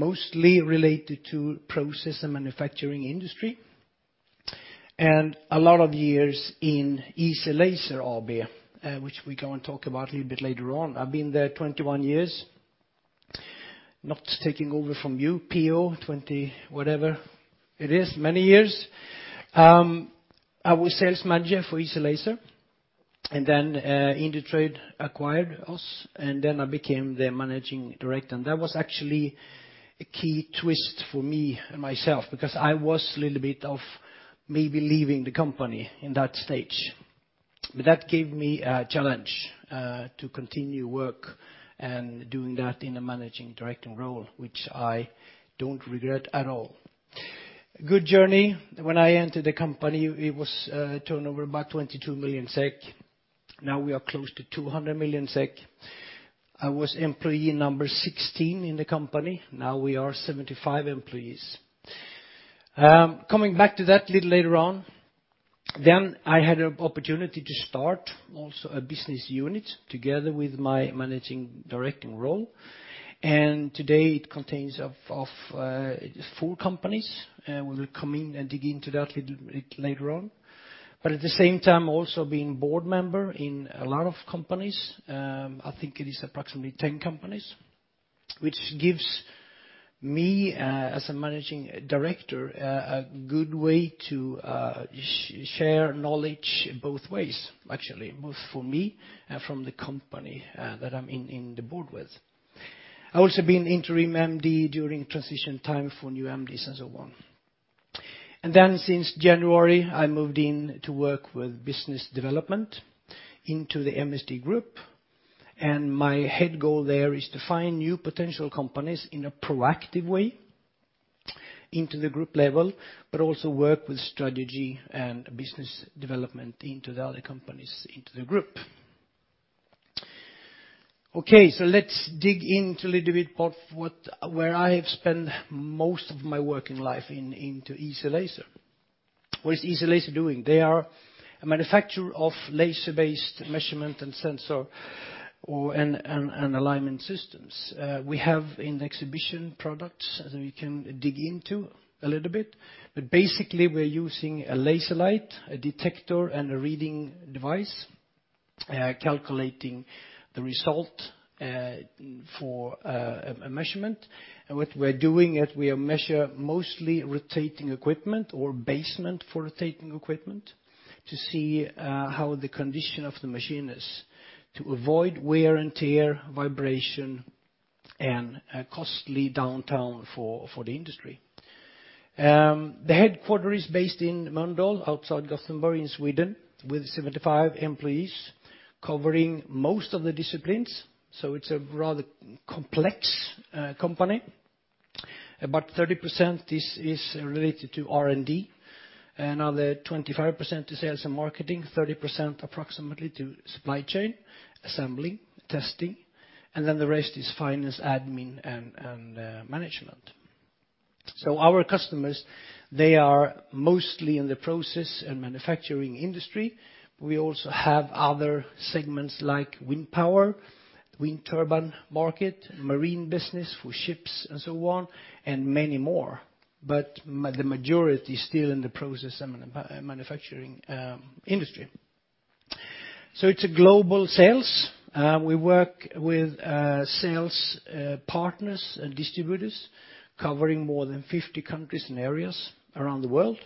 mostly related to process and manufacturing industry, and a lot of years in Easy-Laser AB, which we're gonna talk about a little bit later on. I've been there 21 years. Not taking over from you, P.O., 20-whatever it is, many years. I was sales manager for Easy-Laser, and then Indutrade acquired us, and then I became the managing director. That was actually a key twist for me and myself because I was a little bit of maybe leaving the company in that stage. That gave me a challenge to continue work and doing that in a managing director role, which I don't regret at all. Good journey. When I entered the company, it was turnover about 22 million SEK. Now we are close to 200 million SEK. I was employee number 16 in the company. Now we are 75 employees. Coming back to that a little later on. I had an opportunity to start also a business unit together with my managing director role. Today it contains of four companies, we will come in and dig into that a little bit later on. At the same time, also being board member in a lot of companies, I think it is approximately 10 companies, which gives me, as a managing director, a good way to share knowledge both ways, actually, both for me and from the company that I'm in the board with. I've also been interim MD during transition time for new MDs and so on. Since January, I moved in to work with business development into the MST group. My head goal there is to find new potential companies in a proactive way into the group level, but also work with strategy and business development into the other companies into the group. Okay, let's dig into a little bit of where I have spent most of my working life in, into Easy-Laser. What is Easy-Laser doing? They are a manufacturer of laser-based measurement and sensor and alignment systems. We have in the exhibition products that we can dig into a little bit. Basically, we're using a laser light, a detector, and a reading device, calculating the result, for a measurement. What we're doing is we measure mostly rotating equipment or basement for rotating equipment to see how the condition of the machine is, to avoid wear and tear, vibration, and costly downtime for the industry. The headquarters is based in Mölndal, outside Gothenburg in Sweden, with 75 employees covering most of the disciplines. It's a rather complex company. About 30% is related to R&D, another 25% to sales and marketing, 30% approximately to supply chain, assembly, testing, and then the rest is finance, admin, and management. Our customers, they are mostly in the process and manufacturing industry. We also have other segments like wind power, wind turbine market, marine business for ships and so on, and many more. The majority is still in the process and manufacturing industry. It's a global sales. We work with sales partners and distributors covering more than 50 countries and areas around the world.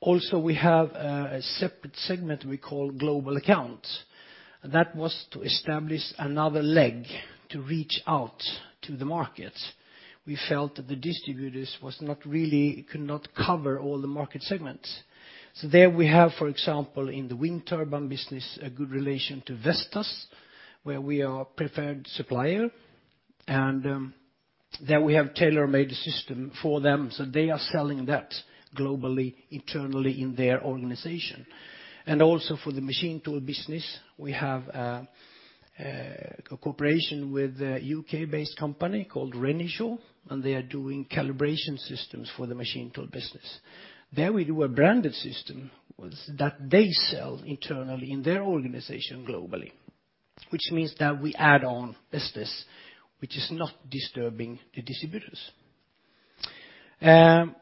Also, we have a separate segment we call Global Account, and that was to establish another leg to reach out to the markets. We felt that the distributors could not cover all the market segments. There we have, for example, in the wind turbine business, a good relation to Vestas, where we are preferred supplier. There we have tailor-made the system for them, so they are selling that globally, internally in their organization. For the machine tool business, we have a cooperation with a U.K.-based company called Renishaw, and they are doing calibration systems for the machine tool business. There we do a branded system with that they sell internally in their organization globally, which means that we add on business, which is not disturbing the distributors.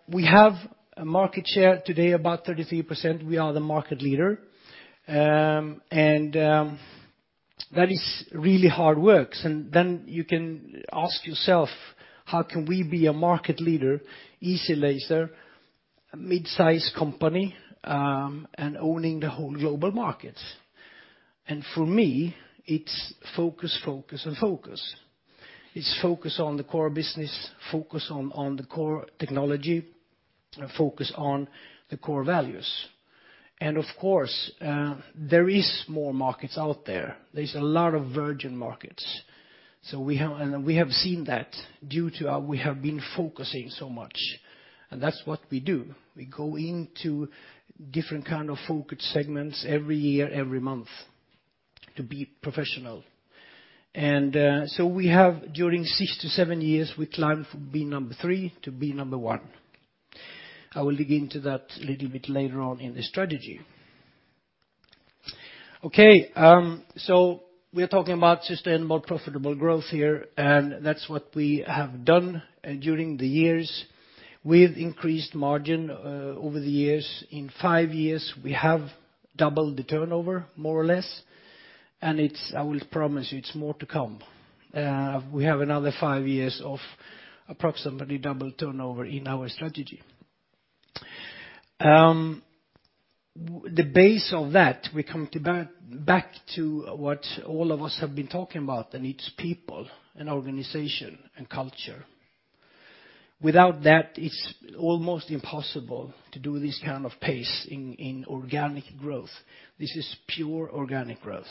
We have a market share today about 33%. We are the market leader. That is really hard works. You can ask yourself, how can we be a market leader, Easy-Laser, a midsize company, and owning the whole global market? For me, it's focus, and focus. It's focus on the core business, focus on the core technology, and focus on the core values. Of course, there is more markets out there. There's a lot of virgin markets. We have seen that due to how we have been focusing so much, and that's what we do. We go into different kind of focus segments every year, every month to be professional. We have during six to seven years, we climbed from being number three to being number one. I will dig into that a little bit later on in the strategy. Okay, we are talking about sustainable, profitable growth here, and that's what we have done during the years. We've increased margin over the years. In five years, we have doubled the turnover more or less, and it's I will promise you it's more to come. We have another five years of approximately double turnover in our strategy. The base of that, we come back to what all of us have been talking about, and it's people and organization and culture. Without that, it's almost impossible to do this kind of pace in organic growth. This is pure organic growth.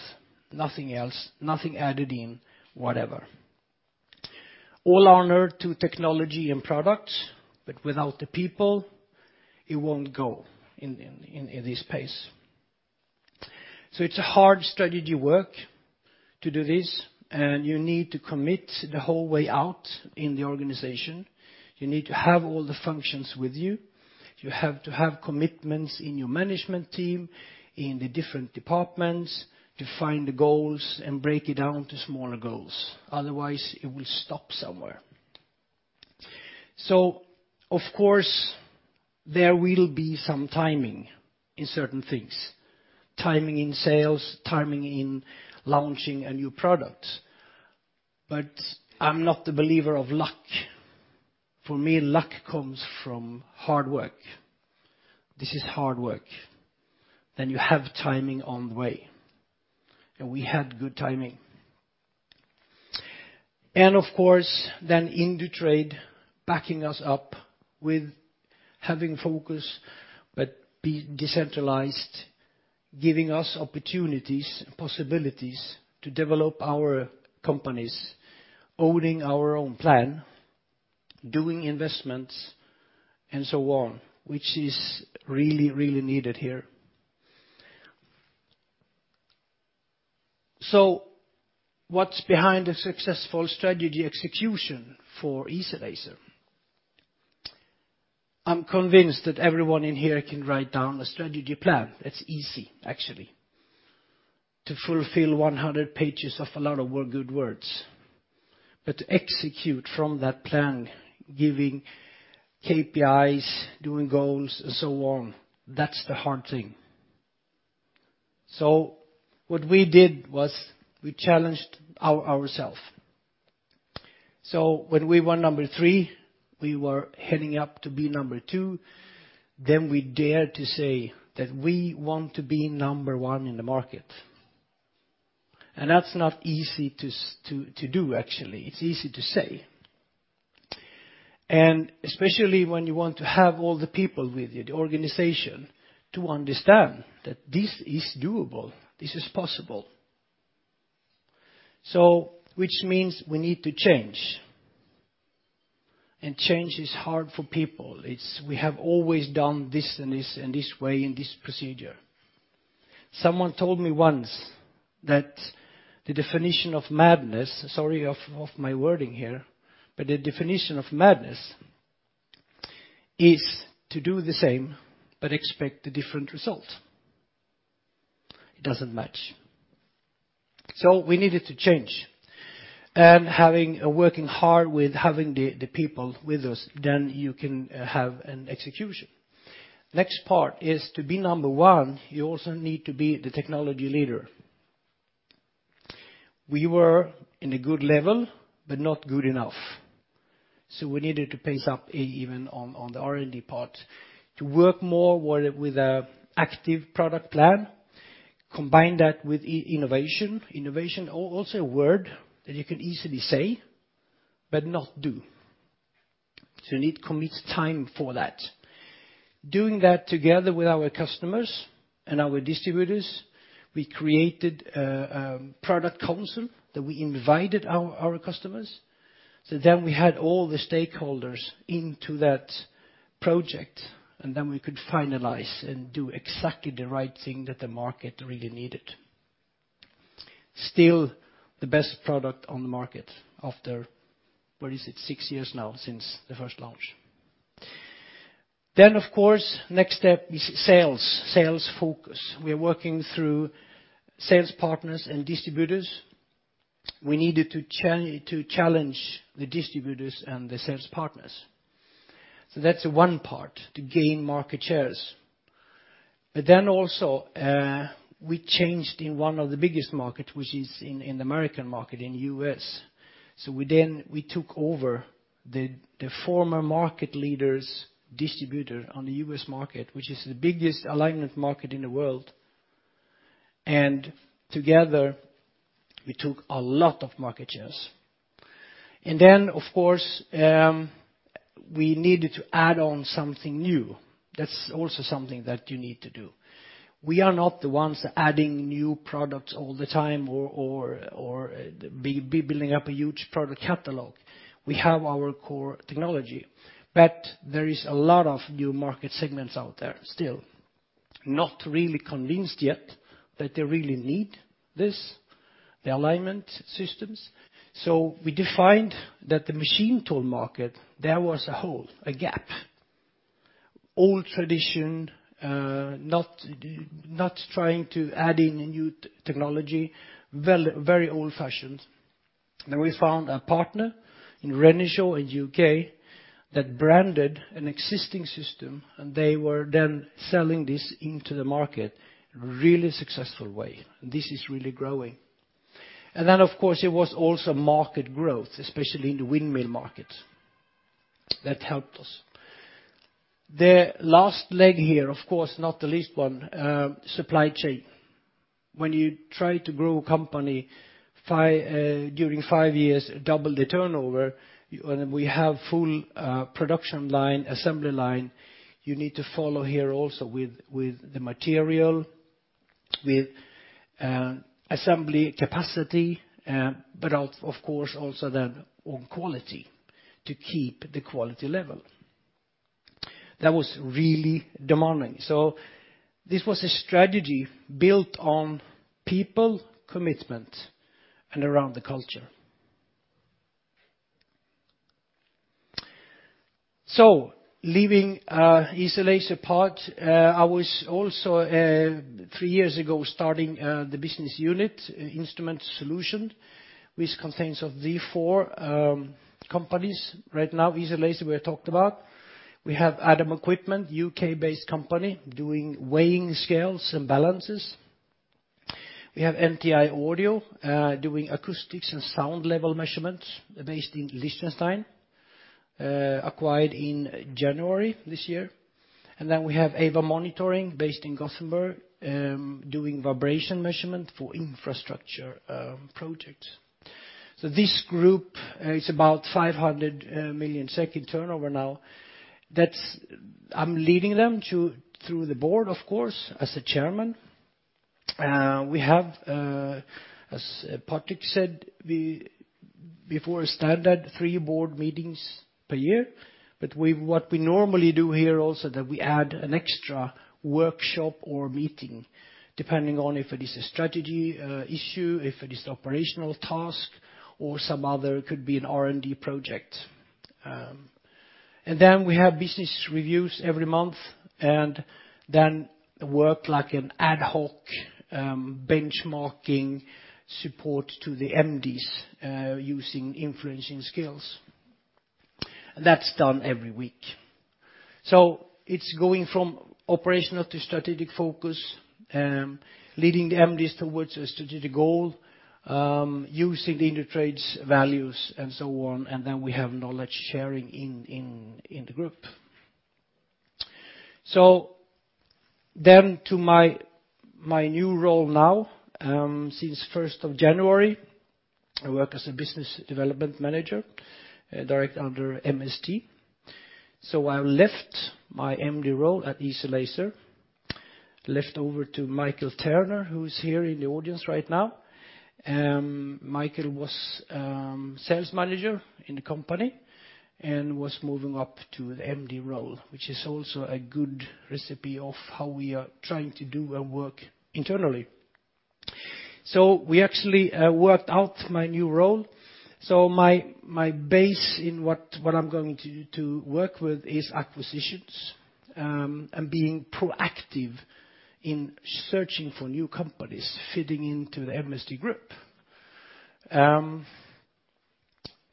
Nothing else, nothing added in whatever. All honor to technology and products, but without the people, it won't go in this pace. It's a hard strategy work to do this, and you need to commit the whole way out in the organization. You need to have all the functions with you. You have to have commitments in your management team, in the different departments to find the goals and break it down to smaller goals. Otherwise, it will stop somewhere. Of course, there will be some timing in certain things, timing in sales, timing in launching a new product. I'm not a believer of luck. For me, luck comes from hard work. This is hard work. You have timing on the way, and we had good timing. Of course, then Indutrade backing us up with having focus but be decentralized, giving us opportunities and possibilities to develop our companies, owning our own plan, doing investments, and so on, which is really, really needed here. What's behind a successful strategy execution for Easy-Laser? I'm convinced that everyone in here can write down a strategy plan. It's easy, actually, to fulfill 100 pages of a lot of word, good words. To execute from that plan, giving KPIs, doing goals, and so on, that's the hard thing. What we did was we challenged ourselves. When we were number three, we were heading up to be number two, then we dared to say that we want to be number one in the market. That's not easy to do, actually. It's easy to say. Especially when you want to have all the people with you, the organization, to understand that this is doable, this is possible. Which means we need to change. Change is hard for people. We have always done this way and this procedure. Someone told me once that the definition of madness is to do the same but expect a different result. It doesn't match. We needed to change and having worked hard with the people with us, then you can have an execution. Next part is to be number one. You also need to be the technology leader. We were at a good level but not good enough, so we needed to pace up even on the R&D part to work more with an active product plan, combine that with innovation. Innovation also a word that you can easily say but not do. You need to commit time for that. Doing that together with our customers and our distributors, we created a product council that we invited our customers, so then we had all the stakeholders into that project, and then we could finalize and do exactly the right thing that the market really needed. Still the best product on the market after, what is it, six years now since the first launch. Of course, next step is sales focus. We're working through sales partners and distributors. We needed to challenge the distributors and the sales partners. That's one part to gain market shares. We changed in one of the biggest markets, which is in the American market, in U.S. We took over the former market leader's distributor on the U.S. market, which is the biggest alignment market in the world, and together we took a lot of market shares. Then, of course, we needed to add on something new. That's also something that you need to do. We are not the ones adding new products all the time or building up a huge product catalog. We have our core technology. But there is a lot of new market segments out there still not really convinced yet that they really need this, the alignment systems. We defined that the machine tool market, there was a hole, a gap. Old tradition, not trying to add in new technology, well, very old-fashioned. We found a partner in Renishaw in U.K. that branded an existing system, and they were then selling this into the market in a really successful way, and this is really growing. Of course, it was also market growth, especially in the windmill market, that helped us. The last leg here, of course, not the least one, supply chain. When you try to grow a company during five years, double the turnover, and we have full production line, assembly line, you need to follow here also with the material, with assembly capacity, but of course, also on quality to keep the quality level. That was really demanding. This was a strategy built on people, commitment, and around the culture. Leaving the Easy-Laser part, I was also three years ago starting the business unit Instrument Solutions, which contains of the four companies right now. Easy-Laser, we have talked about. We have Adam Equipment, U.K.-based company doing weighing scales and balances. We have NTi Audio doing acoustics and sound level measurements based in Liechtenstein, acquired in January this year. Then we have AVA Monitoring based in Gothenburg doing vibration measurement for infrastructure projects. This group is about 500 million in turnover now. I'm leading them through the board, of course, as the chairman. We have, as Patrik said, three standard board meetings per year, but what we normally do here is that we add an extra workshop or meeting depending on if it is a strategic issue, if it is operational task or some other, could be an R&D project. Then we have business reviews every month and then work like an ad hoc benchmarking support to the MDs, using influencing skills. That's done every week. It's going from operational to strategic focus, leading the MDs towards a strategic goal, using the Indutrade's values and so on, and then we have knowledge sharing in the group. To my new role now, since 1st of January, I work as a business development manager directly under MST. I left my MD role at Easy-Laser over to Mikael Terner, who is here in the audience right now. Mikael was sales manager in the company and was moving up to the MD role, which is also a good recipe of how we are trying to do our work internally. We actually worked out my new role. My base in what I'm going to work with is acquisitions and being proactive in searching for new companies fitting into the MST group.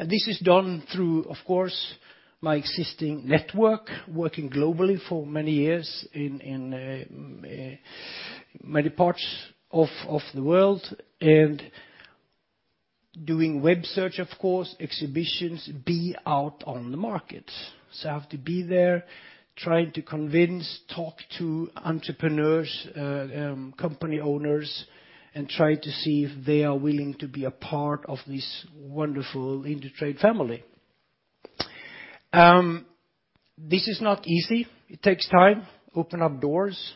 This is done through, of course, my existing network, working globally for many years in many parts of the world and doing web search, of course, exhibitions, being out on the market. I have to be there trying to convince, talk to entrepreneurs, company owners, and try to see if they are willing to be a part of this wonderful Indutrade family. This is not easy. It takes time. Open up doors.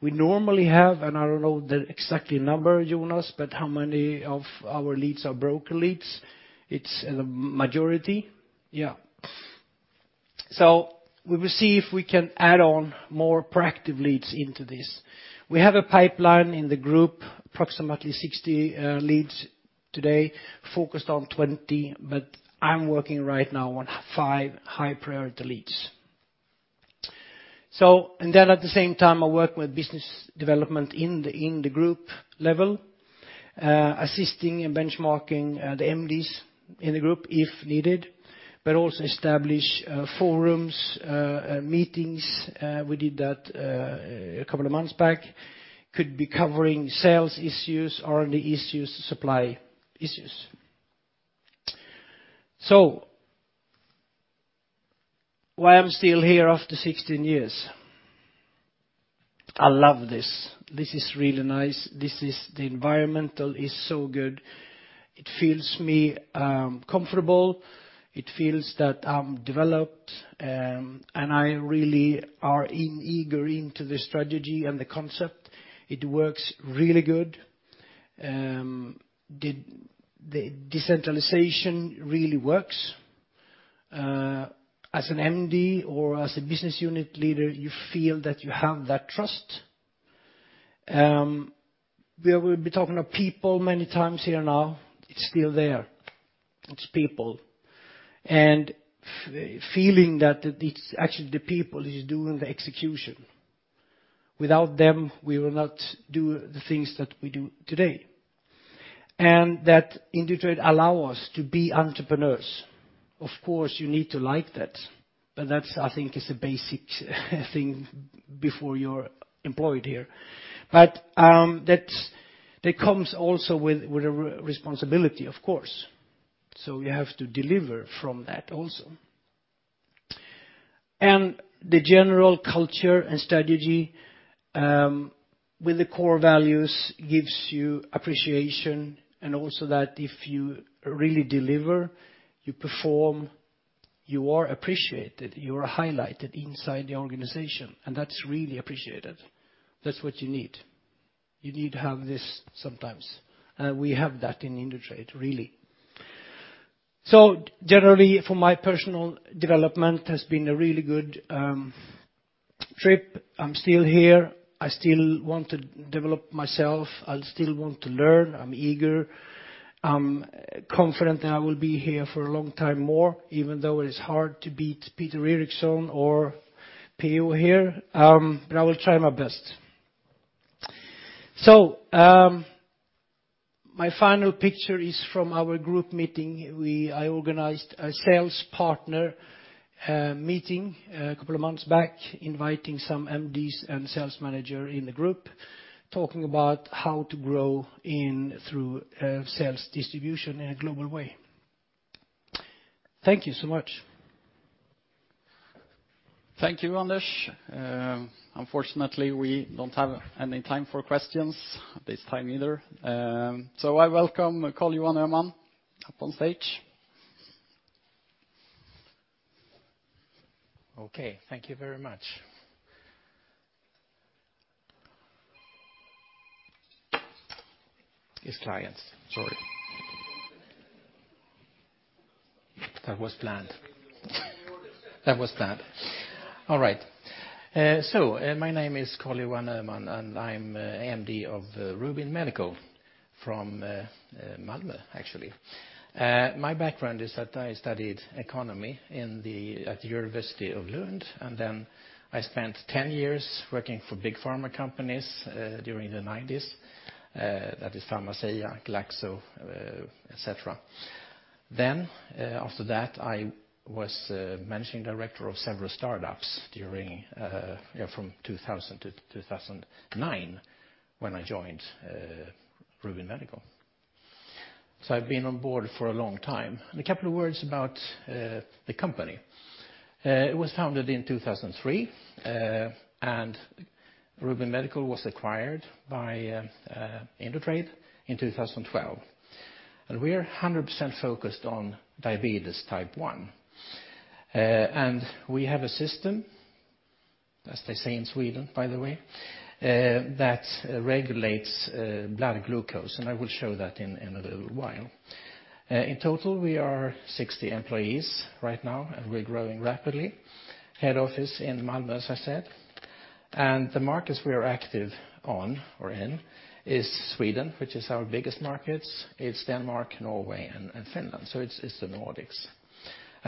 We normally have, and I don't know the exact number, Jonas, but how many of our leads are broker leads? It's the majority. Yeah. We will see if we can add on more proactive leads into this. We have a pipeline in the group, approximately 60 leads today, focused on 20, but I'm working right now on five high-priority leads. At the same time, I work with business development in the group level, assisting and benchmarking the MDs in the group if needed, but also establish forums meetings. We did that a couple of months back. Could be covering sales issues, R&D issues, supply issues. Why I'm still here after 16 years? I love this. This is really nice. The environmental is so good. It feels me comfortable. It feels that I'm developed, and I really are eager into the strategy and the concept. It works really good. The decentralization really works. As an MD or as a business unit leader, you feel that you have that trust. We will be talking about people many times here now. It's still there. It's people. Feeling that it's actually the people is doing the execution. Without them, we will not do the things that we do today. That Indutrade allow us to be entrepreneurs. Of course, you need to like that, but that's, I think, is a basic thing before you're employed here. That comes also with a responsibility, of course. You have to deliver from that also. The general culture and strategy with the core values gives you appreciation and also that if you really deliver, you perform, you are appreciated, you are highlighted inside the organization, and that's really appreciated. That's what you need. You need to have this sometimes. We have that in Indutrade, really. Generally, for my personal development, it has been a really good trip. I'm still here. I still want to develop myself. I still want to learn. I'm eager. I'm confident that I will be here for a long time more, even though it's hard to beat Peter Eriksson or P.O. here, but I will try my best. My final picture is from our group meeting. I organized a sales partner meeting a couple of months back, inviting some MDs and sales manager in the group, talking about how to grow through sales distribution in a global way. Thank you so much. Thank you, Anders. Unfortunately, we don't have any time for questions this time either. I welcome Karl-Johan Öhman up on stage. Okay, thank you very much. His clients, sorry. That was planned. All right. My name is Karl-Johan Öhman, and I'm MD of Rubin Medical from Malmö, actually. My background is that I studied economy at the University of Lund, and then I spent 10 years working for big pharma companies during the 1990s, that is Pharmacia, Glaxo, etc. After that, I was managing director of several startups during, you know, from 2000 to 2009, when I joined Rubin Medical. I've been on board for a long time. A couple of words about the company. It was founded in 2003, and Rubin Medical was acquired by Indutrade in 2012. We are 100% focused on diabetes type one. We have a system, as they say in Sweden, by the way, that regulates blood glucose, and I will show that in a little while. In total, we are 60 employees right now, and we're growing rapidly. Head office in Malmö, as I said. The markets we are active on or in is Sweden, which is our biggest markets. It's Denmark, Norway, and Finland, so it's the Nordics.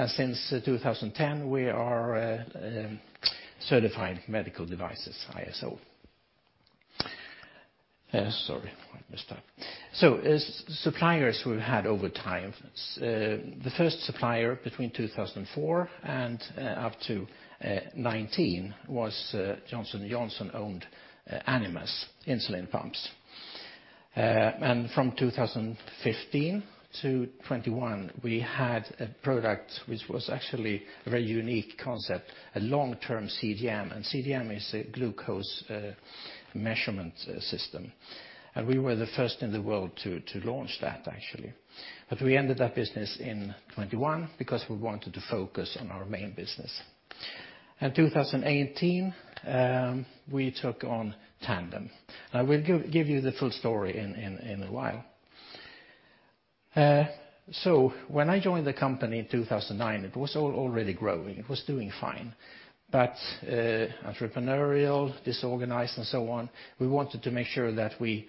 Since 2010, we are certified medical devices, ISO. As suppliers we've had over time, the first supplier between 2004 and up to 2019 was Johnson & Johnson-owned Animas insulin pumps. From 2015 to 2021, we had a product which was actually a very unique concept, a long-term CGM. CGM is a glucose measurement system. We were the first in the world to launch that actually. We ended that business in 2021 because we wanted to focus on our main business. In 2018, we took on Tandem. I will give you the full story in a while. When I joined the company in 2009, it was already growing. It was doing fine. Entrepreneurial, disorganized, and so on, we wanted to make sure that we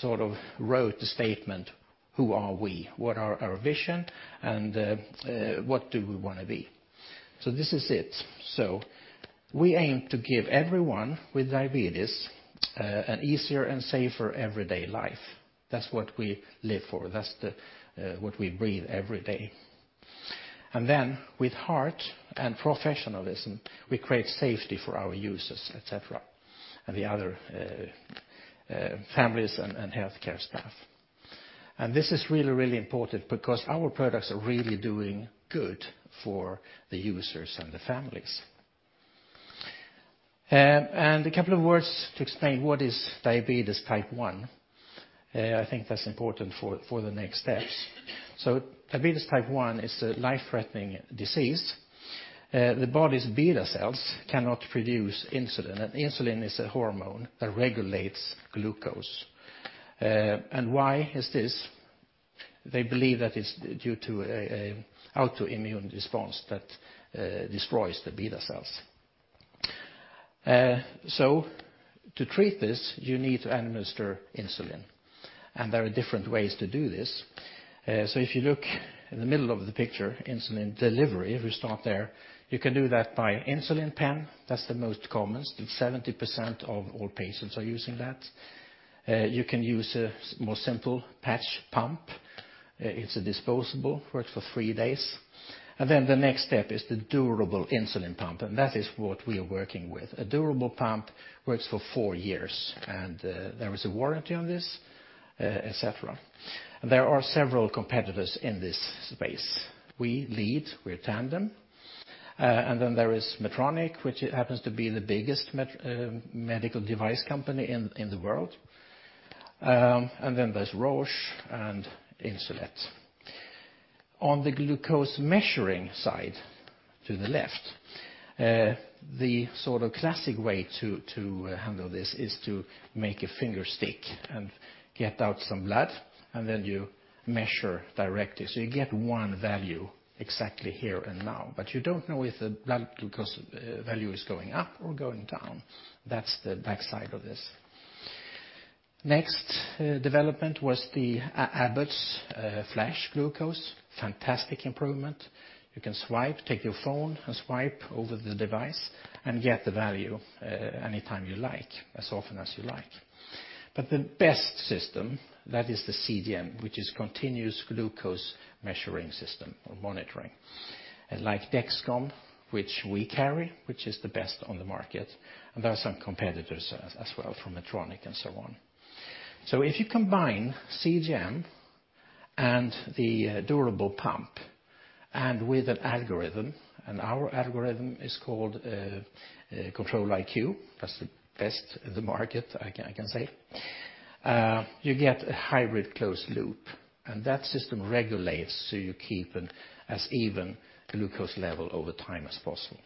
sort of wrote the statement, who are we? What are our vision? What do we wanna be? This is it. We aim to give everyone with diabetes an easier and safer everyday life. That's what we live for. That's what we breathe every day. With heart and professionalism, we create safety for our users, et cetera, and the other families and healthcare staff. This is really important because our products are really doing good for the users and the families. A couple of words to explain what is diabetes type one. I think that's important for the next steps. Diabetes type one is a life-threatening disease. The body's beta cells cannot produce insulin. Insulin is a hormone that regulates glucose. Why is this? They believe that it's due to an autoimmune response that destroys the beta cells. To treat this, you need to administer insulin, and there are different ways to do this. If you look in the middle of the picture, insulin delivery, if we start there, you can do that by insulin pen. That's the most common. 70% of all patients are using that. You can use a more simple patch pump. It's a disposable, works for three days. The next step is the durable insulin pump, and that is what we are working with. A durable pump works for four years, and there is a warranty on this, et cetera. There are several competitors in this space. We lead with Tandem, and then there is Medtronic, which happens to be the biggest medical device company in the world. There's Roche and Insulet. On the glucose measuring side to the left, the sort of classic way to handle this is to make a finger stick and get out some blood, and then you measure directly. You get one value exactly here and now, but you don't know if the blood glucose value is going up or going down. That's the downside of this. Next development was Abbott's Flash Glucose. Fantastic improvement. You can swipe, take your phone and swipe over the device and get the value anytime you like, as often as you like. The best system, that is the CGM, which is Continuous Glucose Monitoring. Like Dexcom, which we carry, which is the best on the market, and there are some competitors as well from Medtronic and so on. If you combine CGM and the durable pump and with an algorithm, and our algorithm is called Control-IQ, that's the best in the market I can say, you get a hybrid closed loop, and that system regulates, so you keep as even glucose level over time as possible.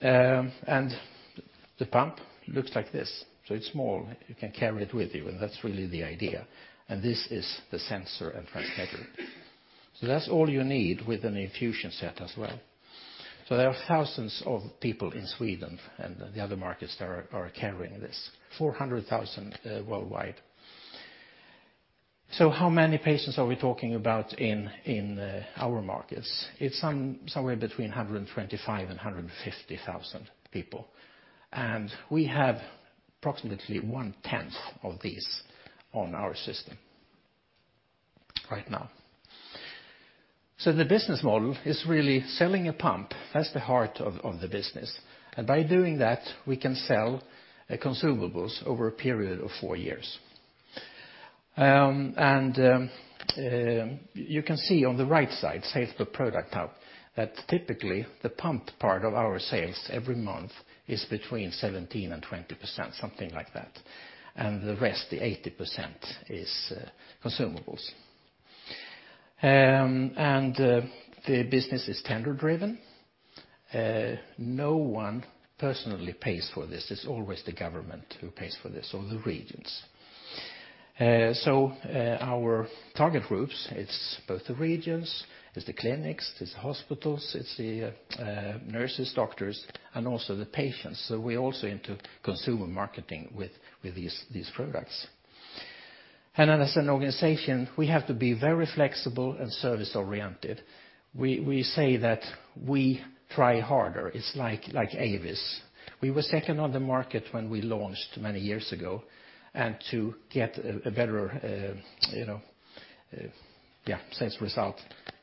The pump looks like this. It's small, you can carry it with you, and that's really the idea. This is the sensor and transmitter. That's all you need with an infusion set as well. There are thousands of people in Sweden and the other markets that are carrying this, 400,000 worldwide. How many patients are we talking about in our markets? It's somewhere between 125,000 and 150,000 people. We have approximately 1/10th of these on our system right now. The business model is really selling a pump. That's the heart of the business. By doing that, we can sell consumables over a period of four years. You can see on the right side, sales per product hub, that typically the pump part of our sales every month is between 17% and 20%, something like that. The rest, the 80%, is consumables. The business is tender driven. No one personally pays for this. It's always the government who pays for this or the regions. Our target groups, it's both the regions, it's the clinics, it's the hospitals, it's the nurses, doctors, and also the patients. We're also into consumer marketing with these products. As an organization, we have to be very flexible and service-oriented. We say that we try harder. It's like Avis. We were second on the market when we launched many years ago. To get a better sales result,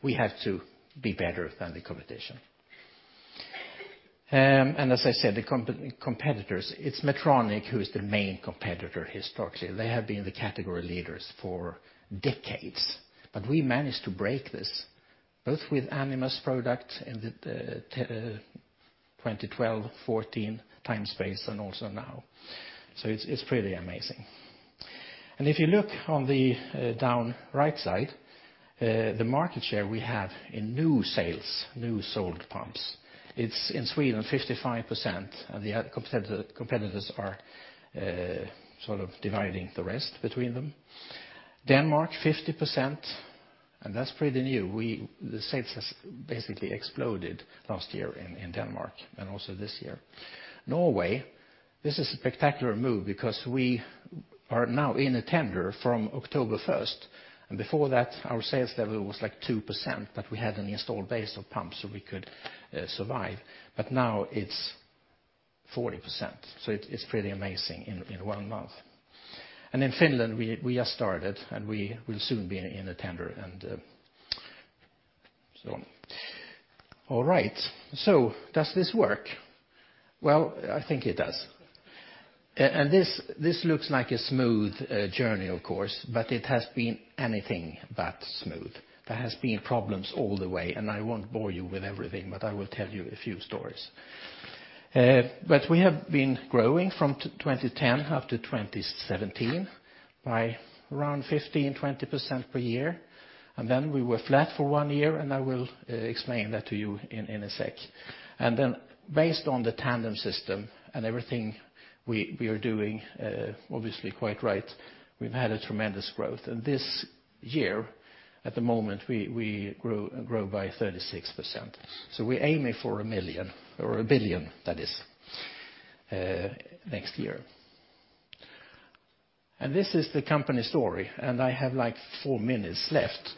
we have to be better than the competition. As I said, the competitors, it's Medtronic who is the main competitor historically. They have been the category leaders for decades. We managed to break this, both with Animas product in the 2012, 2014 time space, and also now. It's pretty amazing. If you look on the lower right side, the market share we have in new sales, new sold pumps, it's in Sweden, 55%, and the other competitors are sort of dividing the rest between them. Denmark, 50%, and that's pretty new. The sales has basically exploded last year in Denmark, and also this year. Norway, this is a spectacular move because we are now in a tender from October 1st. Before that, our sales level was like 2%, but we had an installed base of pumps, so we could survive. Now it's 40%. It's pretty amazing in one month. In Finland, we just started, and we will soon be in a tender, so. All right. Does this work? Well, I think it does. This looks like a smooth journey, of course, but it has been anything but smooth. There has been problems all the way, and I won't bore you with everything, but I will tell you a few stories. We have been growing from 2010 up to 2017 by around 15%-20% per year. We were flat for one year, and I will explain that to you in a sec. Based on the Tandem system and everything we are doing, obviously quite right, we've had a tremendous growth. This year, at the moment, we grew by 36%. We're aiming for 1 million or 1 billion next year. This is the company story, and I have like four minutes left.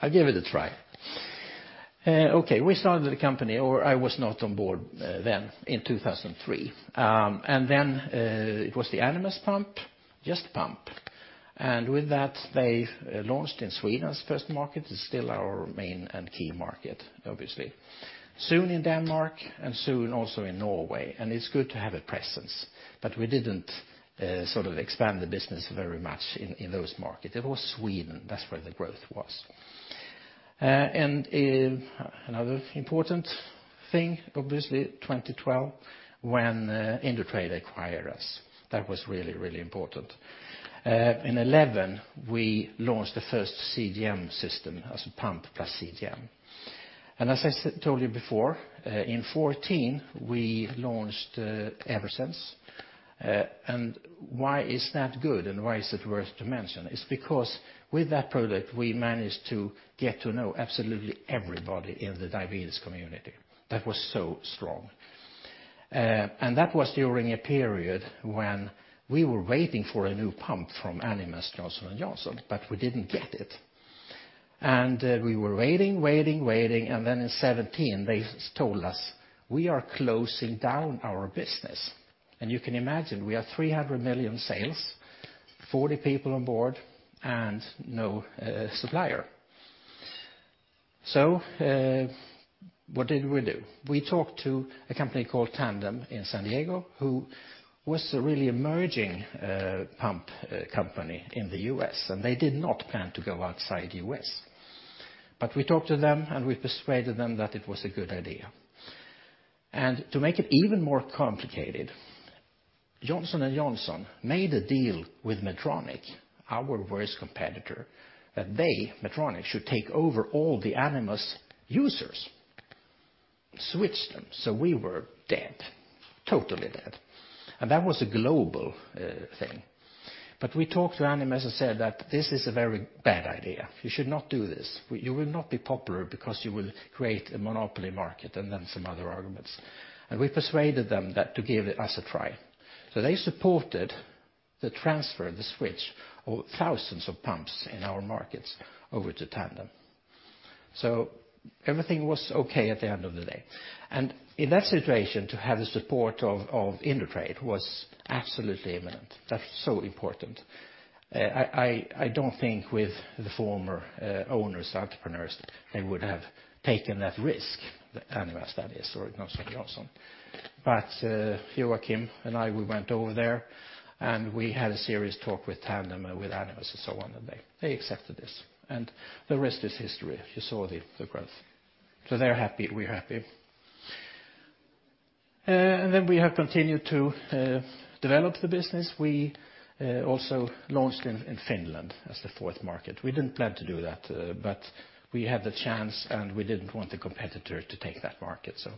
I'll give it a try. We started the company, or I was not on board, then in 2003. It was the Animas pump, just pump. With that, they launched in Sweden as first market. It's still our main and key market, obviously. Soon in Denmark and soon also in Norway. It's good to have a presence, but we didn't sort of expand the business very much in those markets. It was Sweden, that's where the growth was. Another important thing, obviously, 2012, when Indutrade acquired us. That was really, really important. In 2011, we launched the first CGM system as pump plus CGM. As I told you before, in 2014, we launched Eversense. Why is that good and why is it worth to mention? It's because with that product, we managed to get to know absolutely everybody in the diabetes community. That was so strong. That was during a period when we were waiting for a new pump from Animas, Johnson & Johnson, but we didn't get it. We were waiting, and then in 2017, they told us, "We are closing down our business." You can imagine, we have 300 million sales, 40 people on board, and no supplier. What did we do? We talked to a company called Tandem in San Diego, who was a really emerging pump company in the U.S., and they did not plan to go outside U.S. We talked to them, and we persuaded them that it was a good idea. To make it even more complicated, Johnson & Johnson made a deal with Medtronic, our worst competitor, that they, Medtronic, should take over all the Animas users, switch them. We were dead, totally dead. That was a global thing. We talked to Animas and said that, "This is a very bad idea. You should not do this. You will not be popular because you will create a monopoly market," and then some other arguments. We persuaded them that to give us a try. They supported the transfer, the switch of thousands of pumps in our markets over to Tandem. Everything was okay at the end of the day. In that situation, to have the support of Indutrade was absolutely instrumental. That's so important. I don't think with the former owners, entrepreneurs, they would have taken that risk, Animas that is, or Johnson & Johnson. Joakim and I, we went over there, and we had a serious talk with Tandem, with Animas and so on, and they accepted this. The rest is history. You saw the growth. They're happy, we're happy. We have continued to develop the business. We also launched in Finland as the fourth market. We didn't plan to do that, but we had the chance, and we didn't want the competitor to take that market, so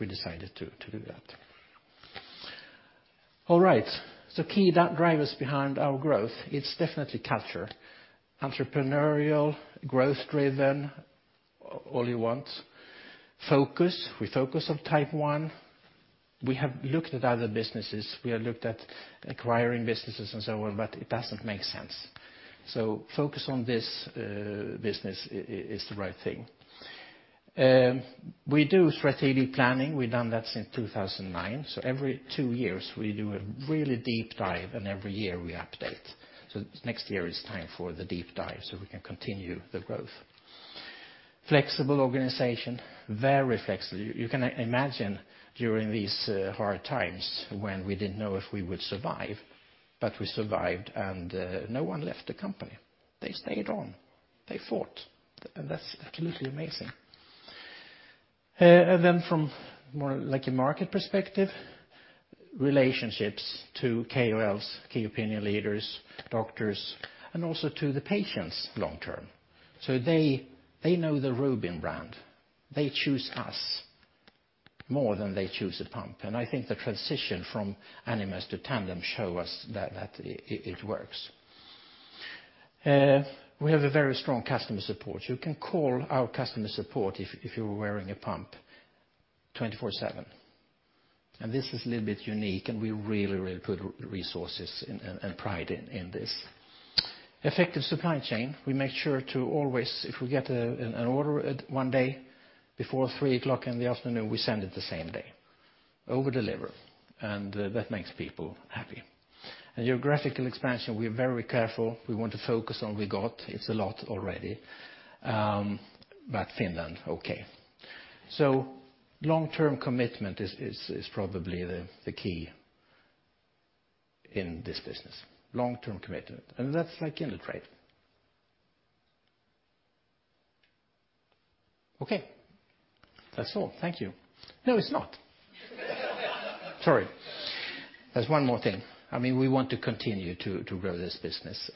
we decided to do that. All right. Key drivers behind our growth, it's definitely culture. Entrepreneurial, growth driven, all you want. Focus. We focus on type one. We have looked at other businesses. We have looked at acquiring businesses and so on, but it doesn't make sense. Focus on this business is the right thing. We do strategic planning. We've done that since 2009. Every two years, we do a really deep dive, and every year we update. Next year is time for the deep dive so we can continue the growth. Flexible organization, very flexible. You can imagine during these hard times when we didn't know if we would survive, but we survived and no one left the company. They stayed on. They fought, and that's absolutely amazing. From more like a market perspective, relationships to KOLs, key opinion leaders, doctors, and also to the patients long term. They know the Rubin brand. They choose us more than they choose a pump, and I think the transition from Animas to Tandem shows us that it works. We have a very strong customer support. You can call our customer support if you're wearing a pump 24/7. This is a little bit unique, and we really put resources and pride in this. Effective supply chain. We make sure to always, if we get an order one day, before 3:00 PM o'clock in the afternoon, we send it the same day. Over deliver, and that makes people happy. Geographical expansion, we are very careful. We want to focus on we got. It's a lot already. Finland, okay. Long-term commitment is probably the key in this business. Long-term commitment, and that's like Indutrade. Okay. That's all. Thank you. No, it's not. Sorry. There's one more thing. I mean, we want to continue to grow this business.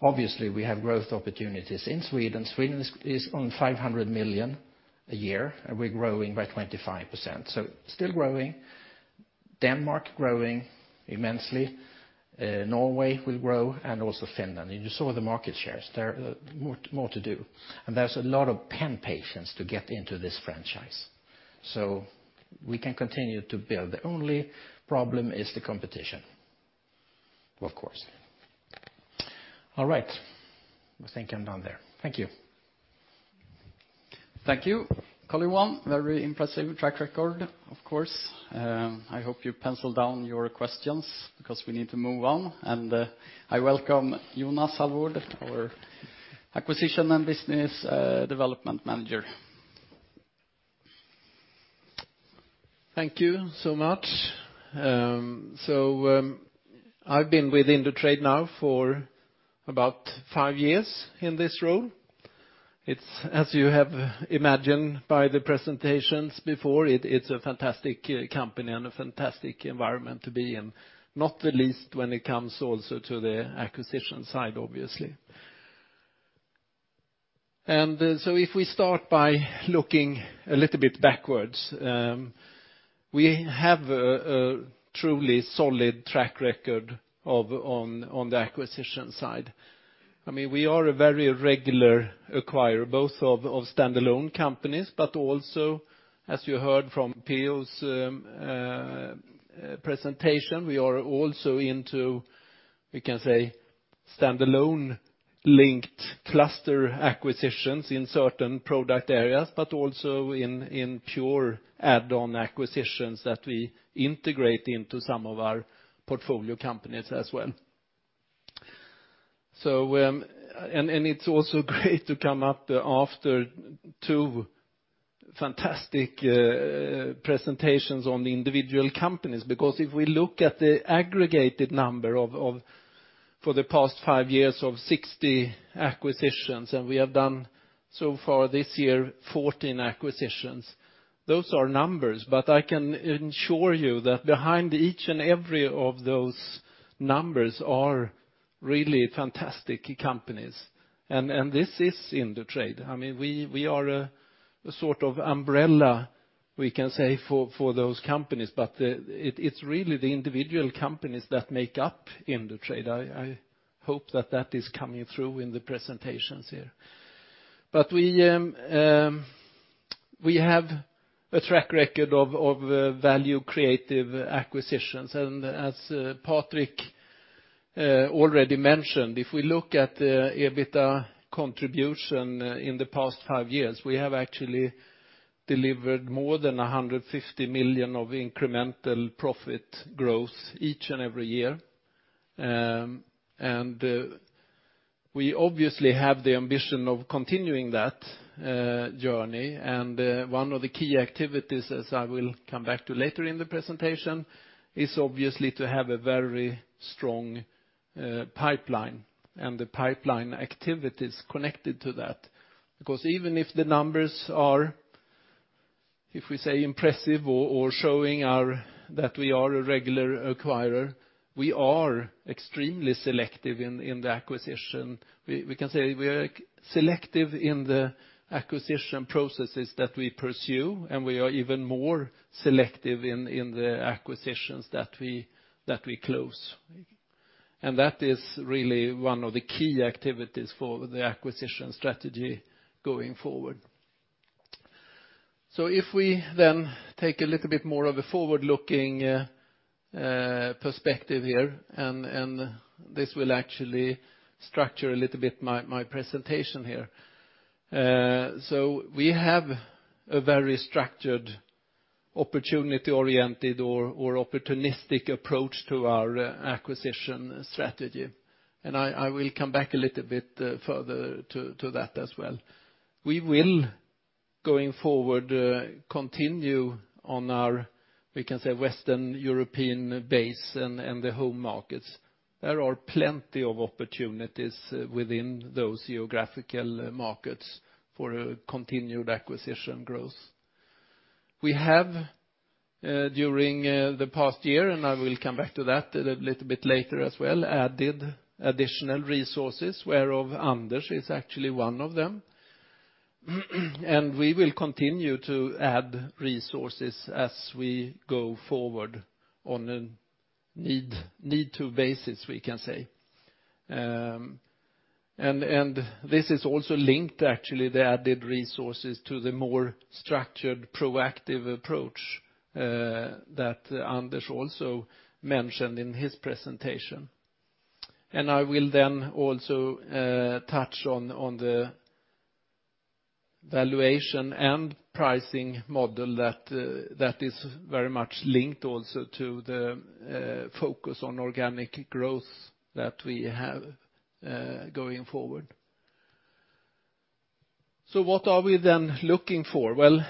Obviously, we have growth opportunities in Sweden. Sweden is on 500 million a year, and we're growing by 25%. Still growing. Denmark growing immensely. Norway will grow and also Finland. You saw the market shares. There are more to do. There's a lot of pen patients to get into this franchise. We can continue to build. The only problem is the competition, of course. All right. I think I'm done there. Thank you. Thank you, Karl-Johan. Very impressive track record, of course. I hope you penciled down your questions because we need to move on. I welcome Jonas Halvord, our acquisition and business development manager. Thank you so much. I've been with Indutrade now for about five years in this role. It's, as you have imagined by the presentations before, it's a fantastic company and a fantastic environment to be in, not the least when it comes also to the acquisition side, obviously. If we start by looking a little bit backwards, we have a truly solid track record on the acquisition side. I mean, we are a very regular acquirer, both of stand-alone companies, but also, as you heard from P.O.'s presentation, we are also into, we can say, stand-alone linked cluster acquisitions in certain product areas, but also in pure add-on acquisitions that we integrate into some of our portfolio companies as well. It's also great to come up after two fantastic presentations on the individual companies, because if we look at the aggregated number of for the past five years of 60 acquisitions, and we have done so far this year 14 acquisitions. Those are numbers, but I can ensure you that behind each and every of those numbers are really fantastic companies. This is Indutrade. I mean, we are a sort of umbrella, we can say, for those companies, but it's really the individual companies that make up Indutrade. I hope that is coming through in the presentations here. We have a track record of value creative acquisitions. As Patrik already mentioned, if we look at the EBITDA contribution in the past five years, we have actually delivered more than 150 million of incremental profit growth each and every year. We obviously have the ambition of continuing that journey. One of the key activities, as I will come back to later in the presentation, is obviously to have a very strong pipeline, and the pipeline activities connected to that. Because even if the numbers are, if we say impressive or showing that we are a regular acquirer, we are extremely selective in the acquisition. We can say we are selective in the acquisition processes that we pursue, and we are even more selective in the acquisitions that we close. That is really one of the key activities for the acquisition strategy going forward. If we then take a little bit more of a forward-looking perspective here, and this will actually structure a little bit my presentation here. We have a very structured opportunity-oriented or opportunistic approach to our acquisition strategy. I will come back a little bit further to that as well. We will, going forward, continue on our, we can say, Western European base and the home markets. There are plenty of opportunities within those geographical markets for continued acquisition growth. We have, during the past year, and I will come back to that a little bit later as well, added additional resources, whereof Anders is actually one of them. We will continue to add resources as we go forward on a need-to basis, we can say. This is also linked, actually, the added resources, to the more structured, proactive approach that Anders also mentioned in his presentation. I will then also touch on the valuation and pricing model that that is very much linked also to the focus on organic growth that we have going forward. What are we then looking for? Well,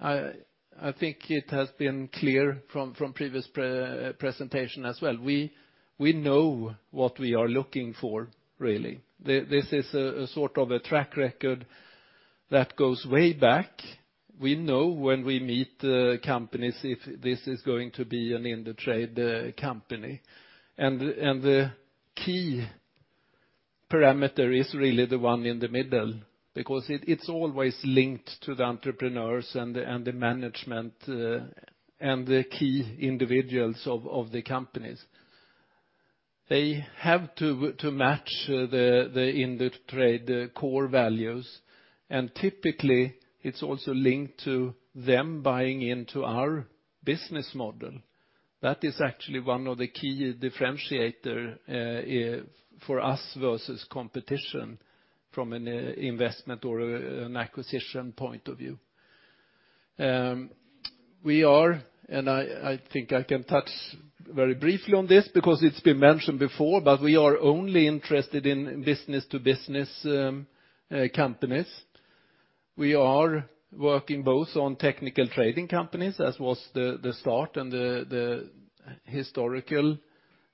I think it has been clear from previous presentations as well. We know what we are looking for really. This is a sort of a track record that goes way back. We know when we meet the companies if this is going to be an Indutrade company. The key parameter is really the one in the middle, because it's always linked to the entrepreneurs and the management and the key individuals of the companies. They have to match the Indutrade core values. Typically, it's also linked to them buying into our business model. That is actually one of the key differentiator for us versus competition from an investment or an acquisition point of view. I think I can touch very briefly on this because it's been mentioned before, but we are only interested in business-to-business companies. We are working both on technical trading companies, as was the start and the historical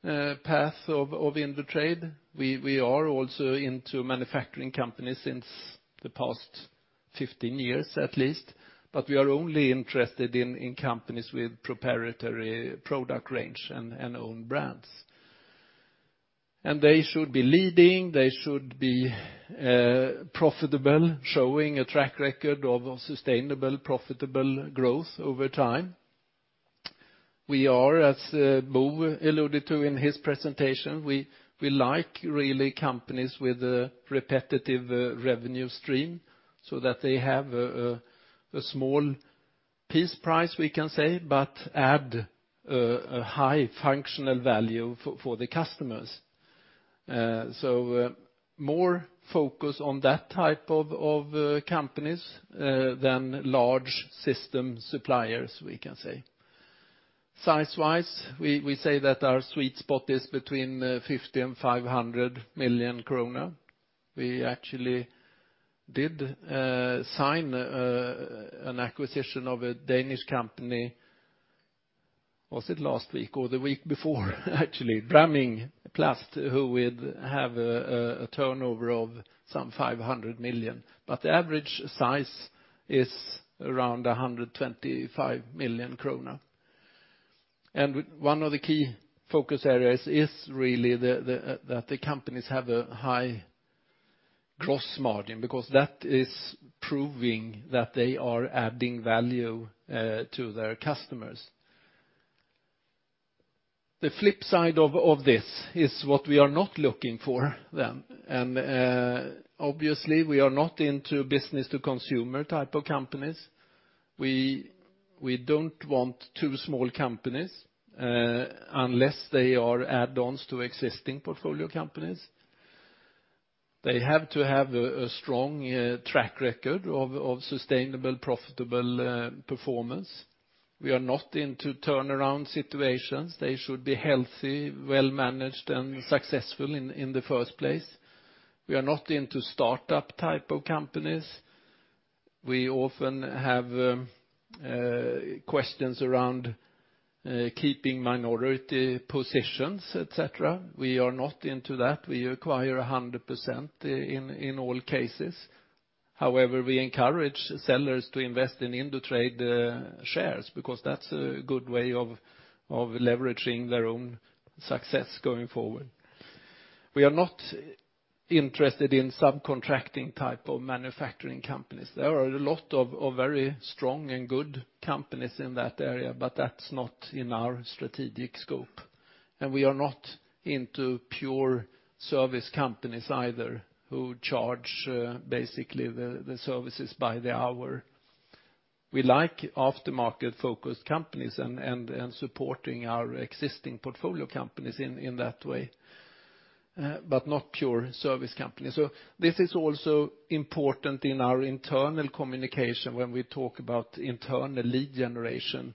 path of Indutrade. We are also into manufacturing companies since the past 15 years at least, but we are only interested in companies with proprietary product range and own brands. They should be leading, profitable, showing a track record of sustainable, profitable growth over time. We are, as Bo alluded to in his presentation, we like really companies with a repetitive revenue stream so that they have a small piece price, we can say, but add a high functional value for the customers. More focus on that type of companies than large system suppliers, we can say. Size-wise, we say that our sweet spot is between 50 million and 500 million kronor. We actually did sign an acquisition of a Danish company, was it last week or the week before, actually, Bramming Plast, who would have a turnover of some 500 million. The average size is around 125 million krona. One of the key focus areas is really that the companies have a high gross margin, because that is proving that they are adding value to their customers. The flip side of this is what we are not looking for then. Obviously, we are not into business-to-consumer type of companies. We don't want too small companies, unless they are add-ons to existing portfolio companies. They have to have a strong track record of sustainable, profitable performance. We are not into turnaround situations. They should be healthy, well-managed, and successful in the first place. We are not into startup type of companies. We often have questions around keeping minority positions, et cetera. We are not into that. We acquire 100% in all cases. However, we encourage sellers to invest in Indutrade shares because that's a good way of leveraging their own success going forward. We are not interested in subcontracting type of manufacturing companies. There are a lot of very strong and good companies in that area, but that's not in our strategic scope. We are not into pure service companies either who charge basically the services by the hour. We like aftermarket-focused companies and supporting our existing portfolio companies in that way, but not pure service companies. This is also important in our internal communication when we talk about internal lead generation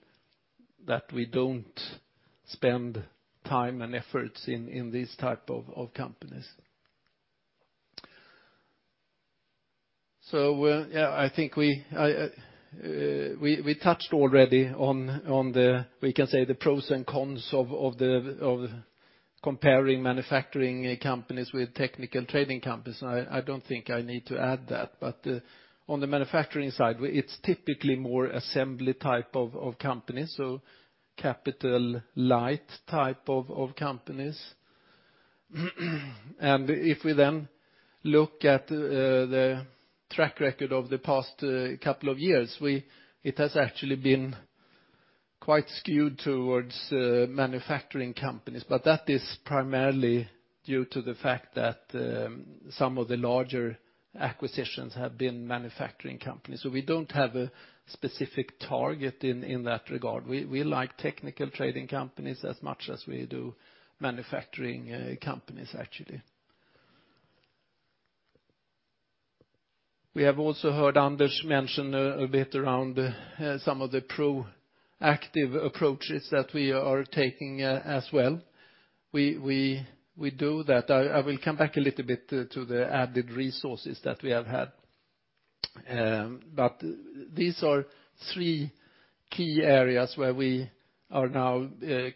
that we don't spend time and efforts in these type of companies. I think we touched already on the pros and cons of comparing manufacturing companies with technical trading companies, and I don't think I need to add that. On the manufacturing side, it's typically more assembly type of companies, so capital light type of companies. If we then look at the track record of the past couple of years, it has actually been quite skewed towards manufacturing companies. That is primarily due to the fact that some of the larger acquisitions have been manufacturing companies, so we don't have a specific target in that regard. We like technical trading companies as much as we do manufacturing companies actually. We have also heard Anders mention a bit around some of the proactive approaches that we are taking as well. We do that. I will come back a little bit to the added resources that we have had. These are three key areas where we are now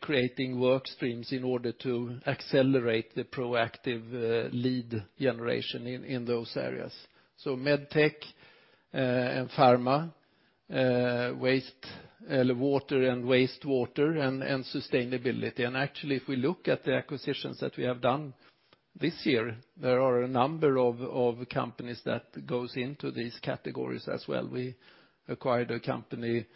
creating work streams in order to accelerate the proactive lead generation in those areas. MedTech and pharma, wastewater and sustainability. Actually, if we look at the acquisitions that we have done this year, there are a number of companies that goes into these categories as well. We acquired a company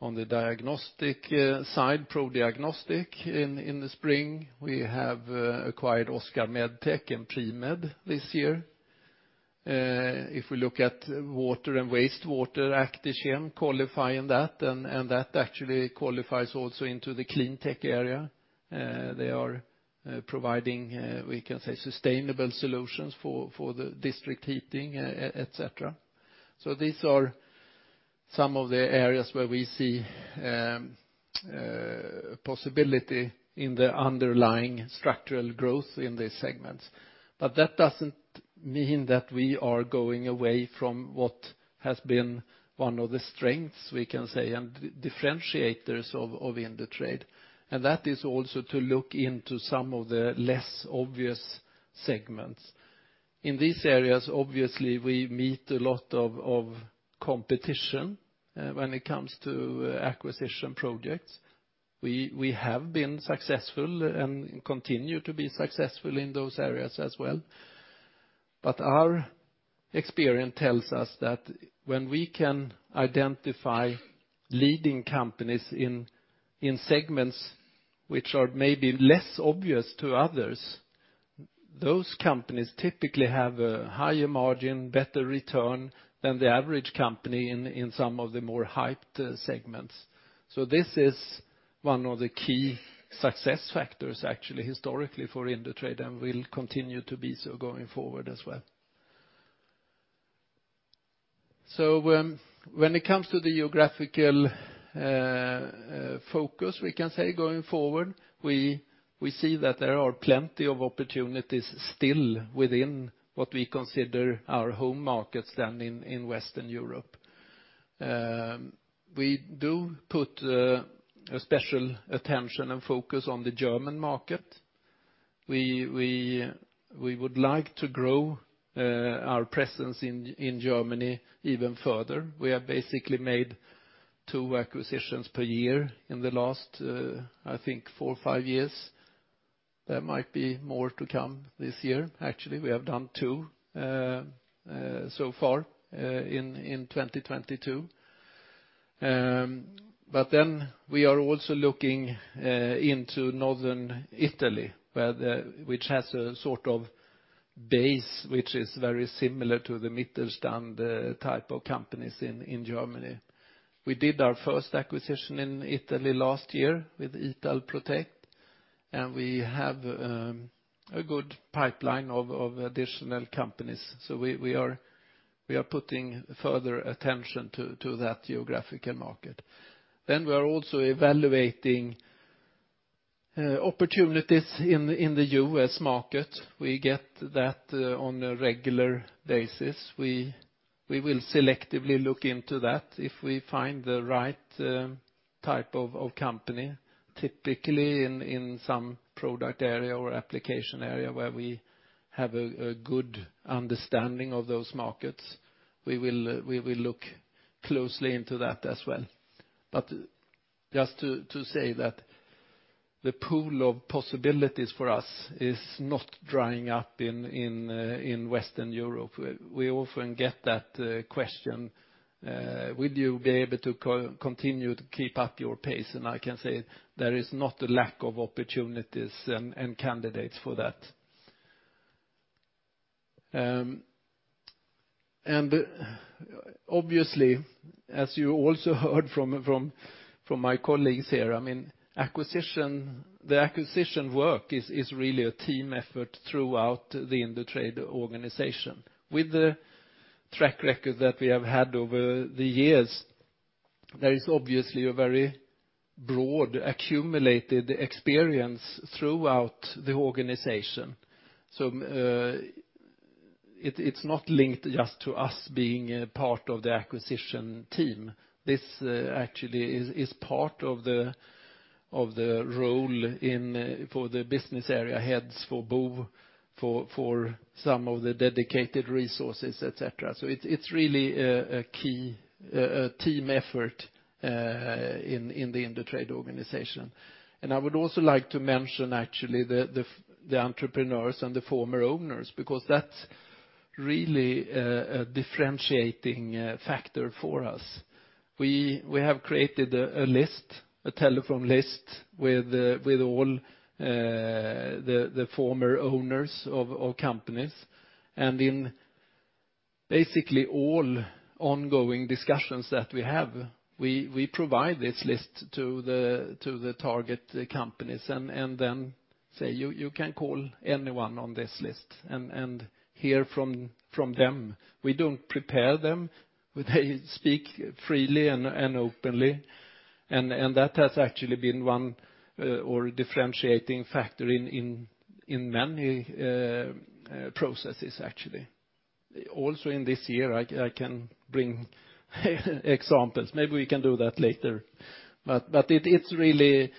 on the diagnostic side, Pro Diagnostics, in the spring. We have acquired Oscar Medtec and Primed this year. If we look at water and wastewater, acti-Chem qualify in that, and that actually qualifies also into the clean tech area. They are providing we can say sustainable solutions for the district heating, et cetera. These are some of the areas where we see possibility in the underlying structural growth in these segments. That doesn't mean that we are going away from what has been one of the strengths, we can say, and differentiators of Indutrade, and that is also to look into some of the less obvious segments. In these areas, obviously, we meet a lot of competition when it comes to acquisition projects. We have been successful and continue to be successful in those areas as well. Our experience tells us that when we can identify leading companies in segments which are maybe less obvious to others, those companies typically have a higher margin, better return than the average company in some of the more hyped segments. This is one of the key success factors actually historically for Indutrade and will continue to be so going forward as well. When it comes to the geographical focus, we can say going forward, we see that there are plenty of opportunities still within what we consider our home markets and in Western Europe. We do put a special attention and focus on the German market. We would like to grow our presence in Germany even further. We have basically made two acquisitions per year in the last, I think four or five years. There might be more to come this year. Actually, we have done two so far in 2022. We are also looking into Northern Italy, which has a sort of base which is very similar to the Mittelstand type of companies in Germany. We did our first acquisition in Italy last year with Italprotec. We have a good pipeline of additional companies. We are putting further attention to that geographical market. We are also evaluating opportunities in the U.S. market. We get that on a regular basis. We will selectively look into that if we find the right type of company, typically in some product area or application area where we have a good understanding of those markets. We will look closely into that as well. Just to say that the pool of possibilities for us is not drying up in Western Europe. We often get that question, will you be able to continue to keep up your pace? I can say there is not a lack of opportunities and candidates for that. Obviously, as you also heard from my colleagues here, I mean, acquisition work is really a team effort throughout the Indutrade organization. With the track record that we have had over the years, there is obviously a very broad accumulated experience throughout the organization. It's not linked just to us being a part of the acquisition team. This actually is part of the role for the business area heads for BU, for some of the dedicated resources, et cetera. It's really a key team effort in the Indutrade organization. I would also like to mention actually the entrepreneurs and the former owners, because that's really a differentiating factor for us. We have created a list, a telephone list with all the former owners of companies. In basically all ongoing discussions that we have, we provide this list to the target companies and then say, you can call anyone on this list and hear from them. We don't prepare them, but they speak freely and openly. That has actually been our differentiating factor in many processes actually. Also in this year, I can bring examples. Maybe we can do that later. It's really,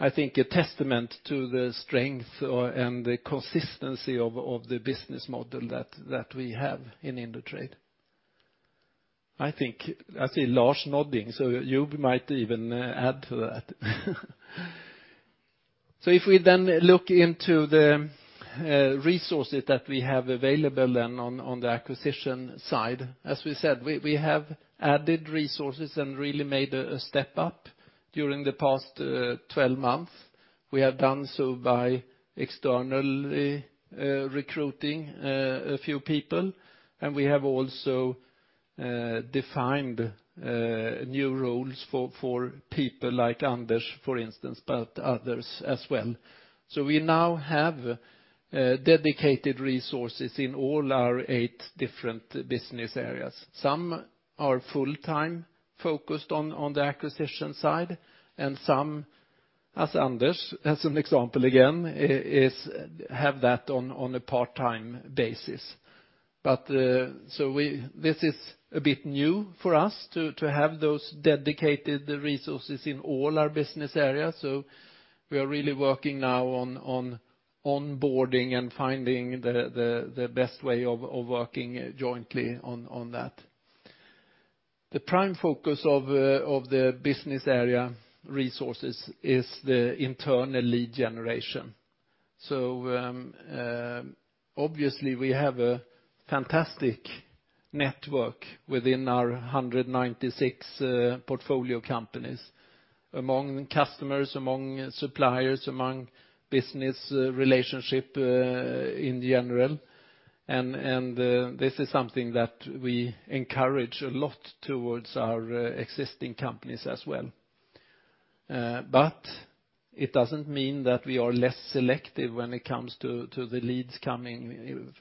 I think, a testament to the strength and the consistency of the business model that we have in Indutrade. I think I see Lars nodding, so you might even add to that. If we then look into the resources that we have available then on the acquisition side, as we said, we have added resources and really made a step up during the past 12 months. We have done so by externally recruiting a few people, and we have also defined new roles for people like Anders, for instance, but others as well. We now have dedicated resources in all our eight different business areas. Some are full-time focused on the acquisition side, and some, as Anders, as an example again, have that on a part-time basis. This is a bit new for us to have those dedicated resources in all our business areas. We are really working now on onboarding and finding the best way of working jointly on that. The prime focus of the business area resources is the internal lead generation. Obviously, we have a fantastic network within our 196 portfolio companies, among customers, among suppliers, among business relationship in general. This is something that we encourage a lot towards our existing companies as well. It doesn't mean that we are less selective when it comes to the leads coming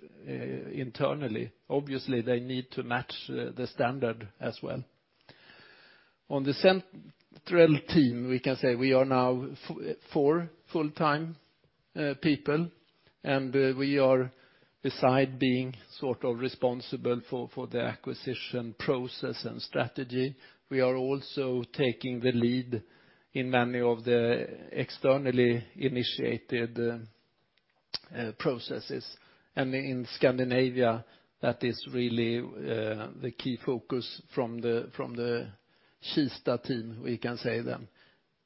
internally. Obviously, they need to match the standard as well. On the central team, we can say we are now four full-time people, and we are, besides being sort of responsible for the acquisition process and strategy, we are also taking the lead in many of the externally initiated processes. In Scandinavia, that is really the key focus from the Kista team, we can say then.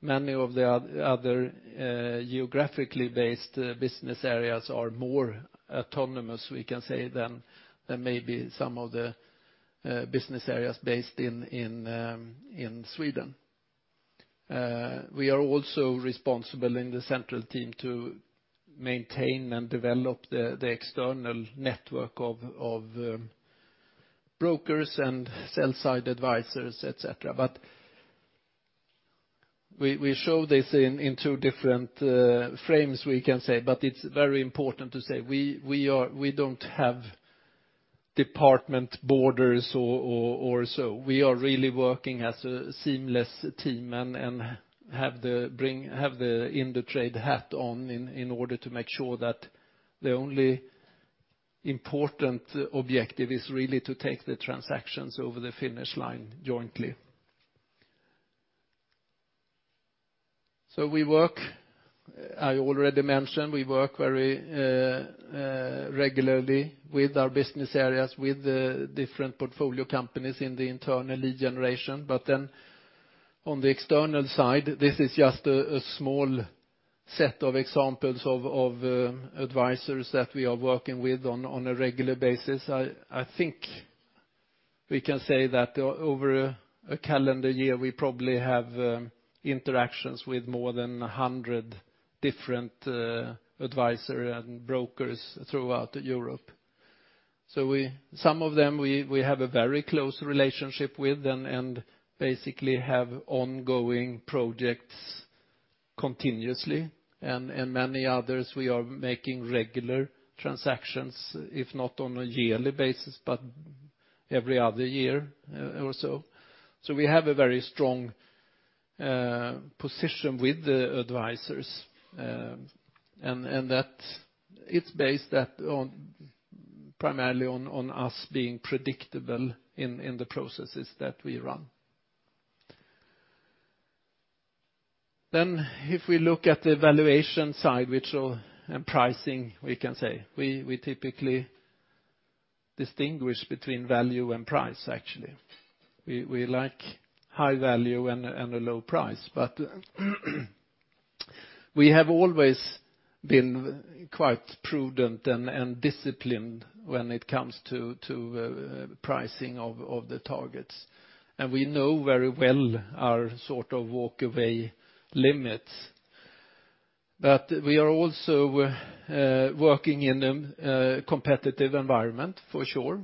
Many of the other geographically based business areas are more autonomous, we can say, than maybe some of the business areas based in Sweden. We are also responsible in the central team to maintain and develop the external network of brokers and sell-side advisors, et cetera. We show this in two different frames we can say, but it's very important to say we are. We don't have department borders or so. We are really working as a seamless team and have the Indutrade hat on in order to make sure that the only important objective is really to take the transactions over the finish line jointly. We work, I already mentioned, very regularly with our business areas, with the different portfolio companies in the internal lead generation. Then on the external side, this is just a small set of examples of advisors that we are working with on a regular basis. I think we can say that over a calendar year, we probably have interactions with more than 100 different advisors and brokers throughout Europe. Some of them we have a very close relationship with and basically have ongoing projects continuously and many others we are making regular transactions, if not on a yearly basis, but every other year or so. We have a very strong position with the advisors, and that it's based on primarily on us being predictable in the processes that we run. If we look at the valuation side and pricing, we can say. We typically distinguish between value and price actually. We like high value and a low price. We have always been quite prudent and disciplined when it comes to pricing of the targets. We know very well our sort of walk away limits. We are also working in a competitive environment for sure.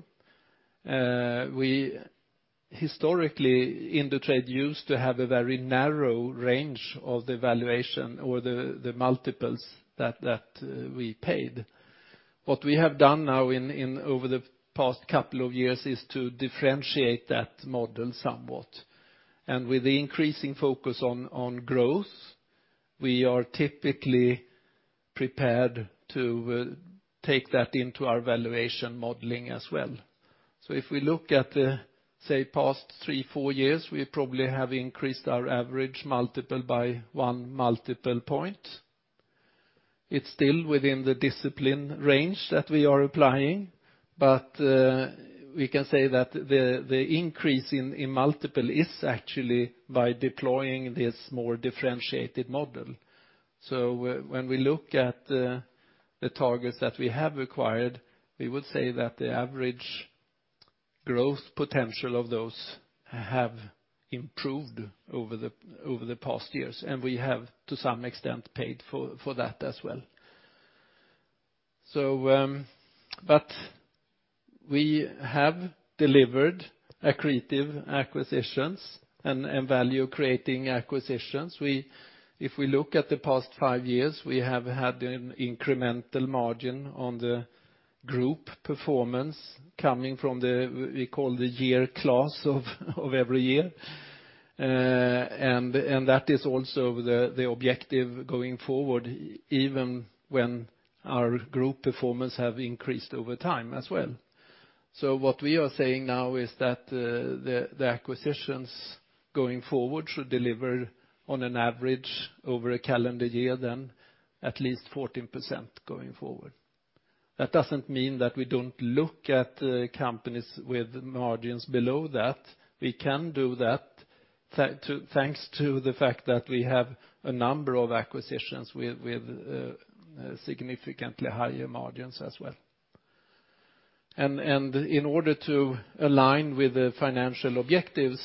Historically, Indutrade used to have a very narrow range of the valuation or the multiples that we paid. What we have done now in over the past couple of years is to differentiate that model somewhat. With the increasing focus on growth, we are typically prepared to take that into our valuation modeling as well. If we look at the, say, past three, four years, we probably have increased our average multiple by one multiple point. It's still within the discipline range that we are applying, but we can say that the increase in multiple is actually by deploying this more differentiated model. When we look at the targets that we have acquired, we would say that the average growth potential of those have improved over the past years, and we have to some extent paid for that as well. We have delivered accretive acquisitions and value creating acquisitions. If we look at the past five years, we have had an incremental margin on the group performance coming from the we call the year class of every year. That is also the objective going forward, even when our group performance have increased over time as well. What we are saying now is that the acquisitions going forward should deliver on an average over a calendar year of at least 14% going forward. That doesn't mean that we don't look at companies with margins below that. We can do that thanks to the fact that we have a number of acquisitions with significantly higher margins as well. In order to align with the financial objectives,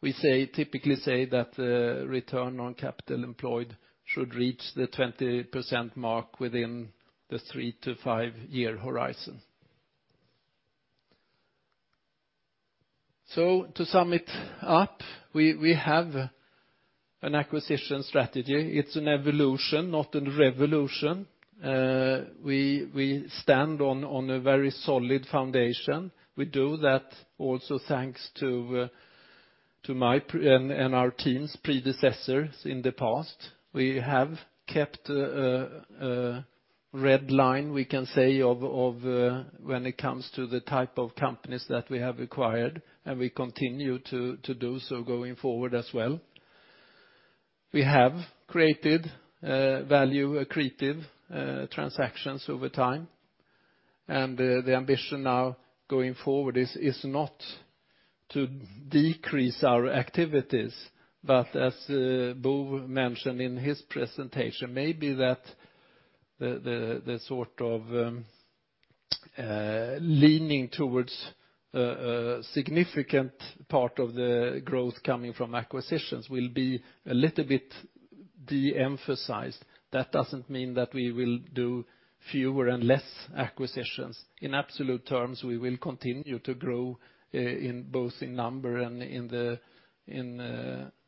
we typically say that the return on capital employed should reach the 20% mark within the three to five-year horizon. To sum it up, we have an acquisition strategy. It's an evolution, not a revolution. We stand on a very solid foundation. We do that also thanks to my predecessors and our team's predecessors in the past. We have kept a red line, we can say, of when it comes to the type of companies that we have acquired, and we continue to do so going forward as well. We have created value accretive transactions over time, and the ambition now going forward is not to decrease our activities, but as Bo mentioned in his presentation, maybe that the sort of leaning towards a significant part of the growth coming from acquisitions will be a little bit de-emphasized. That doesn't mean that we will do fewer and less acquisitions. In absolute terms, we will continue to grow in both number and in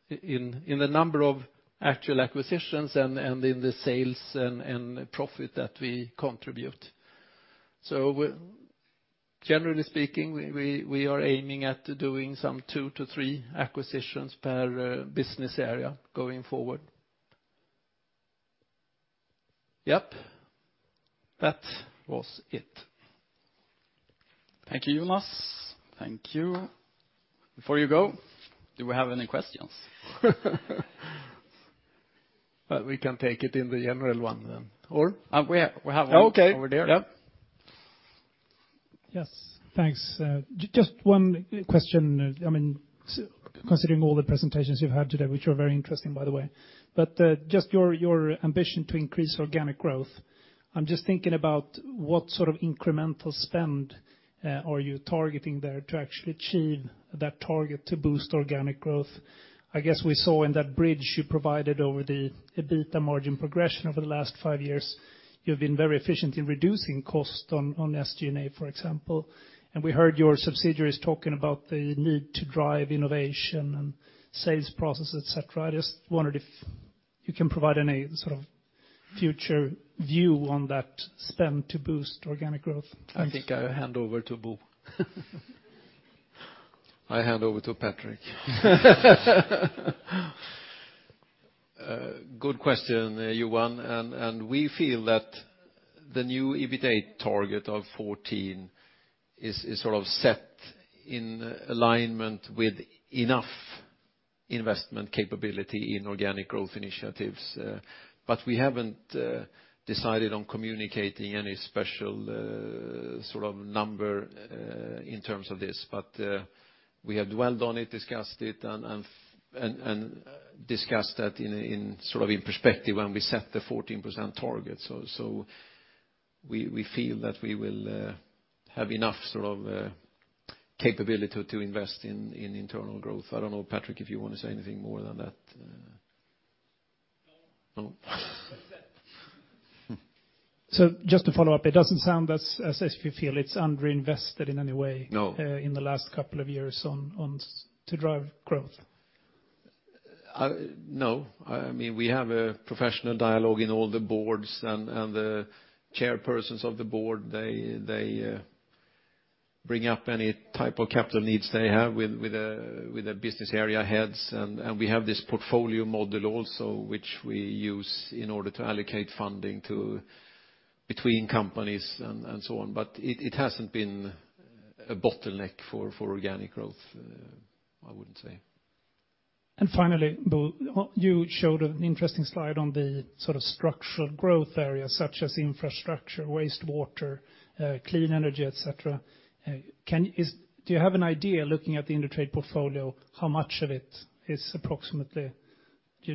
the number of actual acquisitions and in the sales and profit that we contribute. Generally speaking, we are aiming at doing some two to three acquisitions per business area going forward. Yep, that was it. Thank you, Jonas. Thank you. Before you go, do we have any questions? Well, we can take it in the general one then, or? We have one Oh, okay. Over there. Yep. Yes. Thanks. Just one question. I mean, considering all the presentations you've had today, which were very interesting by the way, but just your ambition to increase organic growth. I'm just thinking about what sort of incremental spend are you targeting there to actually achieve that target to boost organic growth? I guess we saw in that bridge you provided over the EBITDA margin progression over the last five years, you've been very efficient in reducing cost on SG&A, for example. We heard your subsidiaries talking about the need to drive innovation and sales processes, et cetera. I just wondered if you can provide any sort of future view on that spend to boost organic growth. Thanks. I think I'll hand over to Bo. I hand over to Patrik. Good question, Johan. We feel that the new EBITA target of 14% is sort of set in alignment with enough investment capability in organic growth initiatives. We haven't decided on communicating any special sort of number in terms of this. We have dwelled on it, discussed it, and discussed that in sort of perspective when we set the 14% target. We feel that we will have enough sort of capability to invest in internal growth. I don't know, Patrik, if you want to say anything more than that. No. No? That's it. Just to follow up, it doesn't sound as if you feel it's under-invested in any way? No in the last couple of years to drive growth? No. I mean, we have a professional dialogue in all the boards and the chairpersons of the board, they bring up any type of capital needs they have with the business area heads. We have this portfolio model also, which we use in order to allocate funding to between companies and so on. It hasn't been a bottleneck for organic growth, I wouldn't say. Finally, Bo, you showed an interesting slide on the sort of structural growth areas such as infrastructure, wastewater, clean energy, et cetera. Do you have an idea, looking at the Indutrade portfolio, how much of it is approximately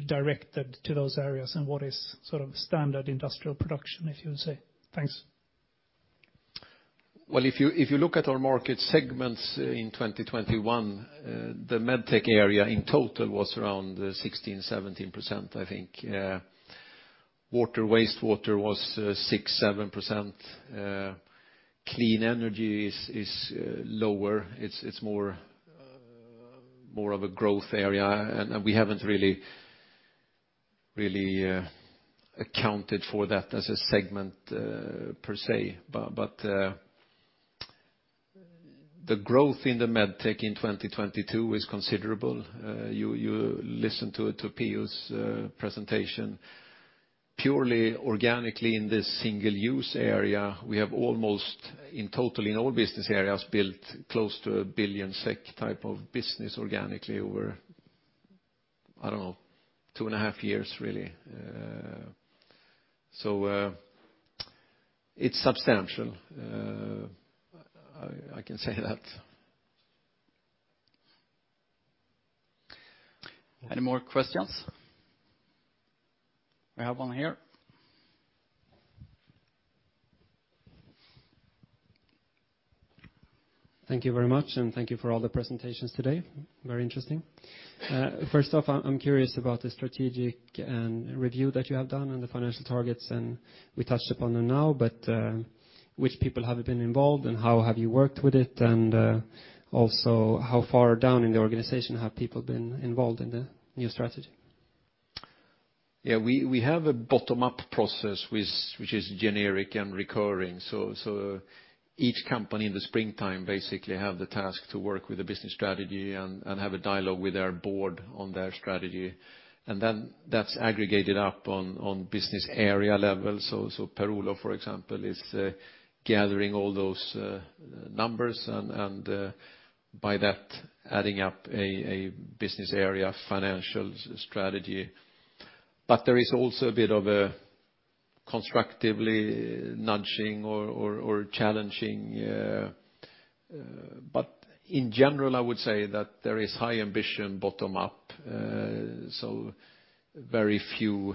directed to those areas? What is sort of standard industrial production, if you would say? Thanks. Well, if you look at our market segments in 2021, the med tech area in total was around 16%-17%, I think. Water, wastewater was 6%-7%. Clean energy is lower. It's more of a growth area. We haven't really accounted for that as a segment per se. The growth in the MedTech in 2022 is considerable. You listened to P.O. Presentation. Purely organically in the single-use area, we have almost in total in all business areas built close to 1 billion SEK type of business organically over, I don't know, two and a half years, really. So, it's substantial. I can say that. Any more questions? We have one here. Thank you very much, and thank you for all the presentations today. Very interesting. First off, I'm curious about the strategic review that you have done and the financial targets, and we touched upon them now, but which people have been involved, and how have you worked with it? Also, how far down in the organization have people been involved in the new strategy? Yeah, we have a bottom-up process which is generic and recurring. Each company in the springtime basically have the task to work with the business strategy and have a dialogue with their board on their strategy. That's aggregated up on business area level. Per-Olow, for example, is gathering all those numbers and by that adding up a business area financial strategy. There is also a bit of a constructively nudging or challenging. In general, I would say that there is high ambition bottom up. Very few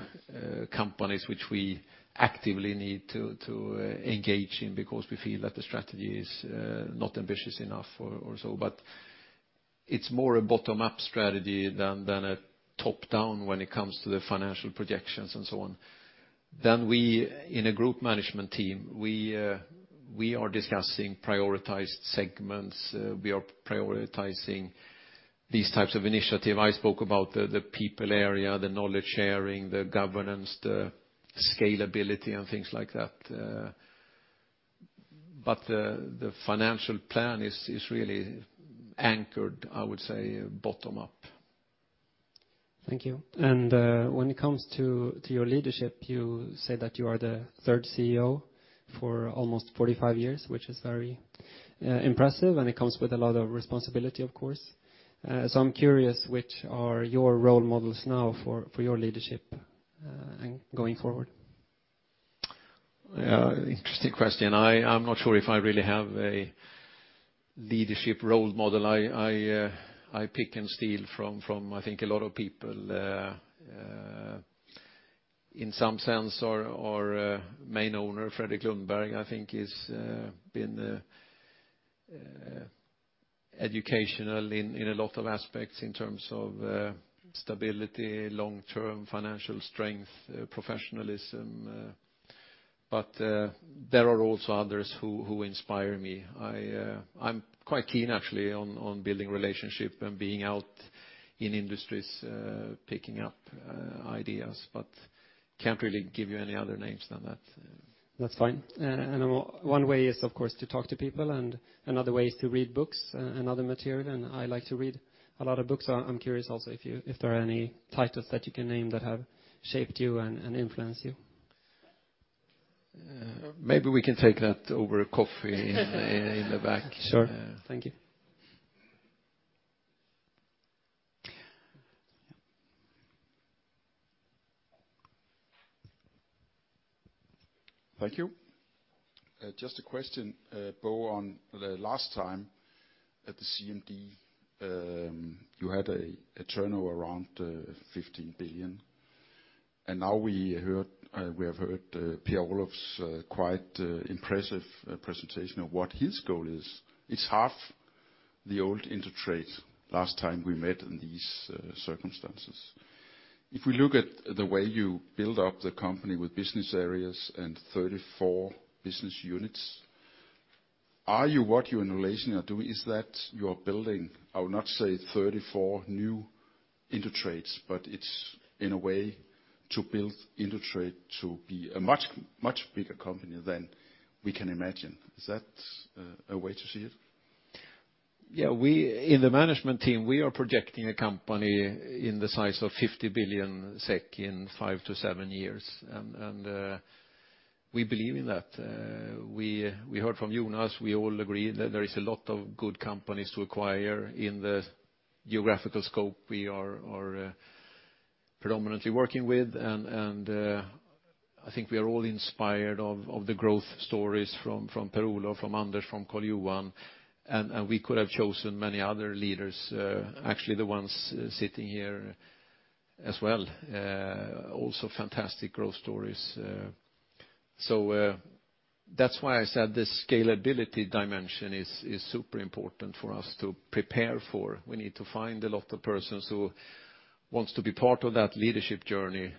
companies which we actively need to engage in because we feel that the strategy is not ambitious enough or so. It's more a bottom-up strategy than a top-down when it comes to the financial projections and so on. We, in a group management team, are discussing prioritized segments. We are prioritizing these types of initiative. I spoke about the people area, the knowledge sharing, the governance, the scalability and things like that. The financial plan is really anchored, I would say bottom up. Thank you. When it comes to your leadership, you said that you are the third CEO for almost 45 years, which is very impressive, and it comes with a lot of responsibility, of course. I'm curious, which are your role models now for your leadership and going forward? Interesting question. I'm not sure if I really have a leadership role model. I pick and steal from I think a lot of people. In some sense our main owner, Fredrik Lundberg, I think is been educational in a lot of aspects in terms of stability, long-term financial strength, professionalism. There are also others who inspire me. I'm quite keen actually on building relationship and being out in industries picking up ideas, but can't really give you any other names than that. That's fine. One way is, of course, to talk to people, and another way is to read books and other material, and I like to read a lot of books. I'm curious also if you if there are any titles that you can name that have shaped you and influenced you. Maybe we can take that over coffee in the back. Sure. Thank you. Thank you. Just a question, Bo, on the last time at the CMD, you had a turnover around 15 billion. Now we have heard Per-Olow's quite impressive presentation of what his goal is. It's half the old Indutrade last time we met in these circumstances. If we look at the way you build up the company with business areas and 34 business units, are you what you in relation are doing, is that you're building, I would not say 34 new Indutrades, but it's in a way to build Indutrade to be a much, much bigger company than we can imagine. Is that a way to see it? Yeah, in the management team, we are projecting a company in the size of 50 billion SEK in five to seven years. We believe in that. We heard from Jonas, we all agree that there is a lot of good companies to acquire in the geographical scope we are predominantly working with. I think we are all inspired of the growth stories from Per-Olow, from Anders, from Karl-Johan. We could have chosen many other leaders, actually the ones sitting here as well, also fantastic growth stories. That's why I said the scalability dimension is super important for us to prepare for. We need to find a lot of persons who wants to be part of that leadership journey,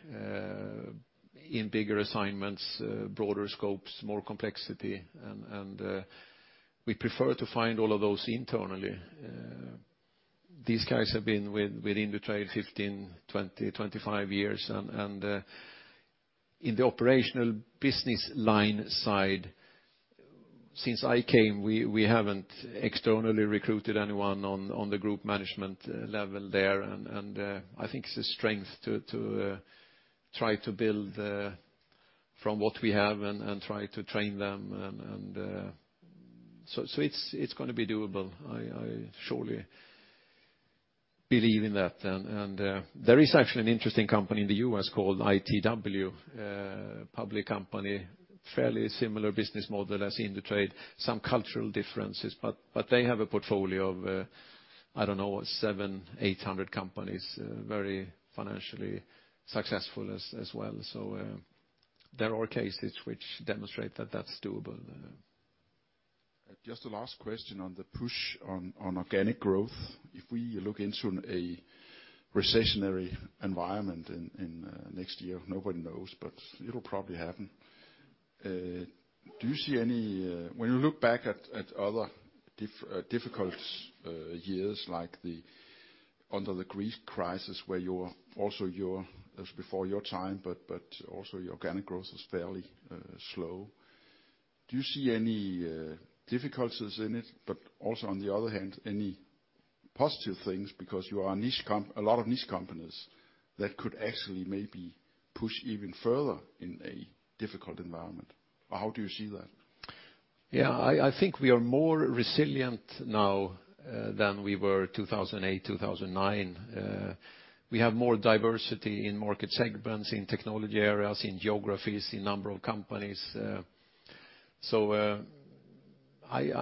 in bigger assignments, broader scopes, more complexity, and we prefer to find all of those internally. These guys have been with Indutrade 15, 20, 25 years. In the operational business line side, since I came, we haven't externally recruited anyone on the group management level there. I think it's a strength to try to build from what we have and try to train them. It's gonna be doable. I surely believe in that. There is actually an interesting company in the U.S. called ITW, public company, fairly similar business model as Indutrade, some cultural differences, but they have a portfolio of, I don't know, 700-800 companies, very financially successful as well. There are cases which demonstrate that that's doable. Just a last question on the push on organic growth. If we look into a recessionary environment in next year, nobody knows, but it'll probably happen. Do you see any when you look back at other difficult years like under the Greek crisis where your organic growth was fairly slow? It was before your time, but your organic growth was fairly slow. Do you see any difficulties in it, but also on the other hand, any positive things because you are a lot of niche companies that could actually maybe push even further in a difficult environment? How do you see that? Yeah. I think we are more resilient now than we were 2008, 2009. We have more diversity in market segments, in technology areas, in geographies, in number of companies. I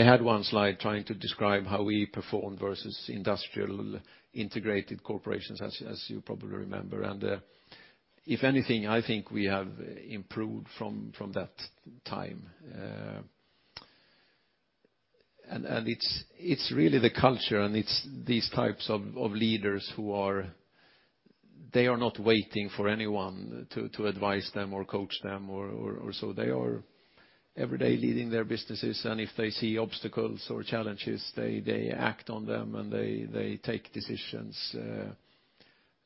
had one slide trying to describe how we perform versus industrial integrated corporations, as you probably remember. If anything, I think we have improved from that time. It's really the culture, and it's these types of leaders who are. They are not waiting for anyone to advise them or coach them or so. They are every day leading their businesses, and if they see obstacles or challenges, they act on them and they take decisions.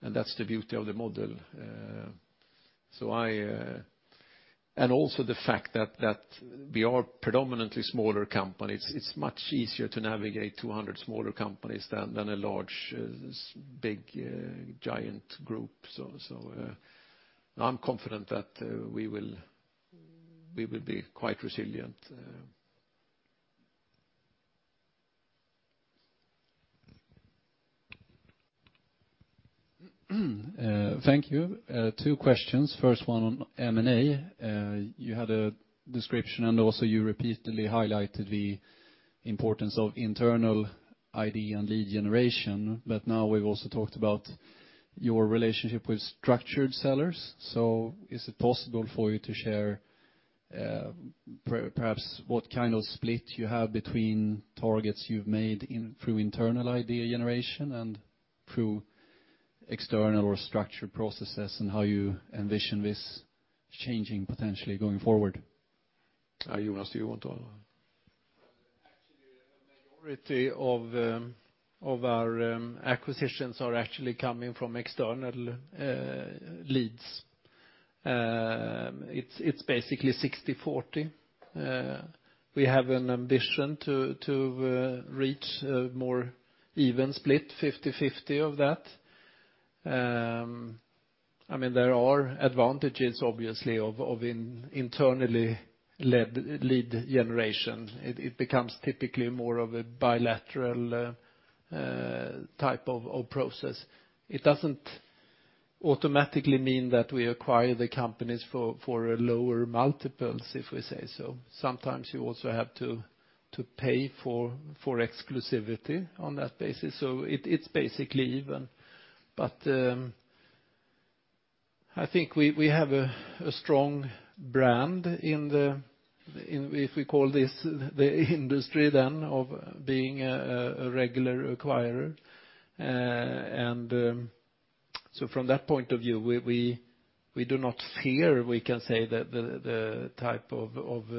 That's the beauty of the model. Also the fact that we are predominantly smaller companies. It's much easier to navigate 200 smaller companies than a large, big, giant group. I'm confident that we will be quite resilient. Thank you. Two questions. First one on M&A. You had a description, and also you repeatedly highlighted the importance of internal idea and lead generation. But now we've also talked about your relationship with structured sellers. Is it possible for you to share, perhaps what kind of split you have between targets you've made through internal idea generation and through external or structured processes, and how you envision this changing potentially going forward? Jonas, do you want to? Actually, a majority of our acquisitions are actually coming from external leads. It's basically 60/40. We have an ambition to reach a more even split, 50/50 of that. I mean, there are advantages obviously of internally led lead generation. It becomes typically more of a bilateral type of process. It doesn't automatically mean that we acquire the companies for a lower multiples, if we say so. Sometimes you also have to pay for exclusivity on that basis. It's basically even. I think we have a strong brand in the industry of being a regular acquirer. From that point of view, we do not fear. We can say the type of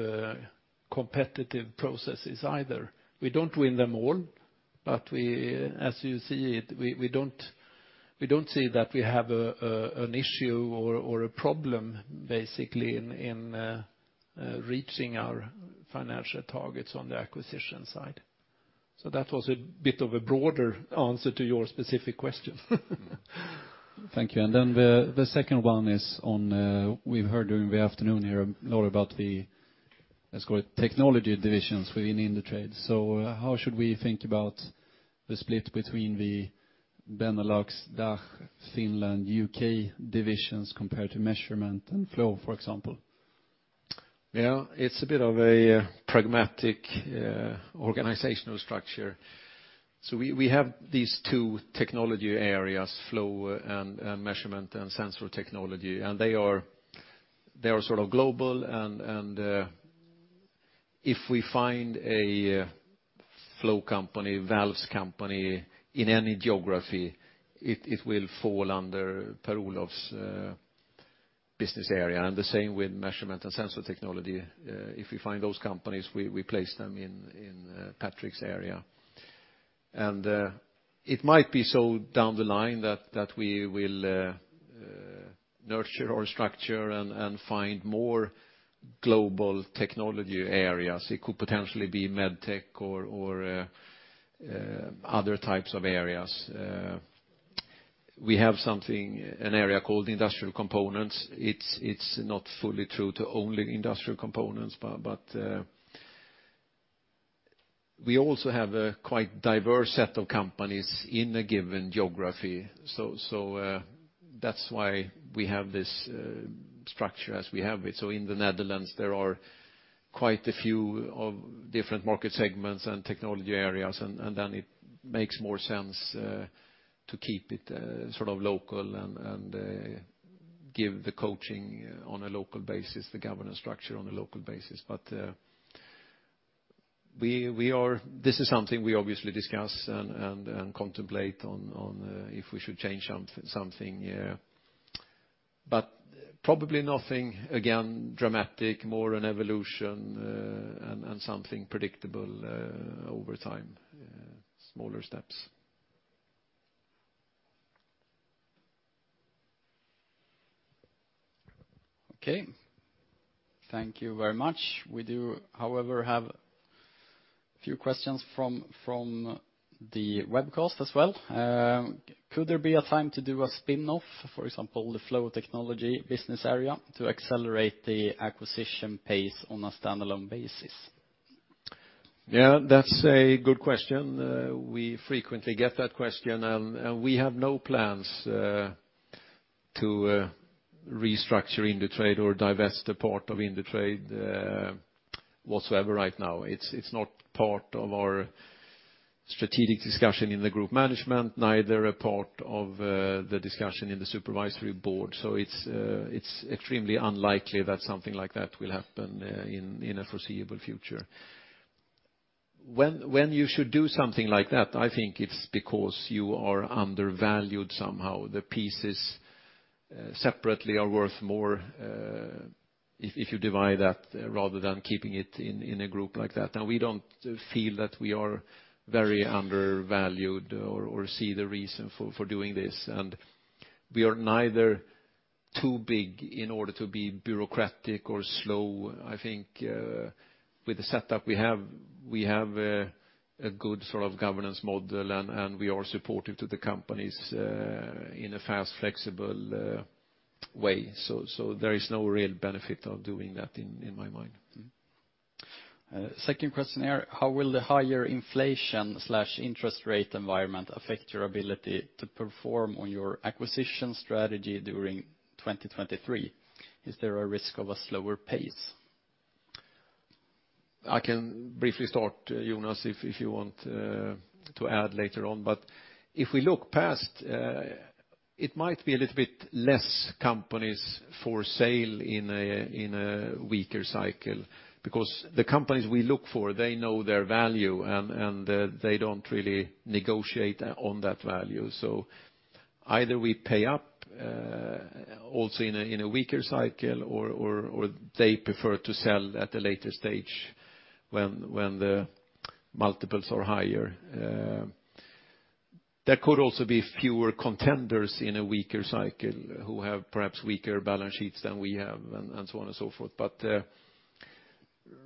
competitive processes either. We don't win them all, but we, as you see it, we don't see that we have an issue or a problem basically in reaching our financial targets on the acquisition side. That was a bit of a broader answer to your specific question. Thank you. Then the second one is on we've heard during the afternoon here a lot about the, let's call it technology divisions within Indutrade. How should we think about the split between the Benelux, DACH, Finland, U.K. divisions compared to measurement and flow, for example? Yeah. It's a bit of a pragmatic organizational structure. We have these two technology areas, flow and measurement and sensor technology. They are sort of global and if we find a flow company, valves company in any geography, it will fall under Per-Olow's business area. The same with measurement and sensor technology. If we find those companies, we place them in Patrik's area. It might be so down the line that we will nurture or structure and find more global technology areas. It could potentially be med tech or other types of areas. We have something, an area called industrial components. It's not fully true to only industrial components, but we also have a quite diverse set of companies in a given geography. That's why we have this structure as we have it. In the Netherlands, there are quite a few different market segments and technology areas, and then it makes more sense to keep it sort of local and give the coaching on a local basis, the governance structure on a local basis. This is something we obviously discuss and contemplate on if we should change something, yeah. Probably nothing, again, dramatic, more an evolution and something predictable over time. Smaller steps. Okay. Thank you very much. We do, however, have a few questions from the webcast as well. Could there be a time to do a spin-off, for example, the Flow Technology business area to accelerate the acquisition pace on a standalone basis? Yeah, that's a good question. We frequently get that question and we have no plans to restructure Indutrade or divest a part of Indutrade. Whatsoever right now. It's not part of our strategic discussion in the group management, neither a part of the discussion in the supervisory board. It's extremely unlikely that something like that will happen in a foreseeable future. When you should do something like that, I think it's because you are undervalued somehow. The pieces separately are worth more if you divide that rather than keeping it in a group like that. Now we don't feel that we are very undervalued or see the reason for doing this. We are neither too big in order to be bureaucratic or slow. I think, with the setup we have, we have a good sort of governance model and we are supportive to the companies, in a fast, flexible, way. There is no real benefit of doing that in my mind. Second question here. How will the higher inflation/interest rate environment affect your ability to perform on your acquisition strategy during 2023? Is there a risk of a slower pace? I can briefly start, Jonas, if you want to add later on. If we look past it might be a little bit less companies for sale in a weaker cycle, because the companies we look for, they know their value and they don't really negotiate on that value. Either we pay up also in a weaker cycle, or they prefer to sell at a later stage when the multiples are higher. There could also be fewer contenders in a weaker cycle who have perhaps weaker balance sheets than we have, and so on and so forth.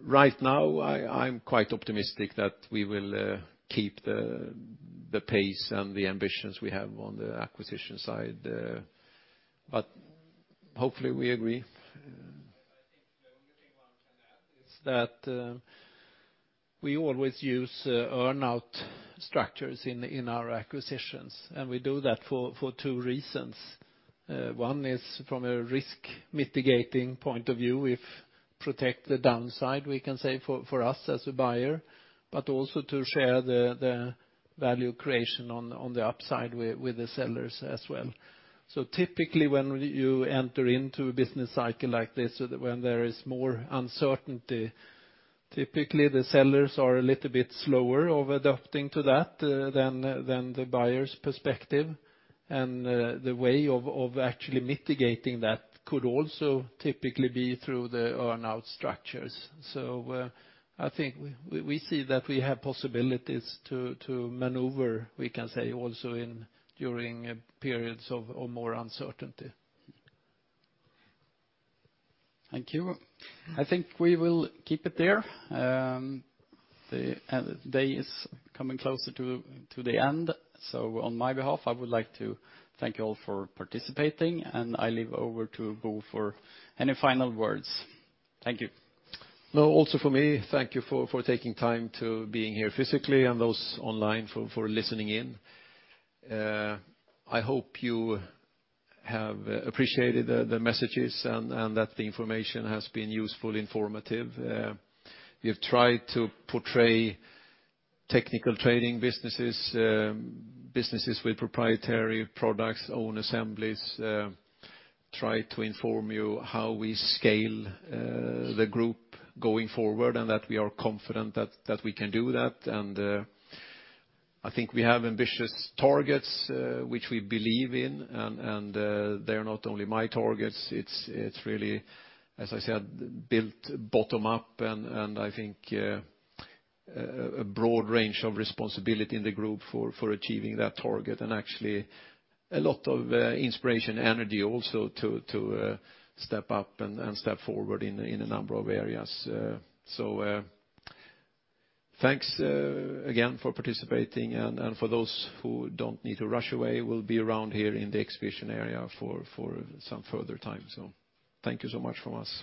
Right now I'm quite optimistic that we will keep the pace and the ambitions we have on the acquisition side. Hopefully we agree. Yes, I think the only thing one can add is that we always use earn-out structures in our acquisitions. We do that for two reasons. One is from a risk-mitigating point of view, it protects the downside, we can say for us as a buyer, but also to share the value creation on the upside with the sellers as well. Typically when you enter into a business cycle like this, when there is more uncertainty, typically the sellers are a little bit slower to adapt to that than the buyer's perspective. The way to actually mitigating that could also typically be through the earn-out structures. I think we see that we have possibilities to maneuver, we can say also during periods of more uncertainty. Thank you. I think we will keep it there. The day is coming closer to the end. On my behalf, I would like to thank you all for participating, and I leave over to Bo for any final words. Thank you. No, also for me, thank you for taking time to being here physically and those online for listening in. I hope you have appreciated the messages and that the information has been useful, informative. We have tried to portray technical trading businesses with proprietary products, own assemblies, try to inform you how we scale the group going forward and that we are confident that we can do that. I think we have ambitious targets which we believe in, and they're not only my targets. It's really, as I said, built bottom-up and I think a broad range of responsibility in the group for achieving that target, and actually a lot of inspiration, energy also to step up and step forward in a number of areas. Thanks again for participating and for those who don't need to rush away, we'll be around here in the exhibition area for some further time. Thank you so much from us.